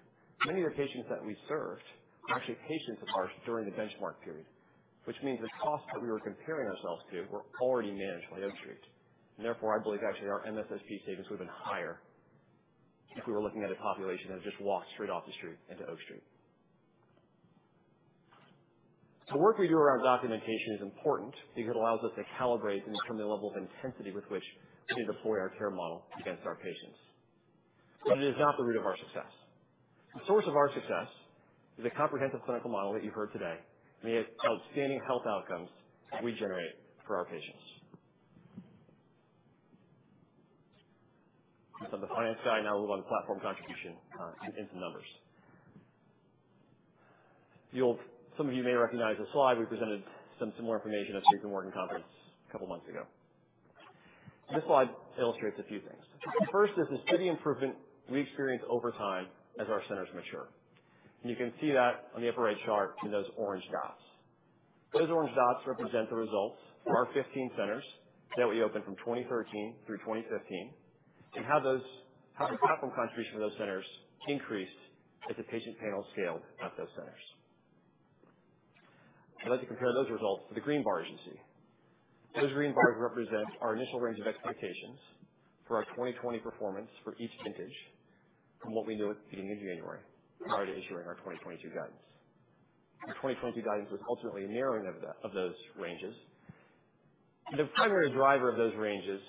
L: Many of the patients that we served were actually patients of ours during the benchmark period. Which means the costs that we were comparing ourselves to were already managed by Oak Street. Therefore, I believe actually our MSSP savings would have been higher if we were looking at a population that had just walked straight off the street into Oak Street. The work we do around documentation is important because it allows us to calibrate and determine the level of intensity with which we deploy our care model against our patients. It is not the root of our success. The source of our success is a comprehensive clinical model that you heard today, and the outstanding health outcomes we generate for our patients. The finance guy now will run platform contribution into numbers. Some of you may recognize this slide. We presented some similar information at the JPMorgan conference a couple months ago. This slide illustrates a few things. The first is the steady improvement we experience over time as our centers mature. You can see that on the upper right chart in those orange dots. Those orange dots represent the results of our 15 centers that we opened from 2013 through 2015, and how the platform contribution of those centers increased as the patient panel scaled at those centers. I'd like to compare those results to the green bars you see. Those green bars represent our initial range of expectations for our 2020 performance for each vintage from what we knew at the beginning of January, prior to issuing our 2022 guidance. Our 2022 guidance was ultimately a narrowing of those ranges. The primary driver of those ranges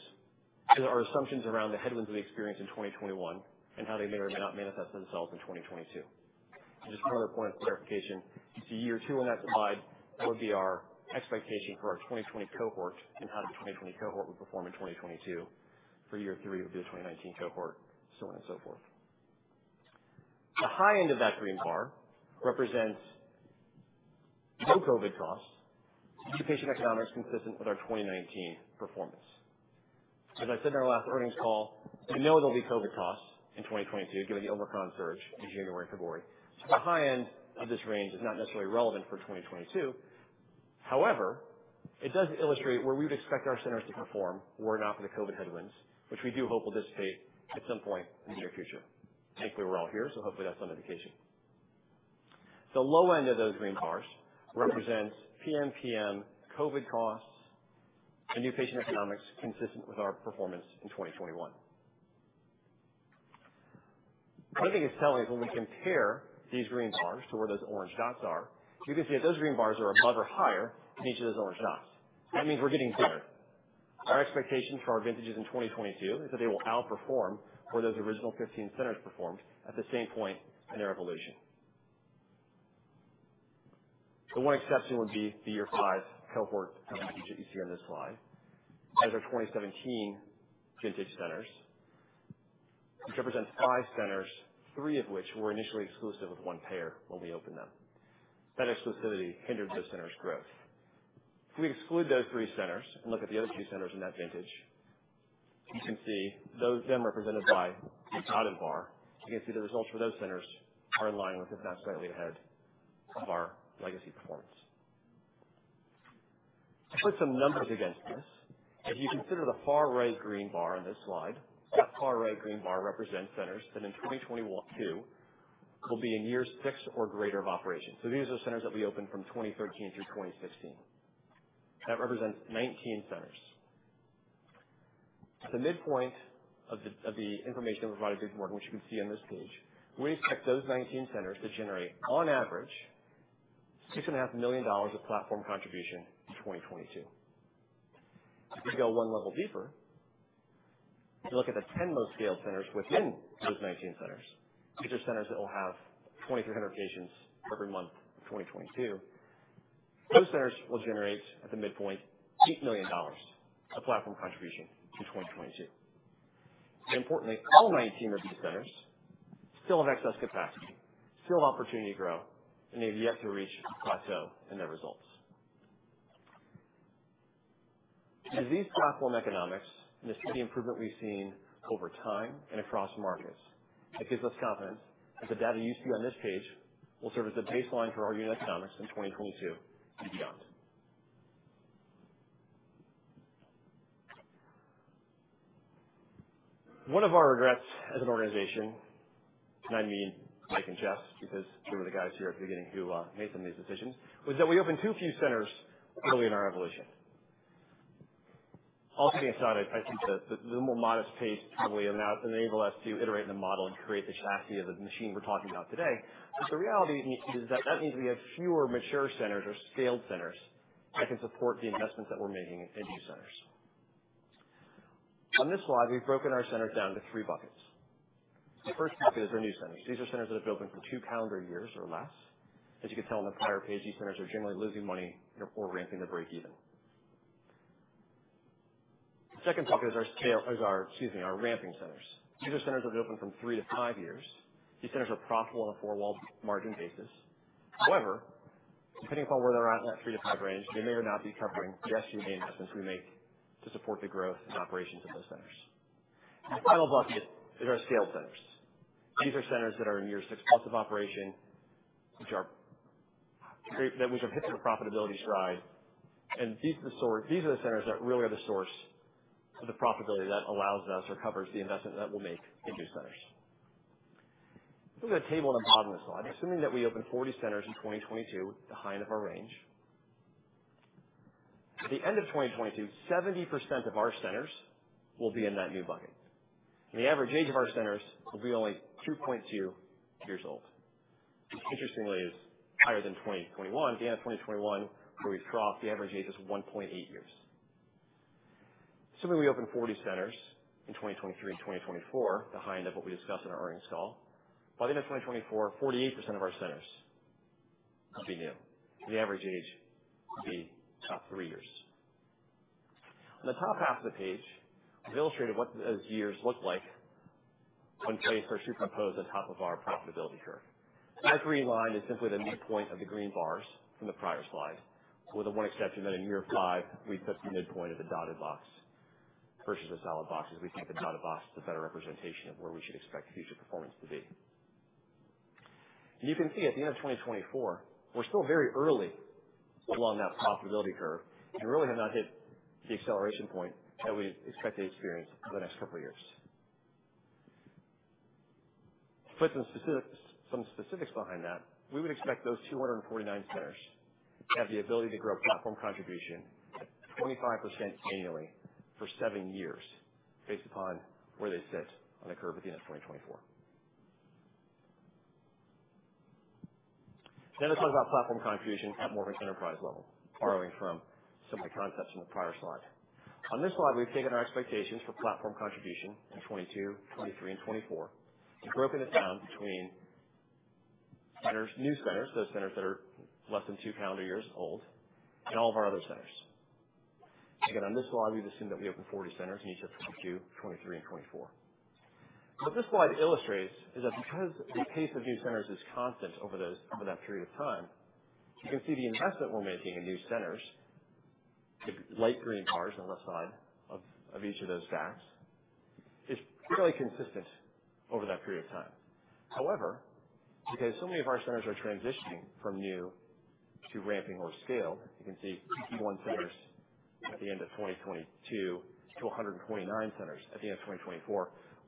L: is our assumptions around the headwinds we experienced in 2021 and how they may or may not manifest themselves in 2022. Just one other point of clarification, so year two on that slide would be our expectation for our 2020 cohort and how the 2020 cohort would perform in 2022. For year three, it would be the 2019 cohort, so on and so forth. The high end of that green bar represents no COVID costs, new patient economics consistent with our 2019 performance. As I said in our last earnings call, we know there'll be COVID costs in 2022, given the Omicron surge in January and February. The high end of this range is not necessarily relevant for 2022. However, it does illustrate where we'd expect our centers to perform were it not for the COVID headwinds, which we do hope will dissipate at some point in the near future. Thankfully, we're all here, so hopefully that's on the wane. The low end of those green bars represents PMPM COVID costs and new patient economics consistent with our performance in 2021. One thing that's telling is when we compare these green bars to where those orange dots are, you can see that those green bars are a margin higher than each of those orange dots. That means we're getting bigger. Our expectation for our vintages in 2022 is that they will outperform where those original 15 centers performed at the same point in their evolution. The one exception would be the year five cohort vintage that you see on this slide. Those are 2017 vintage centers, which represents five centers, three of which were initially exclusive with one payer when we opened them. That exclusivity hindered those centers' growth. If we exclude those three centers and look at the other two centers in that vintage, you can see those then represented by the bottom bar. You can see the results for those centers are in line with, if not slightly ahead, of our legacy performance. To put some numbers against this, if you consider the far right green bar on this slide, that far right green bar represents centers that in 2022 will be in years six or greater of operation. These are centers that we opened from 2013 through 2016. That represents 19 centers. At the midpoint of the information that we provided this morning, which you can see on this page, we expect those 19 centers to generate, on average, $6.5 million of platform contribution in 2022. If you go one level deeper, if you look at the 10 most scaled centers within those 19 centers, these are centers that will have 2,300 patients every month in 2022. Those centers will generate, at the midpoint, $8 million of platform contribution in 2022. Importantly, all 19 of these centers still have excess capacity, still have opportunity to grow, and they've yet to reach plateau in their results. It is these platform economics and the steady improvement we've seen over time and across markets that gives us confidence that the data you see on this page will serve as a baseline for our unit economics in 2022 and beyond. One of our regrets as an organization, and I mean Mike and Geoff, because they were the guys here at the beginning who made some of these decisions, was that we opened too few centers early in our evolution. All kidding aside, I think the more modest pace probably allowed, enabled us to iterate the model and create the chassis of the machine we're talking about today. The reality is that means we have fewer mature centers or scaled centers that can support the investments that we're making in new centers. On this slide, we've broken our centers down into three buckets. The first bucket is our new centers. These are centers that have opened for two calendar years or less. As you can tell on the prior page, these centers are generally losing money and are before ramping to break even. The second bucket is our ramping centers. These are centers that have opened from three to five years. These centers are profitable on a four-wall margin basis. However, depending upon where they're at in that three to five range, they may or may not be covering the SG&A investments we make to support the growth and operations of those centers. The final bucket is our scaled centers. These are centers that are in year 6+ of operation, which have hit their profitability stride. These are the centers that really are the source of the profitability that allows us or covers the investment that we'll make in new centers. We've got a table on the bottom of the slide assuming that we open 40 centers in 2022, the high end of our range. At the end of 2022, 70% of our centers will be in that new bucket, and the average age of our centers will be only 2.0 years old. Which interestingly is higher than 2021. At the end of 2021, the average age was 1.8 years. Assuming we open 40 centers in 2023 and 2024, the high end of what we discussed in our earnings call. By the end of 2024, 48% of our centers will be new. The average age will be about three years. On the top half of the page, I've illustrated what those years look like when placed or superimposed on top of our profitability curve. That green line is simply the midpoint of the green bars from the prior slide, with the one exception that in year five we've put the midpoint of the dotted box versus a solid box, as we think the dotted box is a better representation of where we should expect future performance to be. You can see at the end of 2024, we're still very early along that profitability curve and really have not hit the acceleration point that we expect to experience over the next couple of years. To put some specifics behind that, we would expect those 249 centers to have the ability to grow platform contribution 25% annually for seven years based upon where they sit on the curve at the end of 2024. Now let's talk about platform contribution at Morpheus Enterprise level. Borrowing from some of the concepts in the prior slide. On this slide, we've taken our expectations for platform contribution in 2022, 2023 and 2024 and broken it down between centers, new centers, those centers that are less than two calendar years old, and all of our other centers. Again, on this slide, we've assumed that we open 40 centers in each of 2022, 2023 and 2024. What this slide illustrates is that because the pace of new centers is constant over that period of time, you can see the investment we're making in new centers, the light green bars on the left side of each of those stacks is fairly consistent over that period of time. However, because so many of our centers are transitioning from new to ramping or scaled, you can see 51 centers at the end of 2022 to 129 centers at the end of 2024.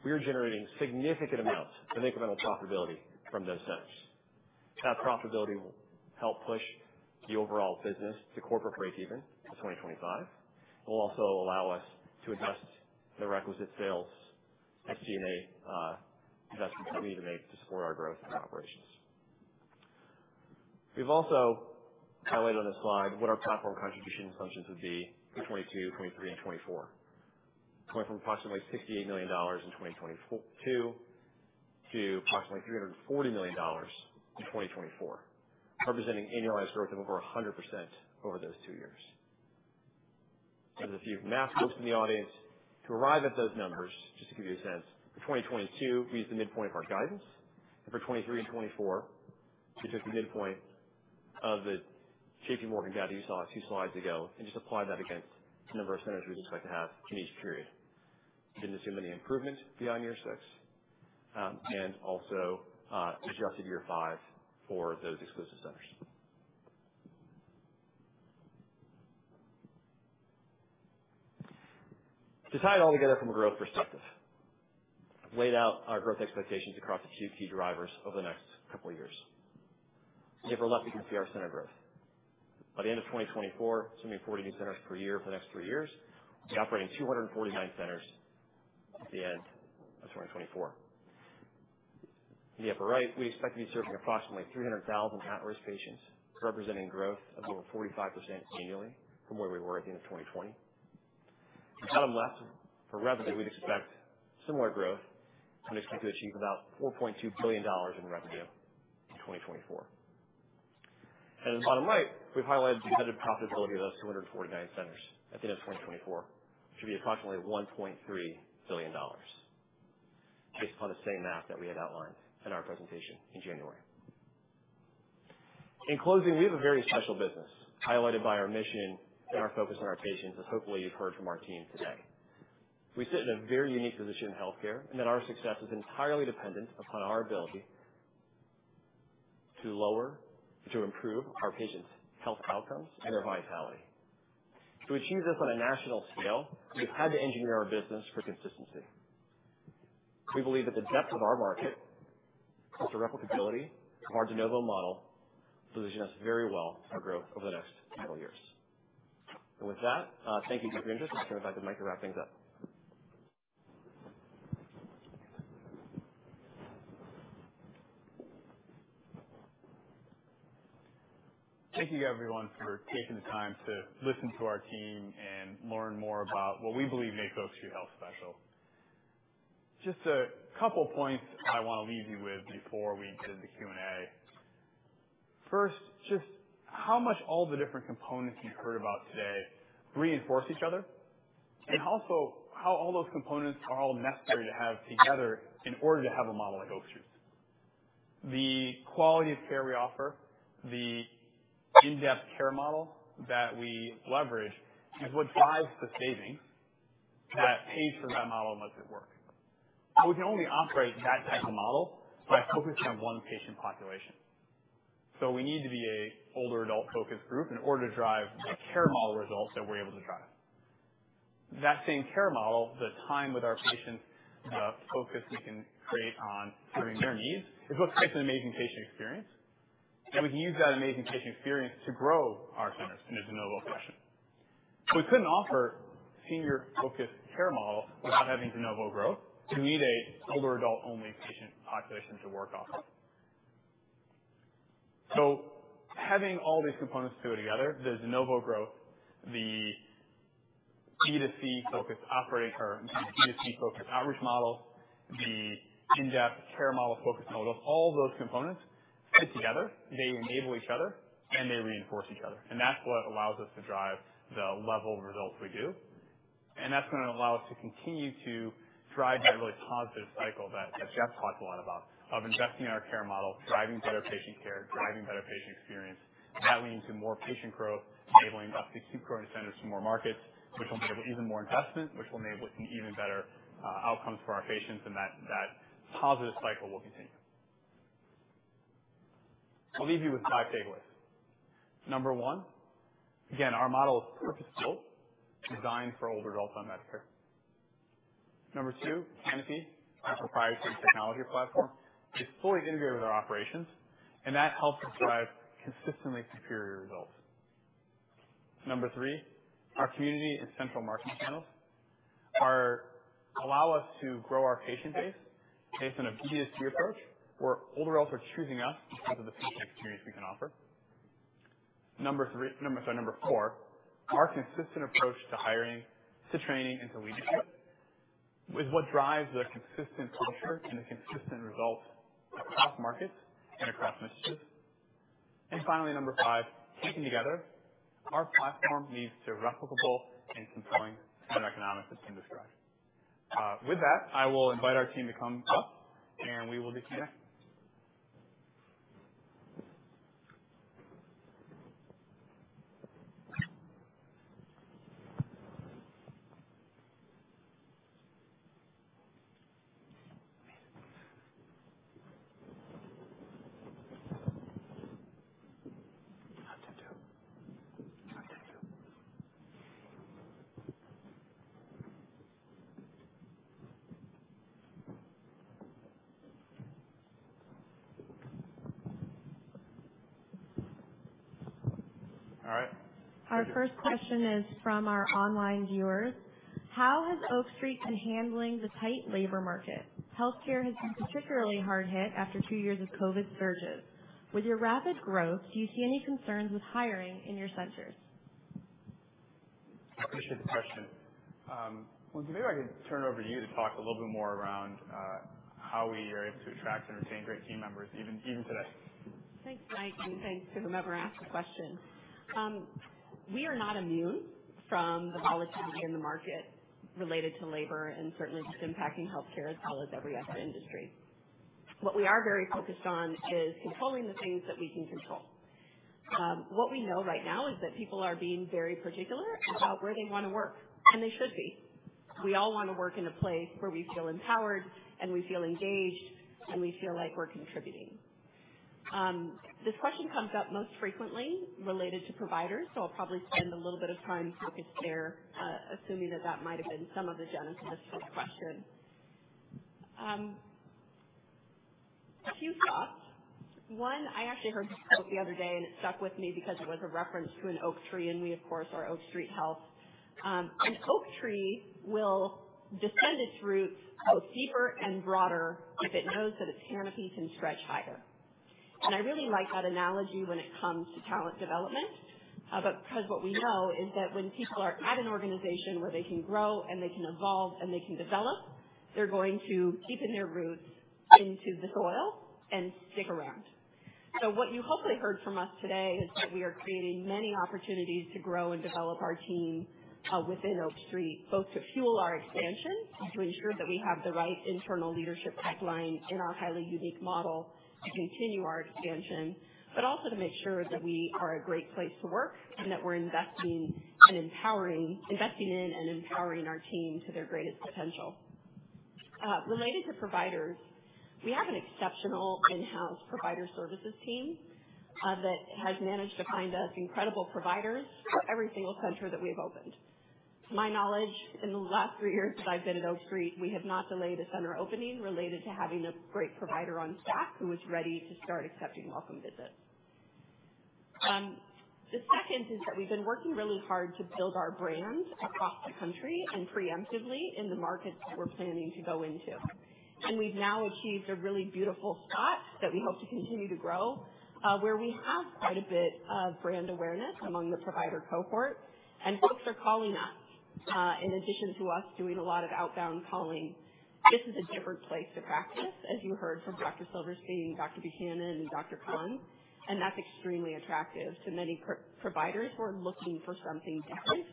L: We are generating significant amounts of incremental profitability from those centers. That profitability will help push the overall business to corporate breakeven in 2025. will also allow us to adjust the requisite SG&A investments that we need to make to support our growth and operations. We've also highlighted on this slide what our platform contribution assumptions would be for 2022, 2023 and 2024. Going from approximately $68 million in 2022 to approximately $340 million in 2024. Representing annualized growth of over 100% over those two years. I asked a few math folks in the audience to arrive at those numbers, just to give you a sense, for 2022, we used the midpoint of our guidance. For 2023 and 2024, we took the midpoint of the JPMorgan guide that you saw a few slides ago and just applied that against the number of centers we expect to have in each period. Didn't assume any improvement beyond year six, and also adjusted year five for those exclusive centers. To tie it all together from a growth perspective, I've laid out our growth expectations across the key drivers over the next couple of years. In the upper left you can see our center growth. By the end of 2024, assuming 40 new centers per year for the next three years, we'll be operating 249 centers at the end of 2024. In the upper right, we expect to be serving approximately 300,000 at-risk patients, representing growth of over 45% annually from where we were at the end of 2020. On the bottom left, for revenue, we'd expect similar growth and expect to achieve about $4.2 billion in revenue in 2024. In the bottom right, we've highlighted the netted profitability of those 249 centers at the end of 2024. It should be approximately $1.3 billion based upon the same math that we had outlined in our presentation in January. In closing, we have a very special business highlighted by our mission and our focus on our patients, as hopefully you've heard from our team today. We sit in a very unique position in healthcare, and that our success is entirely dependent upon our ability to lower, to improve our patients' health outcomes and their vitality. To achieve this on a national scale, we've had to engineer our business for consistency. We believe that the depth of our market, plus the replicability of our de novo model, positions us very well for growth over the next several years. With that, thank you for your interest. I'll turn it back to Mike to wrap things up.
A: Thank you, everyone, for taking the time to listen to our team and learn more about what we believe makes Oak Street Health special. Just a couple points I want to leave you with before we get into Q&A. First, just how much all the different components you've heard about today reinforce each other, and also how all those components are all necessary to have together in order to have a model like Oak Street's. The quality of care we offer, the in-depth care model that we leverage is what drives the savings that pays for that model and makes it work. We can only operate that type of model by focusing on one patient population. We need to be an older adult-focused group in order to drive the care model results that we're able to drive. That same care model, the time with our patients, the focus we can create on serving their needs is what creates an amazing patient experience. We can use that amazing patient experience to grow our centers in a de novo fashion. We couldn't offer senior-focused care model without having de novo growth. You need an older adult-only patient population to work off of. Having all these components fit together, the de novo growth, the B2C-focused operating or B2C-focused outreach model, the in-depth care model focus model, all those components fit together. They enable each other, and they reinforce each other. That's what allows us to drive the level of results we do. That's gonna allow us to continue to drive that really positive cycle that Geoff talked a lot about. Of investing in our care model, driving better patient care, driving better patient experience. That leads to more patient growth, enabling us to keep growing centers to more markets, which will enable even more investment, which will enable even better outcomes for our patients. That positive cycle will continue. I'll leave you with five takeaways. Number one, again, our model is purpose-built, designed for older adults on Medicare. Number two, Canopy, our proprietary technology platform, is fully integrated with our operations, and that helps us drive consistently superior results. Number three, our community and central marketing channels allow us to grow our patient base based on a B2C approach, where older adults are choosing us because of the patient experience we can offer. Number four, our consistent approach to hiring, to training, and to leadership is what drives the consistent culture and the consistent results across markets and across initiatives. Finally, number five, taken together, our platform leads to replicable and compelling unit economics as Jim described. With that, I will invite our team to come up, and we will do Q&A. All right.
M: Our first question is from our online viewers. How has Oak Street been handling the tight labor market? Healthcare has been particularly hard hit after two years of COVID surges. With your rapid growth, do you see any concerns with hiring in your centers?
A: I appreciate the question. Lindsay, maybe I could turn it over to you to talk a little bit more around, how we are able to attract and retain great team members even today.
I: Thanks, Mike, and thanks to whomever asked the question. We are not immune from the volatility in the market related to labor and certainly just impacting healthcare as well as every other industry. What we are very focused on is controlling the things that we can control. What we know right now is that people are being very particular about where they wanna work, and they should be. We all wanna work in a place where we feel empowered, and we feel engaged, and we feel like we're contributing. This question comes up most frequently related to providers, so I'll probably spend a little bit of time focused there, assuming that that might have been some of the genesis of this first question. A few thoughts. One, I actually heard this quote the other day, and it stuck with me because it was a reference to an oak tree, and we of course are Oak Street Health. An oak tree will descend its roots both deeper and broader if it knows that its canopy can stretch higher. I really like that analogy when it comes to talent development, but because what we know is that when people are at an organization where they can grow and they can evolve and they can develop, they're going to deepen their roots into the soil and stick around. What you hopefully heard from us today is that we are creating many opportunities to grow and develop our team, within Oak Street, both to fuel our expansion and to ensure that we have the right internal leadership pipeline in our highly unique model to continue our expansion. Also to make sure that we are a great place to work and that we're investing in and empowering our team to their greatest potential. Related to providers, we have an exceptional in-house provider services team, that has managed to find us incredible providers for every single center that we have opened. To my knowledge, in the last three years that I've been at Oak Street, we have not delayed a center opening related to having a great provider on staff who was ready to start accepting welcome visits. The second is that we've been working really hard to build our brand across the country and preemptively in the markets that we're planning to go into. We've now achieved a really beautiful spot that we hope to continue to grow, where we have quite a bit of brand awareness among the provider cohort, and folks are calling us, in addition to us doing a lot of outbound calling. This is a different place to practice, as you heard from Dr. Silverstein, Dr. Buchanan, and Dr. Khan, and that's extremely attractive to many providers who are looking for something different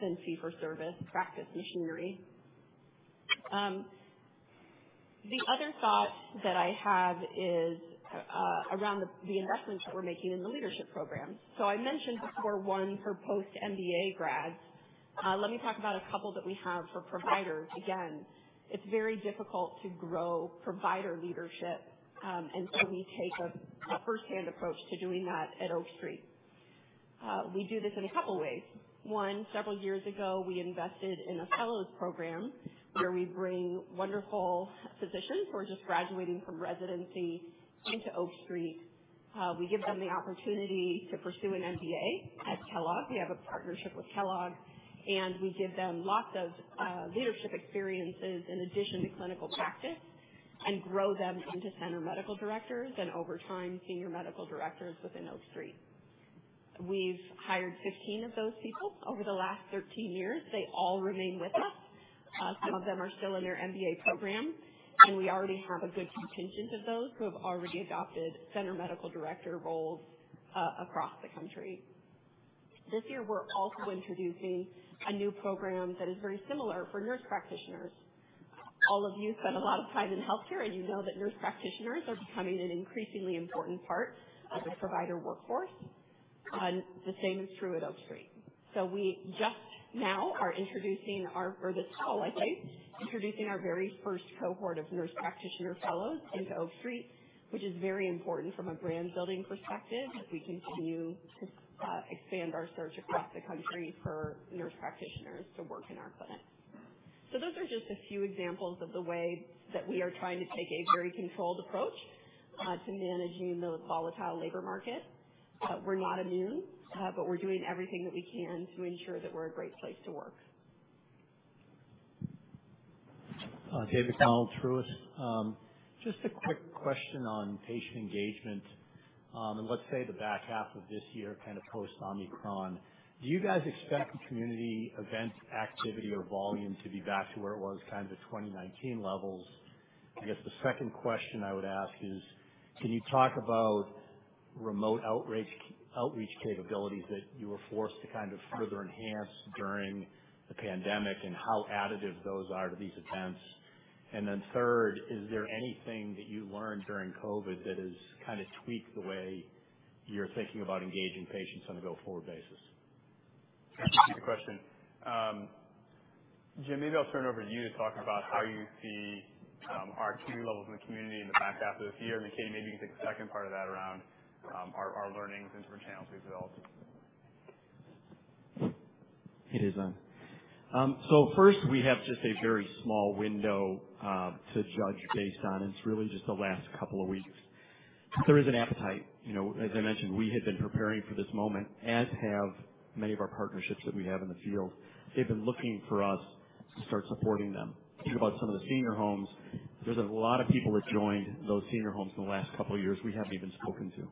I: than fee-for-service practice medicine. The other thought that I have is around the investments that we're making in the leadership program. I mentioned before one for post-MBA grads. Let me talk about a couple that we have for providers. Again, it's very difficult to grow provider leadership, and so we take a firsthand approach to doing that at Oak Street. We do this in a couple ways. One, several years ago, we invested in a fellows program where we bring wonderful physicians who are just graduating from residency into Oak Street. We give them the opportunity to pursue an MBA at Kellogg. We have a partnership with Kellogg, and we give them lots of leadership experiences in addition to clinical practice and grow them into center medical directors and over time, senior medical directors within Oak Street. We've hired 15 of those people over the last 13 years. They all remain with us. Some of them are still in their MBA program, and we already have a good contingent of those who have already adopted center medical director roles across the country. This year, we're also introducing a new program that is very similar for nurse practitioners. All of you spend a lot of time in healthcare, and you know that nurse practitioners are becoming an increasingly important part of the provider workforce. The same is true at Oak Street. We are introducing our very first cohort of nurse practitioner fellows into Oak Street this fall, I guess, which is very important from a brand-building perspective as we continue to expand our search across the country for nurse practitioners to work in our clinics. Those are just a few examples of the way that we are trying to take a very controlled approach to managing the volatile labor market. We're not immune, but we're doing everything that we can to ensure that we're a great place to work.
N: David Windley, Truist. Just a quick question on patient engagement. Let's say the back half of this year, kind of post Omicron, do you guys expect the community event activity or volume to be back to where it was, kind of to 2019 levels? I guess the second question I would ask is, can you talk about remote outreach capabilities that you were forced to kind of further enhance during the pandemic, and how additive those are to these events? Then third, is there anything that you learned during COVID that has kinda tweaked the way you're thinking about engaging patients on a go-forward basis?
A: Thank you for the question. Jim, maybe I'll turn it over to you to talk about how you see our queue levels in the community in the back half of this year. Katie, maybe you can take the second part of that around our learnings and different channels we've built.
H: It is on. First, we have just a very small window to judge based on. It's really just the last couple of weeks. There is an appetite. You know, as I mentioned, we had been preparing for this moment, as have many of our partnerships that we have in the field. They've been looking for us to start supporting them. Think about some of the senior homes. There's a lot of people that joined those senior homes in the last couple of years we haven't even spoken to.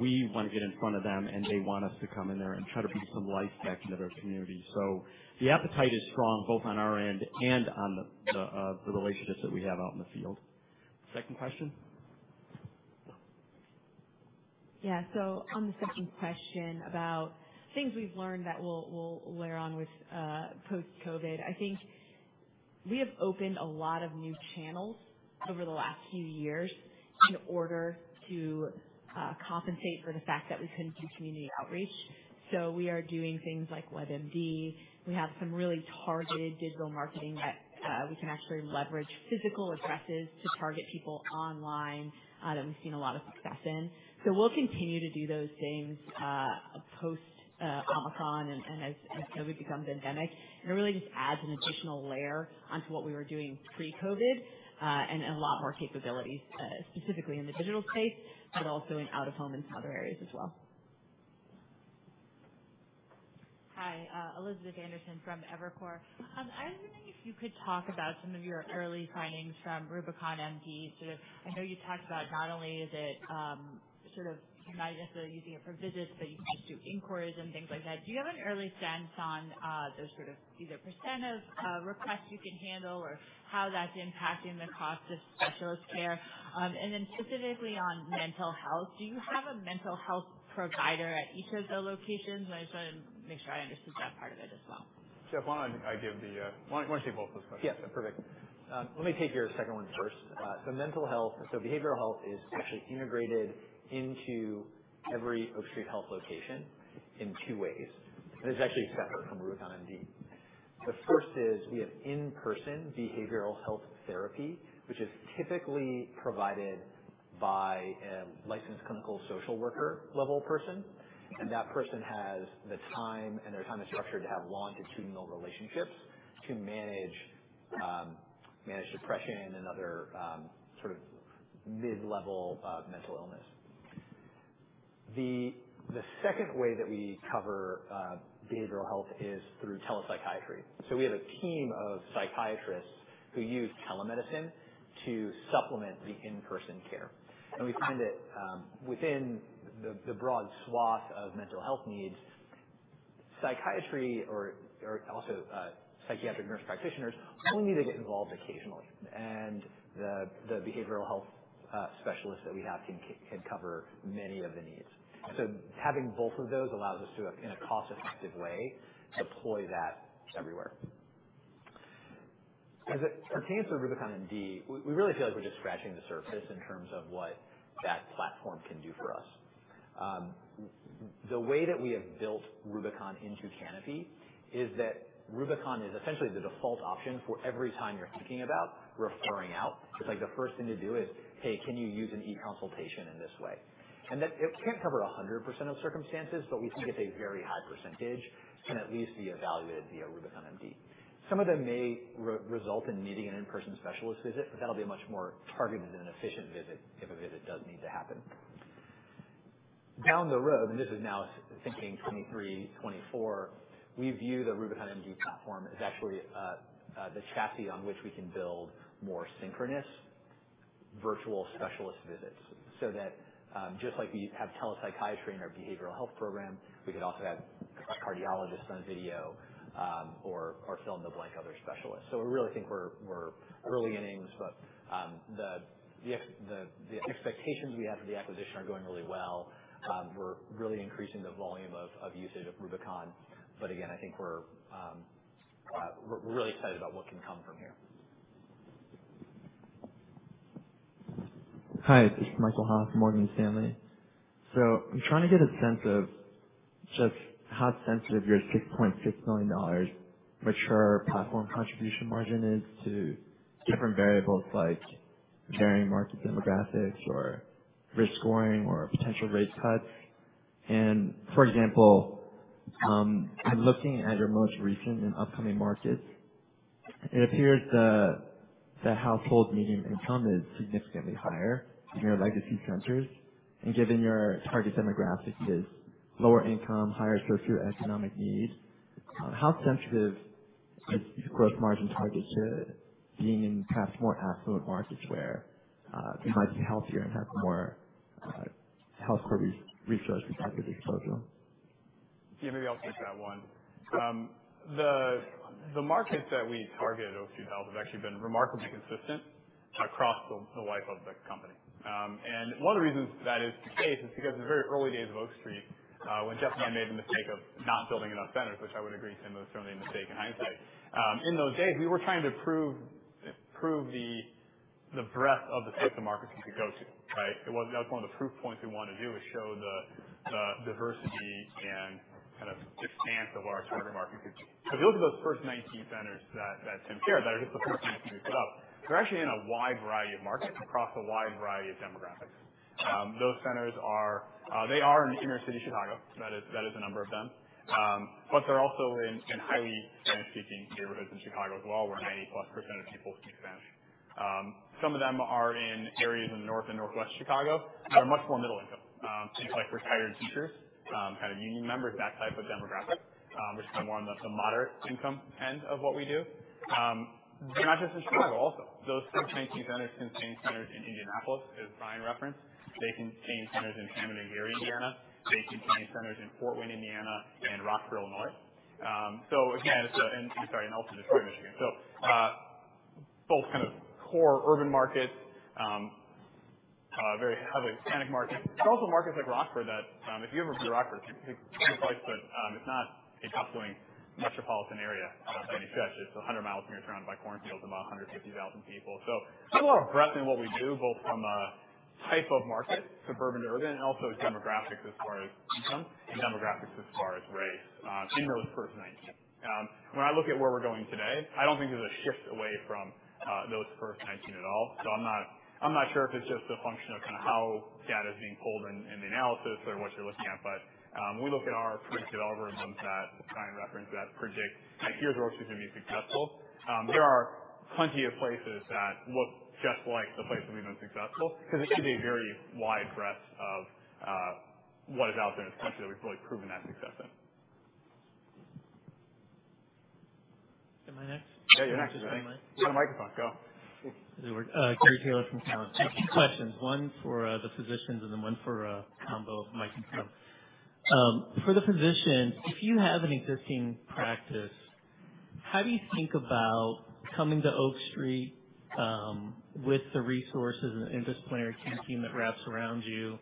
H: We wanna get in front of them, and they want us to come in there and try to breathe some life back into their community. The appetite is strong, both on our end and on the relationships that we have out in the field.
A: Second question.
I: Yeah. On the second question about things we've learned that we'll layer on with post-COVID. I think we have opened a lot of new channels over the last few years in order to compensate for the fact that we couldn't do community outreach. We are doing things like WebMD. We have some really targeted digital marketing that we can actually leverage physical addresses to target people online that we've seen a lot of success in. We'll continue to do those things post Omicron and as COVID becomes endemic. It really just adds an additional layer onto what we were doing pre-COVID and a lot more capabilities specifically in the digital space, but also in out-of-home and some other areas as well.
O: Hi, Elizabeth Anderson from Evercore. I was wondering if you could talk about some of your early findings from RubiconMD. Sort of, I know you talked about not only is it, sort of, you're not necessarily using it for visits, but you can just do inquiries and things like that. Do you have an early sense on the sort of either percent of requests you can handle or how that's impacting the cost of specialist care? And then specifically on mental health, do you have a mental health provider at each of the locations? I just wanna make sure I understood that part of it as well.
A: Geoff, why don't you take both those questions?
K: Yeah. Perfect. Let me take your second one first. Mental health. Behavioral health is actually integrated into every Oak Street Health location in two ways. It's actually separate from RubiconMD. The first is we have in-person behavioral health therapy, which is typically provided by a licensed clinical social worker level person, and that person has the time, and their time is structured to have longitudinal relationships to manage depression and other sort of mid-level mental illness. The second way that we cover behavioral health is through telepsychiatry. We have a team of psychiatrists who use telemedicine to supplement the in-person care. We find that within the broad swath of mental health needs, psychiatry or also psychiatric nurse practitioners only need to get involved occasionally. The behavioral health specialists that we have can cover many of the needs. Having both of those allows us to, in a cost-effective way, deploy that everywhere. As it pertains to RubiconMD, we really feel like we're just scratching the surface in terms of what that platform can do for us. The way that we have built Rubicon into Canopy is that Rubicon is essentially the default option for every time you're thinking about referring out. It's like the first thing to do is, "Hey, can you use an e-consultation in this way?" That it can't cover 100% of circumstances, but we think it's a very high percentage can at least be evaluated via RubiconMD. Some of them may result in needing an in-person specialist visit, but that'll be a much more targeted and efficient visit if a visit does need to happen. Down the road, this is now thinking 2023, 2024, we view the RubiconMD platform as actually the chassis on which we can build more synchronous virtual specialist visits, so that just like we have telepsychiatry in our behavioral health program, we could also have a cardiologist on video or fill in the blank other specialists. We really think we're early innings, but the expectations we have for the acquisition are going really well. We're really increasing the volume of usage of RubiconMD. Again, I think we're really excited about what can come from here.
P: Hi, this is Michael Ha from Morgan Stanley. I'm trying to get a sense of just how sensitive your $6.6 million mature platform contribution margin is to different variables like varying market demographics or risk scoring or potential rate cuts. For example, I'm looking at your most recent and upcoming markets. It appears the household median income is significantly higher than your legacy centers. Given your target demographic is lower income, higher socioeconomic need, how sensitive is the gross margin target to being in perhaps more affluent markets where people might be healthier and have more health care resources to contribute to their social?
A: Yeah, maybe I'll take that one. The markets that we target at Oak Street Health have actually been remarkably consistent across the life of the company. One of the reasons that is the case is because in the very early days of Oak Street, when Justin and I made the mistake of not building enough centers, which I would agree, Tim, was certainly a mistake in hindsight. In those days, we were trying to prove the breadth of the type of markets we could go to, right? That was one of the proof points we wanted to do, is show the diversity and kind of expanse of our target market could be. Those are the first 19 centers that Tim shared. They're just the first 19 we put up. They're actually in a wide variety of markets across a wide variety of demographics. Those centers are in inner city Chicago. That is a number of them. But they're also in highly Spanish-speaking neighborhoods in Chicago as well, where 90%+ of people speak Spanish. Some of them are in areas in North and Northwest Chicago that are much more middle income. Think like retired teachers, kind of union members, that type of demographic. Which is kind of more on the moderate income end of what we do. They're not just in Chicago also. Those same 19 centers contain centers in Indianapolis, as Brian referenced. They contain centers in Hammond and Gary, Indiana. They contain centers in Fort Wayne, Indiana, and Rockford. In Detroit, Michigan. Both kind of core urban markets, very heavy Hispanic market. It's also markets like Rockford that, if you ever been to Rockford, it's a great place, but, it's not a bustling metropolitan area by any stretch. It's 100 miles from here, surrounded by cornfields, about 150,000 people. There's a lot of breadth in what we do, both from a type of market, suburban to urban, and also demographics as far as income and demographics as far as race, in those first 19. When I look at where we're going today, I don't think there's a shift away from, those first 19 at all. I'm not sure if it's just a function of kinda how data is being pulled in the analysis or what you're looking at. When we look at our predictive algorithms that Brian referenced that predict the areas where Oak Street is gonna be successful, there are plenty of places that look just like the places we've been successful, 'cause it's a very wide breadth of what is out there in this country that we've really proven that success in.
Q: Am I next?
A: Yeah, you're next. You have a microphone. Go.
Q: This is Gary Taylor from Cowen. I have two questions, one for the physicians and then one for a combo of Mike and Tim. For the physicians, if you have an existing practice, how do you think about coming to Oak Street with the resources and the interdisciplinary care team that wraps around you,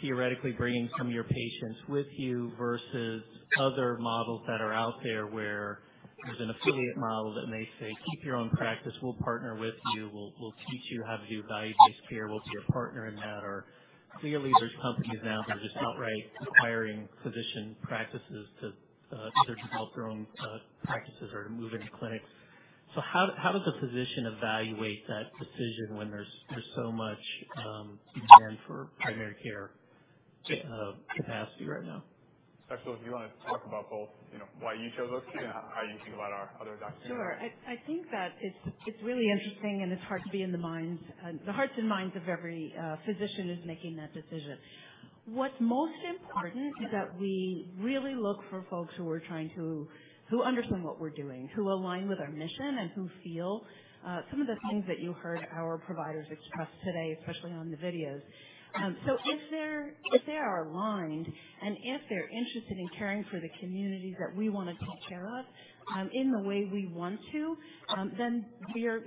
Q: theoretically bringing some of your patients with you, versus other models that are out there where there's an affiliate model that may say, "Keep your own practice. We'll partner with you. We'll teach you how to do value-based care. We'll be your partner in that." Or clearly, there's companies now that are just outright acquiring physician practices to either develop their own practices or to move into clinics. How does a physician evaluate that decision when there's so much demand for primary care capacity right now?
A: Dr. Ali Khan, if you wanna talk about both, you know, why you chose us and how you think about our other doctors.
C: Sure. I think that it's really interesting, and it's hard to be in the minds, the hearts and minds of every physician who's making that decision. What's most important is that we really look for folks who understand what we're doing, who align with our mission, and who feel some of the things that you heard our providers express today, especially on the videos. If they are aligned and if they're interested in caring for the communities that we wanna take care of, in the way we want to, then we are,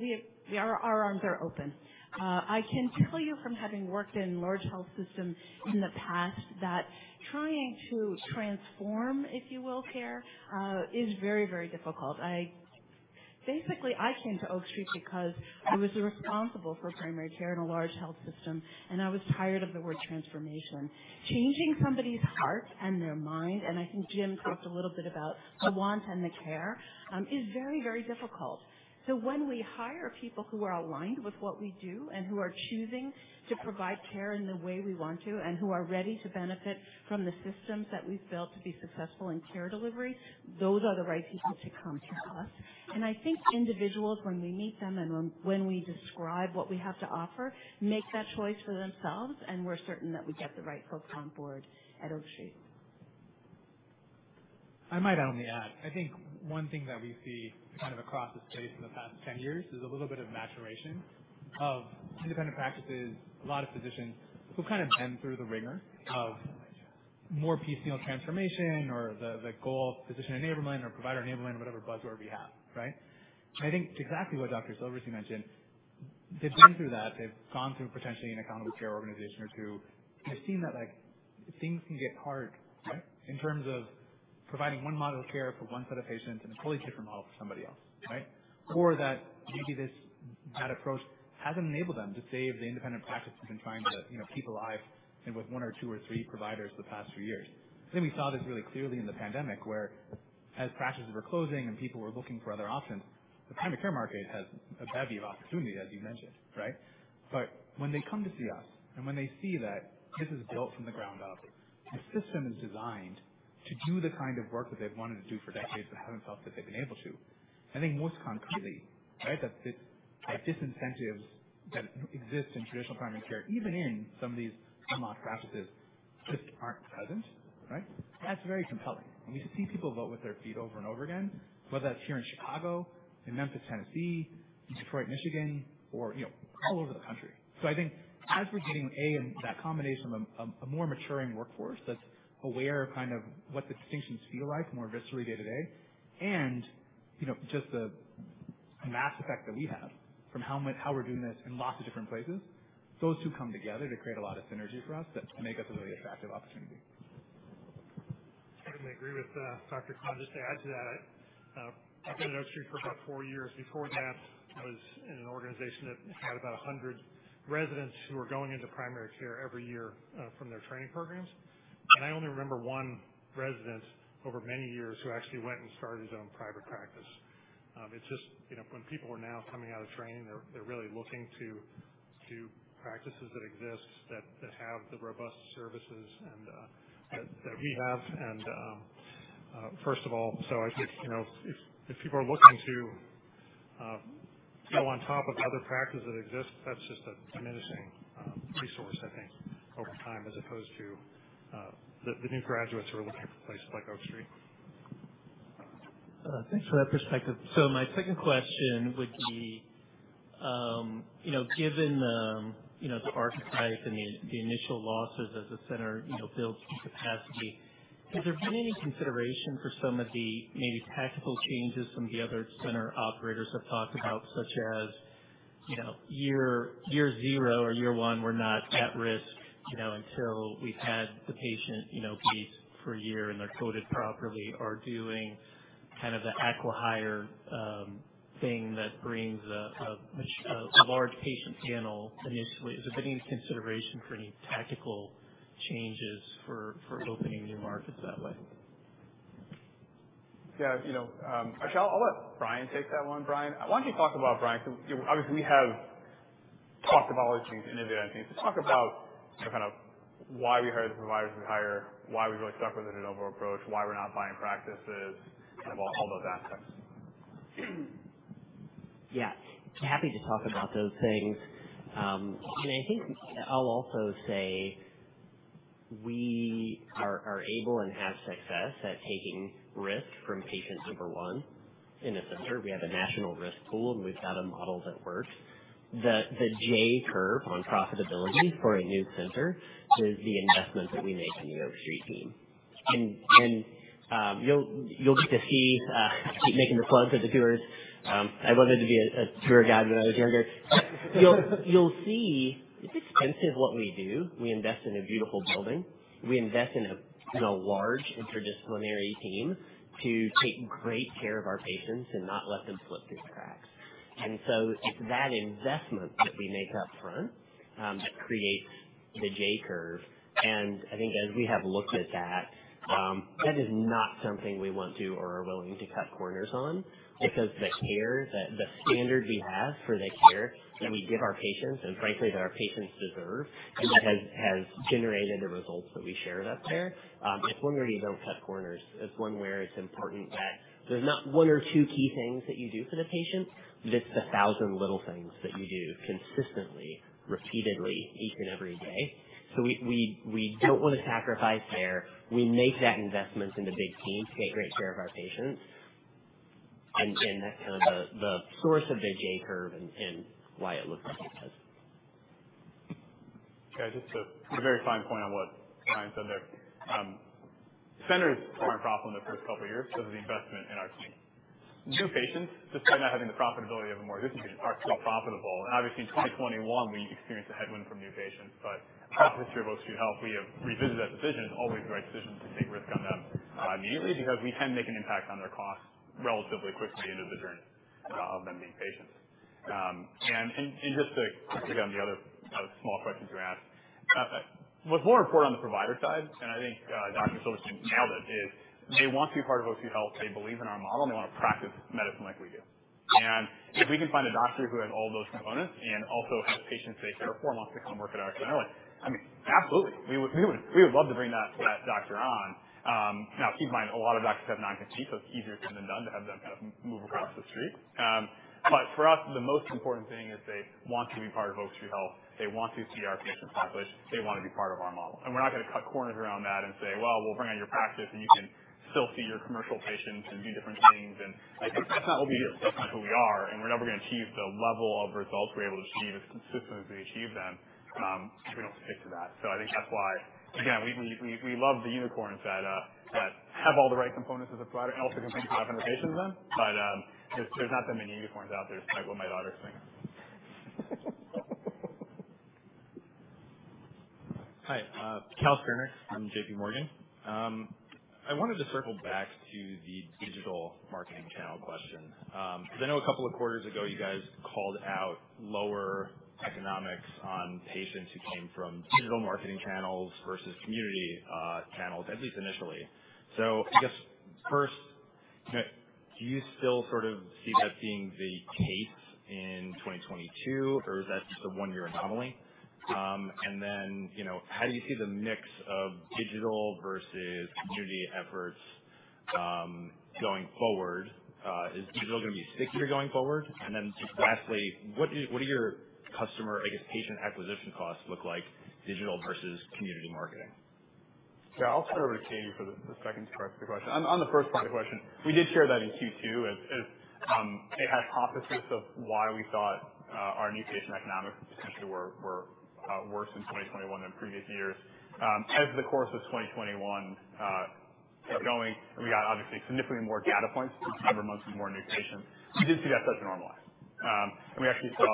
C: our arms are open. I can tell you from having worked in large health systems in the past that trying to transform, if you will, care is very, very difficult. Basically, I came to Oak Street because I was responsible for primary care in a large health system, and I was tired of the word transformation. Changing somebody's heart and their mind, and I think Jim talked a little bit about the want and the care, is very, very difficult. When we hire people who are aligned with what we do and who are choosing to provide care in the way we want to, and who are ready to benefit from the systems that we've built to be successful in care delivery, those are the right people to come to us. I think individuals, when we meet them and when we describe what we have to offer, make that choice for themselves, and we're certain that we get the right folks on board at Oak Street.
B: I might only add, I think one thing that we see kind of across the space in the past 10 years is a little bit of maturation of independent practices. A lot of physicians who've kind of been through the wringer of more piecemeal transformation or the goal of physician enablement or provider enablement or whatever buzzword we have, right? I think exactly what Dr. Silverstein mentioned. They've been through that. They've gone through potentially an accountable care organization or two. They've seen that, like, things can get hard, right? In terms of providing one model of care for one set of patients and a totally different model for somebody else, right? Or that maybe this, that approach hasn't enabled them to save the independent practices and trying to, you know, keep alive and with one or two or three providers for the past few years. I think we saw this really clearly in the pandemic, where as practices were closing and people were looking for other options, the primary care market has a bevy of opportunities, as you mentioned, right? When they come to see us and when they see that this is built from the ground up, the system is designed to do the kind of work that they've wanted to do for decades, but haven't felt that they've been able to. I think most concretely, right, that disincentive that exists in traditional primary care, even in some of these co-managed practices, just aren't present, right? That's very compelling. You see people vote with their feet over and over again, whether that's here in Chicago, in Memphis, Tennessee, in Detroit, Michigan, or, you know, all over the country. I think as we're in that combination of a more maturing workforce that's aware of kind of what the distinctions feel like more viscerally day to day. You know, just the mass effect that we have from how we're doing this in lots of different places. Those two come together to create a lot of synergy for us that make us a really attractive opportunity.
F: I certainly agree with Dr. Khan. Just to add to that, I've been at Oak Street for about four years. Before that, I was in an organization that had about 100 residents who were going into primary care every year from their training programs. I only remember one resident over many years who actually went and started his own private practice. It's just, you know, when people are now coming out of training, they're really looking to practices that exist that have the robust services and that we have. First of all, I think, you know, if people are looking to go on top of other practices that exist, that's just a managing resource, I think over time, as opposed to the new graduates who are looking for places like Oak Street.
Q: Thanks for that perspective. My second question would be, you know, given the archetype and the initial losses as the center, you know, builds capacity, has there been any consideration for some of the maybe tactical changes some of the other center operators have talked about, such as, you know, year zero or year one, we're not at risk, you know, until we've had the patient, you know, been for a year and they're coded properly. Doing kind of the acqui-hire thing that brings a large patient panel initially. Has there been any consideration for any tactical changes for opening new markets that way?
B: Yeah. You know, actually I'll let Brian take that one. Brian, why don't you talk about Brian? Obviously, we have talked about our changes in event. Talk about kind of why we hire the providers we hire, why we really stuck with the de novo approach, why we're not buying practices, kind of all those aspects.
J: Yeah. Happy to talk about those things. I think I'll also say we are able and have success at taking risk from patient number one in the center. We have a national risk pool, and we've got a model that works. The J curve on profitability for a new center is the investment that we make in the Oak Street team. You'll get to see I keep making the plugs for the tours. I loved to be a tour guide when I was younger. You'll see it's expensive what we do. We invest in a beautiful building. We invest in a large interdisciplinary team to take great care of our patients and not let them slip through the cracks. It's that investment that we make up front that creates the J curve. I think as we have looked at that is not something we want to or are willing to cut corners on because the care that the standard we have for the care that we give our patients and frankly, that our patients deserve, and that has generated the results that we shared up there. It's one where you don't cut corners. It's one where it's important that there's not one or two key things that you do for the patient. It's the thousand little things that you do consistently, repeatedly, each and every day. We don't want to sacrifice there. We make that investment in the big team to take great care of our patients. That's kind of the source of the J curve and why it looks like it does.
B: Yeah, just to put a very fine point on what Brian said there, centers aren't profitable in the first couple of years because of the investment in our team. New patients, despite not having the profitability of a more existing patient, are still profitable. Obviously in 2021 we experienced a headwind from new patients. After three years of Oak Street Health, we have revisited that decision. It's always the right decision to take risk on them. Immediately because we tend to make an impact on their costs relatively quickly into the journey of them being patients. Just to quickly on the other small questions you asked. What's more important on the provider side, and I think Dr. Silverstein nailed it, is they want to be part of Oak Street Health. They believe in our model, and they wanna practice medicine like we do. If we can find a doctor who has all those components and also has patients they care for wants to come work at our center, I mean, absolutely. We would love to bring that doctor on. Now, keep in mind, a lot of doctors have non-competes, so it's easier said than done to have them kind of move across the street. For us, the most important thing is they want to be part of Oak Street Health. They want to see our patient population. They wanna be part of our model. We're not gonna cut corners around that and say, "Well, we'll bring in your practice, and you can still see your commercial patients and do different things." I think that's not what we do. That's not who we are, and we're never gonna achieve the level of results we're able to achieve as consistently as we achieve them, if we don't stick to that. I think that's why, again, we love the unicorns that have all the right components as a provider and also can bring a lot of patients with them. There's not that many unicorns out there, despite what my daughters think.
R: Hi, Calvin Sternick from JPMorgan. I wanted to circle back to the digital marketing channel question. 'Cause I know a couple of quarters ago you guys called out lower economics on patients who came from digital marketing channels versus community channels, at least initially. I guess, first, you know, do you still sort of see that being the case in 2022, or is that just a one-year anomaly? Then, you know, how do you see the mix of digital versus community efforts going forward? Is digital gonna be stickier going forward? Just lastly, what do your customer, I guess, patient acquisition costs look like digital versus community marketing?
A: Yeah. I'll turn it over to Katie for the second part of the question. On the first part of the question, we did share that in Q2 as a hypothesis of why we thought our new patient economics potentially were worse in 2021 than previous years. As the course of 2021 kept going, and we got obviously significantly more data points through several months of more new patients, we did see that start to normalize. We actually saw,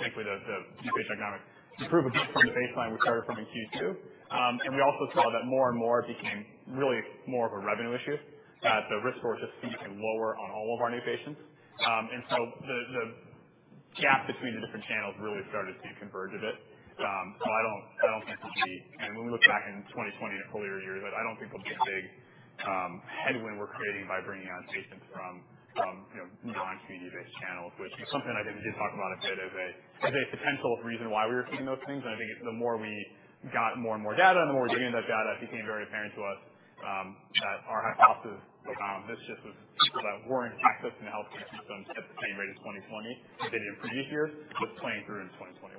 A: thankfully, the new patient economics improve against from the baseline we started from in Q2. We also saw that more and more it became really more of a revenue issue. Risk scores just seemed lower on all of our new patients. The gap between the different channels really started to converge a bit. I don't think we'll see. When we look back in 2020 and earlier years, I don't think there'll be a big headwind we're creating by bringing on patients from, you know, non-community based channels, which is something I think we did talk about a bit as a potential reason why we were seeing those things. I think the more we got more and more data, the more we were doing with that data, it became very apparent to us that our hypothesis that it was people that weren't accessing the healthcare system at the same rate in 2020 than they did in previous years was playing through in 2021.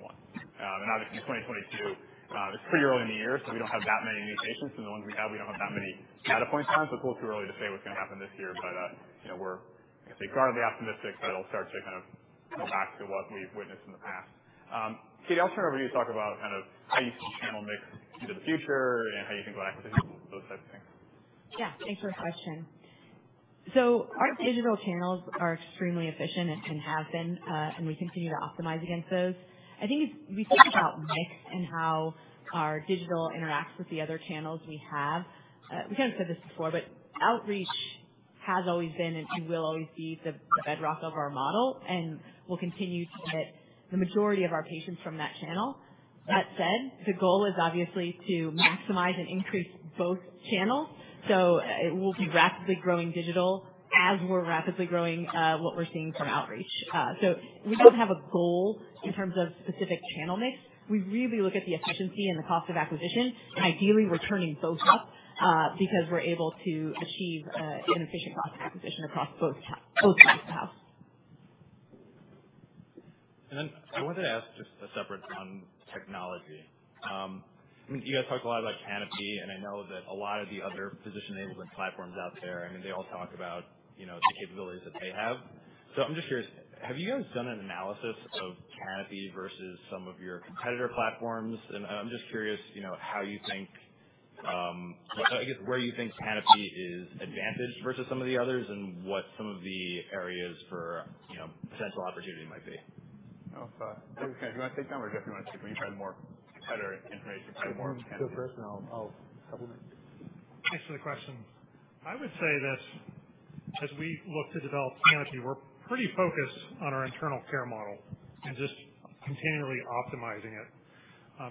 A: Obviously 2022, it's pretty early in the year, so we don't have that many new patients. The ones we have, we don't have that many data points on, so it's a little too early to say what's gonna happen this year. You know, we're, I'd say guardedly optimistic that it'll start to kind of go back to what we've witnessed in the past. Katie, I'll turn over to you to talk about kind of how you see the channel mix into the future and how you think about acquisition, those types of things.
G: Yeah. Thanks for the question. So our digital channels are extremely efficient and have been, and we continue to optimize against those. I think if we think about mix and how our digital interacts with the other channels we have, we kind of said this before, but outreach has always been and will always be the bedrock of our model and will continue to get the majority of our patients from that channel. That said, the goal is obviously to maximize and increase both channels. We'll be rapidly growing digital as we're rapidly growing what we're seeing from outreach. We don't have a goal in terms of specific channel mix. We really look at the efficiency and the cost of acquisition, and ideally we're turning both up, because we're able to achieve an efficient cost of acquisition across both sides of the house.
R: Then I wanted to ask just a separate on technology. I mean, you guys talk a lot about Canopy, and I know that a lot of the other physician-enabled platforms out there. I mean, they all talk about, you know, the capabilities that they have. I'm just curious, have you guys done an analysis of Canopy versus some of your competitor platforms? I'm just curious, you know, how you think, I guess, where you think Canopy is advantaged versus some of the others and what some of the areas for, you know, potential opportunity might be.
A: I'll, David, do you wanna take that one, or Geoff, do you have more competitor information, probably more on Canopy?
K: You go first, and I'll complement.
F: Thanks for the question. I would say that as we look to develop Canopy, we're pretty focused on our internal care model and just continually optimizing it,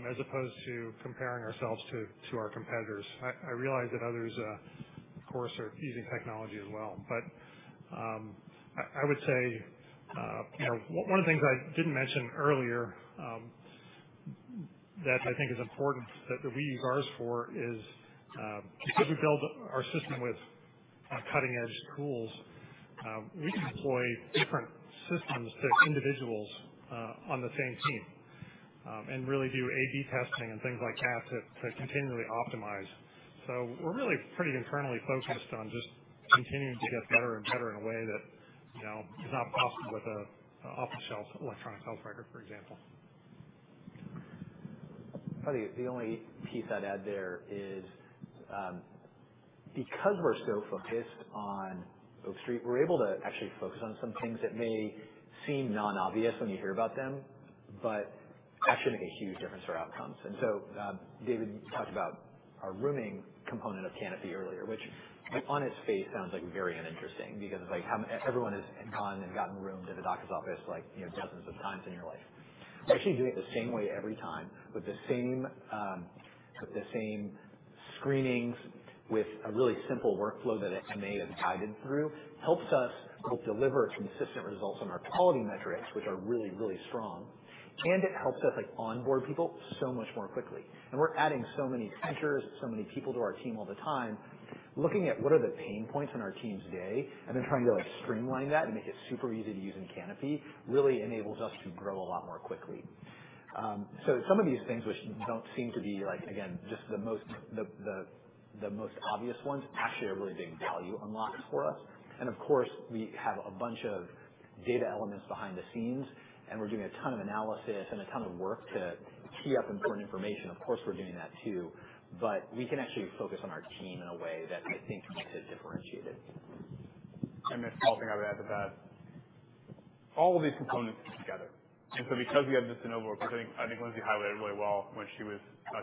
F: as opposed to comparing ourselves to our competitors. I realize that others, of course, are using technology as well. I would say, you know, one of the things I didn't mention earlier, that I think is important that we use ours for is, because we build our system with cutting edge tools, we can deploy different systems to individuals on the same team, and really do A/B testing and things like that to continually optimize. We're really pretty internally focused on just continuing to get better and better in a way that, you know, is not possible with an off-the-shelf electronic health record, for example.
K: I think the only piece I'd add there is, because we're so focused on Oak Street, we're able to actually focus on some things that may seem non-obvious when you hear about them. That should make a huge difference for outcomes. David talked about our rooming component of Canopy earlier, which on its face sounds, like, very uninteresting because, like, how everyone has gone and gotten roomed at a doctor's office, like, you know, dozens of times in your life. But actually doing it the same way every time with the same screenings, with a really simple workflow that an MA is guided through, helps us both deliver consistent results on our quality metrics, which are really, really strong. It helps us, like, onboard people so much more quickly. We're adding so many centers, so many people to our team all the time. Looking at what are the pain points in our team's day and then trying to, like, streamline that and make it super easy to use in Canopy really enables us to grow a lot more quickly. Some of these things which don't seem to be like, again, just the most obvious ones actually are really big value unlocks for us. Of course, we have a bunch of data elements behind the scenes, and we're doing a ton of analysis and a ton of work to tee up important information. Of course, we're doing that too, but we can actually focus on our team in a way that I think makes us differentiated.
A: The small thing I would add to that, all of these components fit together. Because we have this network, which I think Lindsay highlighted really well when she was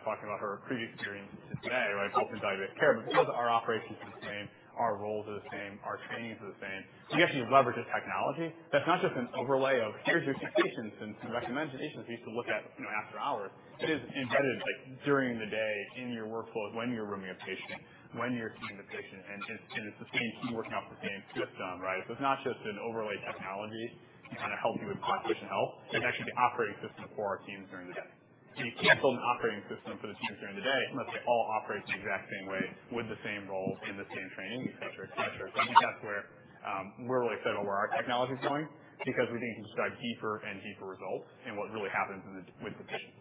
A: talking about her previous experience today around open diabetic care. Because our operations are the same, our roles are the same, our trainings are the same, we actually leverage the technology. That's not just an overlay of, here's your suggestions and some recommendations we used to look at, you know, after hours. It is embedded, like, during the day in your workflow when you're rooming a patient, when you're seeing the patient, and it's the same team working off the same system, right? It's not just an overlay technology to kinda help you with population health. It's actually the operating system for our teams during the day. You can't build an operating system for the teams during the day unless it all operates the exact same way with the same roles and the same training, et cetera, et cetera. I think that's where we're really excited about where our technology is going because we're going to start seeing deeper and deeper results in what really happens with the patients.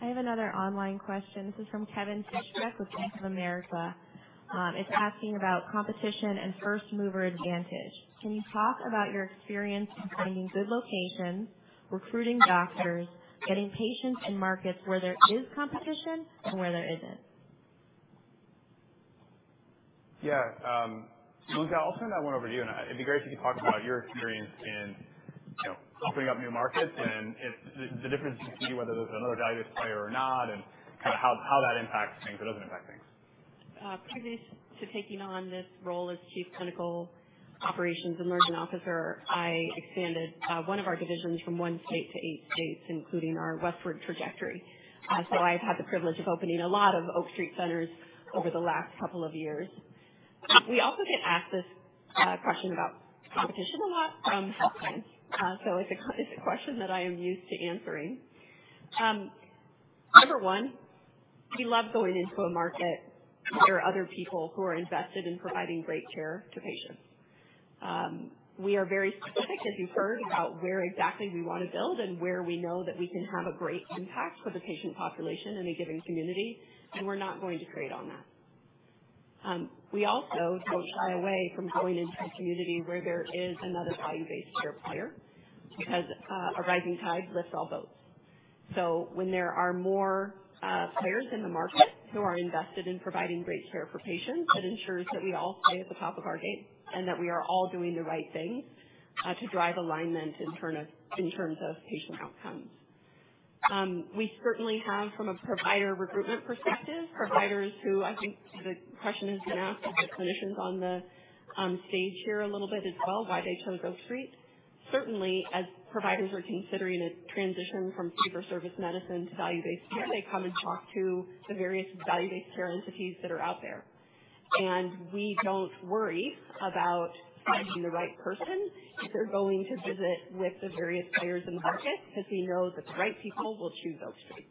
M: I have another online question. This is from Kevin Fischbeck with Bank of America. It's asking about competition and first mover advantage. Can you talk about your experience in finding good locations, recruiting doctors, getting patients in markets where there is competition and where there isn't?
A: Yeah, Lindsay Arnold Sugden, I'll turn that one over to you. It'd be great if you could talk about your experience in, you know, opening up new markets and if the difference between whether there's another value-based player or not and kinda how that impacts things or doesn't impact things.
I: Previous to taking on this role as Chief Clinical & People Operations Officer, I expanded one of our divisions from one state to eight states, including our westward trajectory. I've had the privilege of opening a lot of Oak Street centers over the last couple of years. We also get asked this question about competition a lot from applicants. It's a question that I am used to answering. Number one, we love going into a market where other people who are invested in providing great care to patients. We are very specific, as you've heard, about where exactly we wanna build and where we know that we can have a great impact for the patient population in a given community, and we're not going to trade on that. We also don't shy away from going into a community where there is another value-based care player because a rising tide lifts all boats. When there are more players in the market who are invested in providing great care for patients, it ensures that we all play at the top of our game and that we are all doing the right things to drive alignment in terms of patient outcomes. We certainly have from a provider recruitment perspective, providers who I think the question has been asked of the clinicians on the stage here a little bit as well, why they chose Oak Street. Certainly, as providers are considering a transition from fee-for-service medicine to value-based care, they come and talk to the various value-based care entities that are out there. We don't worry about finding the right person if they're going to visit with the various players in the market, because we know that the right people will choose Oak Street.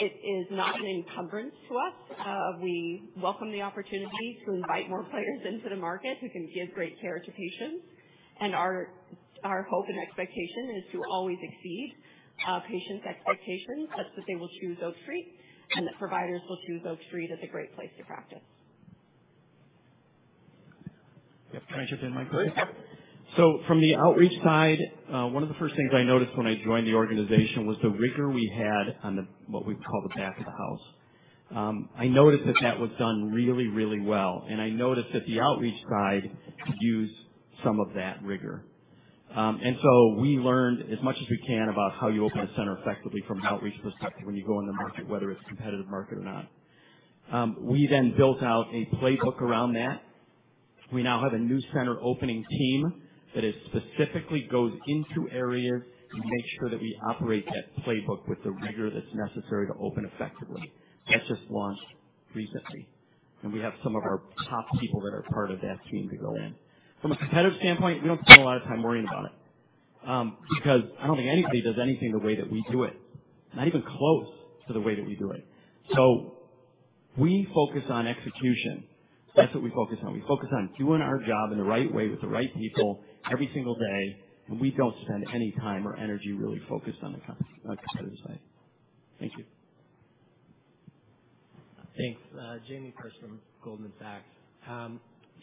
I: It is not an encumbrance to us. We welcome the opportunity to invite more players into the market who can give great care to patients. Our hope and expectation is to always exceed patients' expectations such that they will choose Oak Street, and that providers will choose Oak Street as a great place to practice.
K: Yep. Can I jump in, Mike?
A: Please.
K: From the outreach side, one of the first things I noticed when I joined the organization was the rigor we had on the, what we call the back of the house. I noticed that was done really, really well, and I noticed that the outreach side could use some of that rigor. We learned as much as we can about how you open a center effectively from an outreach perspective when you go in the market, whether it's a competitive market or not. We then built out a playbook around that. We now have a new center opening team that is specifically goes into areas to make sure that we operate that playbook with the rigor that's necessary to open effectively. That just launched recently, and we have some of our top people that are part of that team to go in. From a competitive standpoint, we don't spend a lot of time worrying about it, because I don't think anybody does anything the way that we do it, not even close to the way that we do it. We focus on execution. That's what we focus on. We focus on doing our job in the right way with the right people every single day, and we don't spend any time or energy really focused on the competitive side. Thank you.
S: Thanks. Jamie Perse from Goldman Sachs.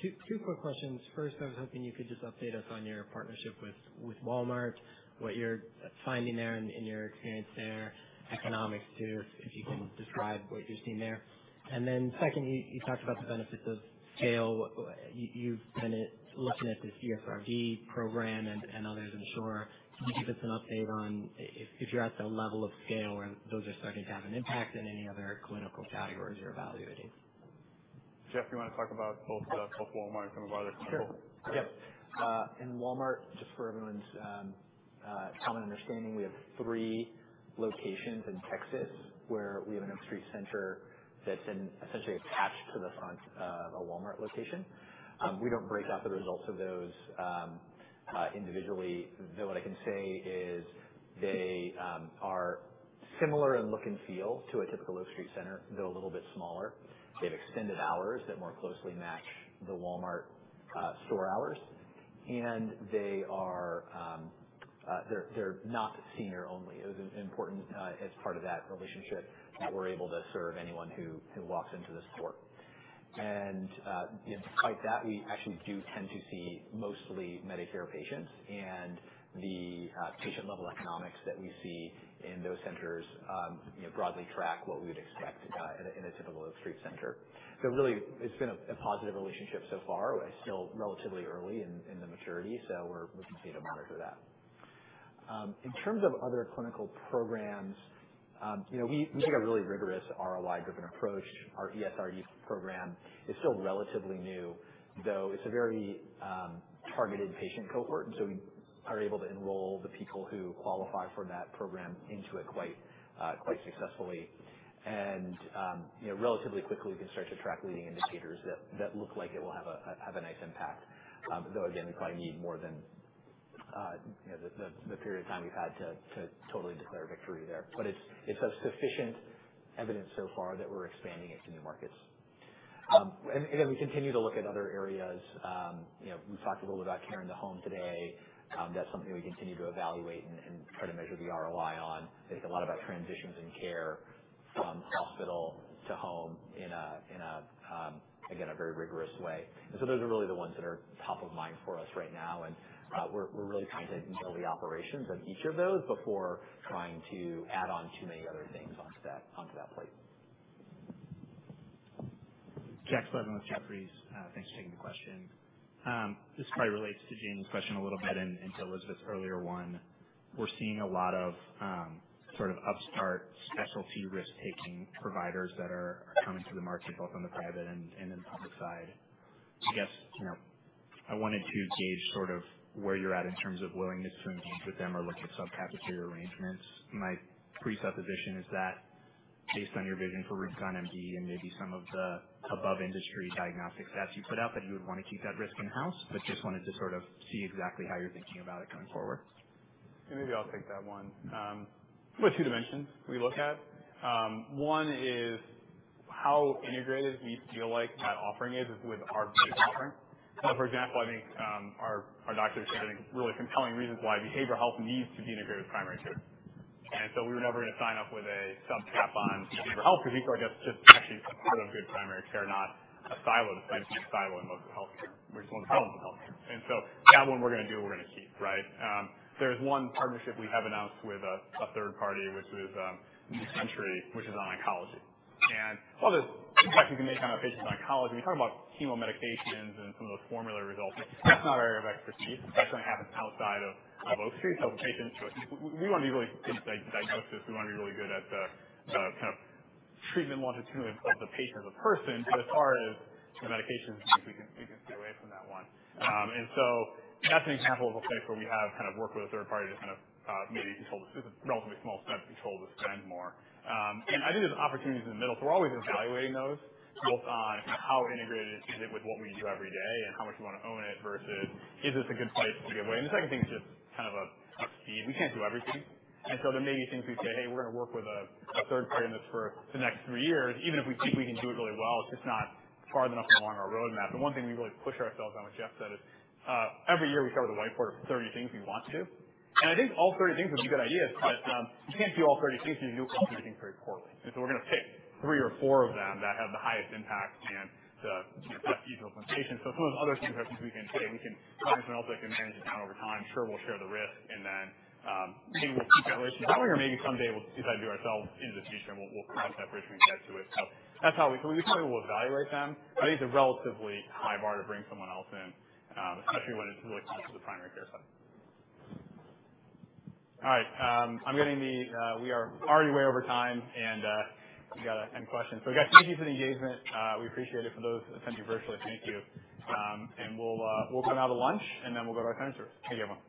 S: Two quick questions. First, I was hoping you could just update us on your partnership with Walmart, what you're finding there and your experience there, economics too, if you can describe what you're seeing there. Secondly, you talked about the benefits of scale. You've been looking at this ESRD program and others, unsure. Can you give us an update on if you're at the level of scale where those are starting to have an impact and any other clinical categories you're evaluating?
A: Geoff, you wanna talk about both Walmart and the other clinical?
K: Sure. Yep. In Walmart, just for everyone's common understanding, we have three locations in Texas where we have an Oak Street center that's essentially attached to the front of a Walmart location. We don't break out the results of those individually, though what I can say is they are similar in look and feel to a typical Oak Street center, though a little bit smaller. They have extended hours that more closely match the Walmart store hours, and they are they're not senior only. It was important as part of that relationship that we're able to serve anyone who walks into the store. You know, despite that, we actually do tend to see mostly Medicare patients and the patient-level economics that we see in those centers, you know, broadly track what we would expect in a typical Oak Street center. Really, it's been a positive relationship so far. It's still relatively early in the maturity, we continue to monitor that. In terms of other clinical programs, you know, we take a really rigorous ROI-driven approach. Our ESRD program is still relatively new, though it's a very targeted patient cohort, and so we are able to enroll the people who qualify for that program into it quite successfully. You know, relatively quickly can start to track leading indicators that look like it will have a nice impact. Though again, we probably need more than you know the period of time we've had to totally declare victory there. It's a sufficient evidence so far that we're expanding it to new markets. We continue to look at other areas. You know, we talked a little about care in the home today. That's something we continue to evaluate and try to measure the ROI on. I think a lot about transitions in care from hospital to home in a again a very rigorous way. Those are really the ones that are top of mind for us right now. We're really trying to build the operations of each of those before trying to add on too many other things onto that plate.
T: Joe Slevin with Jefferies. Thanks for taking the question. This probably relates to Jamie's question a little bit and to Elizabeth's earlier one. We're seeing a lot of sort of upstart specialty risk-taking providers that are coming to the market, both on the private and then public side. I guess, you know, I wanted to gauge sort of where you're at in terms of willingness to engage with them or look at subcapitation arrangements. My presupposition is that based on your vision for RubiconMD and maybe some of the above industry diagnostic stats you put out, that you would wanna keep that risk in-house, but just wanted to sort of see exactly how you're thinking about it going forward.
A: Maybe I'll take that one. There are two dimensions we look at. One is how integrated we feel like that offering is with our base offering. For example, I think our doctors give really compelling reasons why behavioral health needs to be integrated with primary care. We were never gonna sign up with a subcap on behavioral health because we sort of just actually support a good primary care, not a siloed, the same silo in most of healthcare. We're just one of the silos in healthcare. That one we're gonna do, we're gonna keep, right? There's one partnership we have announced with a third party, which is New Century, which is on oncology. While there's reflections we make on our patients on oncology, we're talking about chemo medications and some of those formulary results. That's not our area of expertise. That's gonna happen outside of Oak Street. The patient choice. We wanna be really good at diagnosis. We wanna be really good at the longitudinal treatment of the patient as a person. But as far as the medications, I think we can stay away from that one. That's an example of a place where we have kind of worked with a third party to kind of maybe control the relatively small spend more. I think there's opportunities in the middle. We're always evaluating those both on how integrated is it with what we do every day and how much we wanna own it versus is this a good place to give away? The second thing is just kind of a speed. We can't do everything. There may be things we say, "Hey, we're gonna work with a third party on this for the next three years," even if we think we can do it really well, it's just not far enough along our roadmap. The one thing we really push ourselves on, which Geoff said, is every year we cover the whiteboard with 30 things we want to do. I think all 30 things would be good ideas, but we can't do all 30 things, and if you do, you'll do all 30 things very poorly. We're gonna pick three or four of them that have the highest impact and the, you know, best ease of implementation. Some of those other things are things we can say, we can find someone else that can manage the town over time, sure we'll share the risk, and then, maybe we'll keep that relationship going, or maybe someday we'll decide to do it ourselves in the future, and we'll cross that bridge when we get to it. That's how we probably will evaluate them, but I think it's a relatively high bar to bring someone else in, especially when it's really close to the primary care side. All right, I'm getting the we are already way over time, and we got to end questions. Guys, thank you for the engagement. We appreciate it. For those attending virtually, thank you. We'll come out to lunch, and then we'll go to our centers. Thank you, everyone.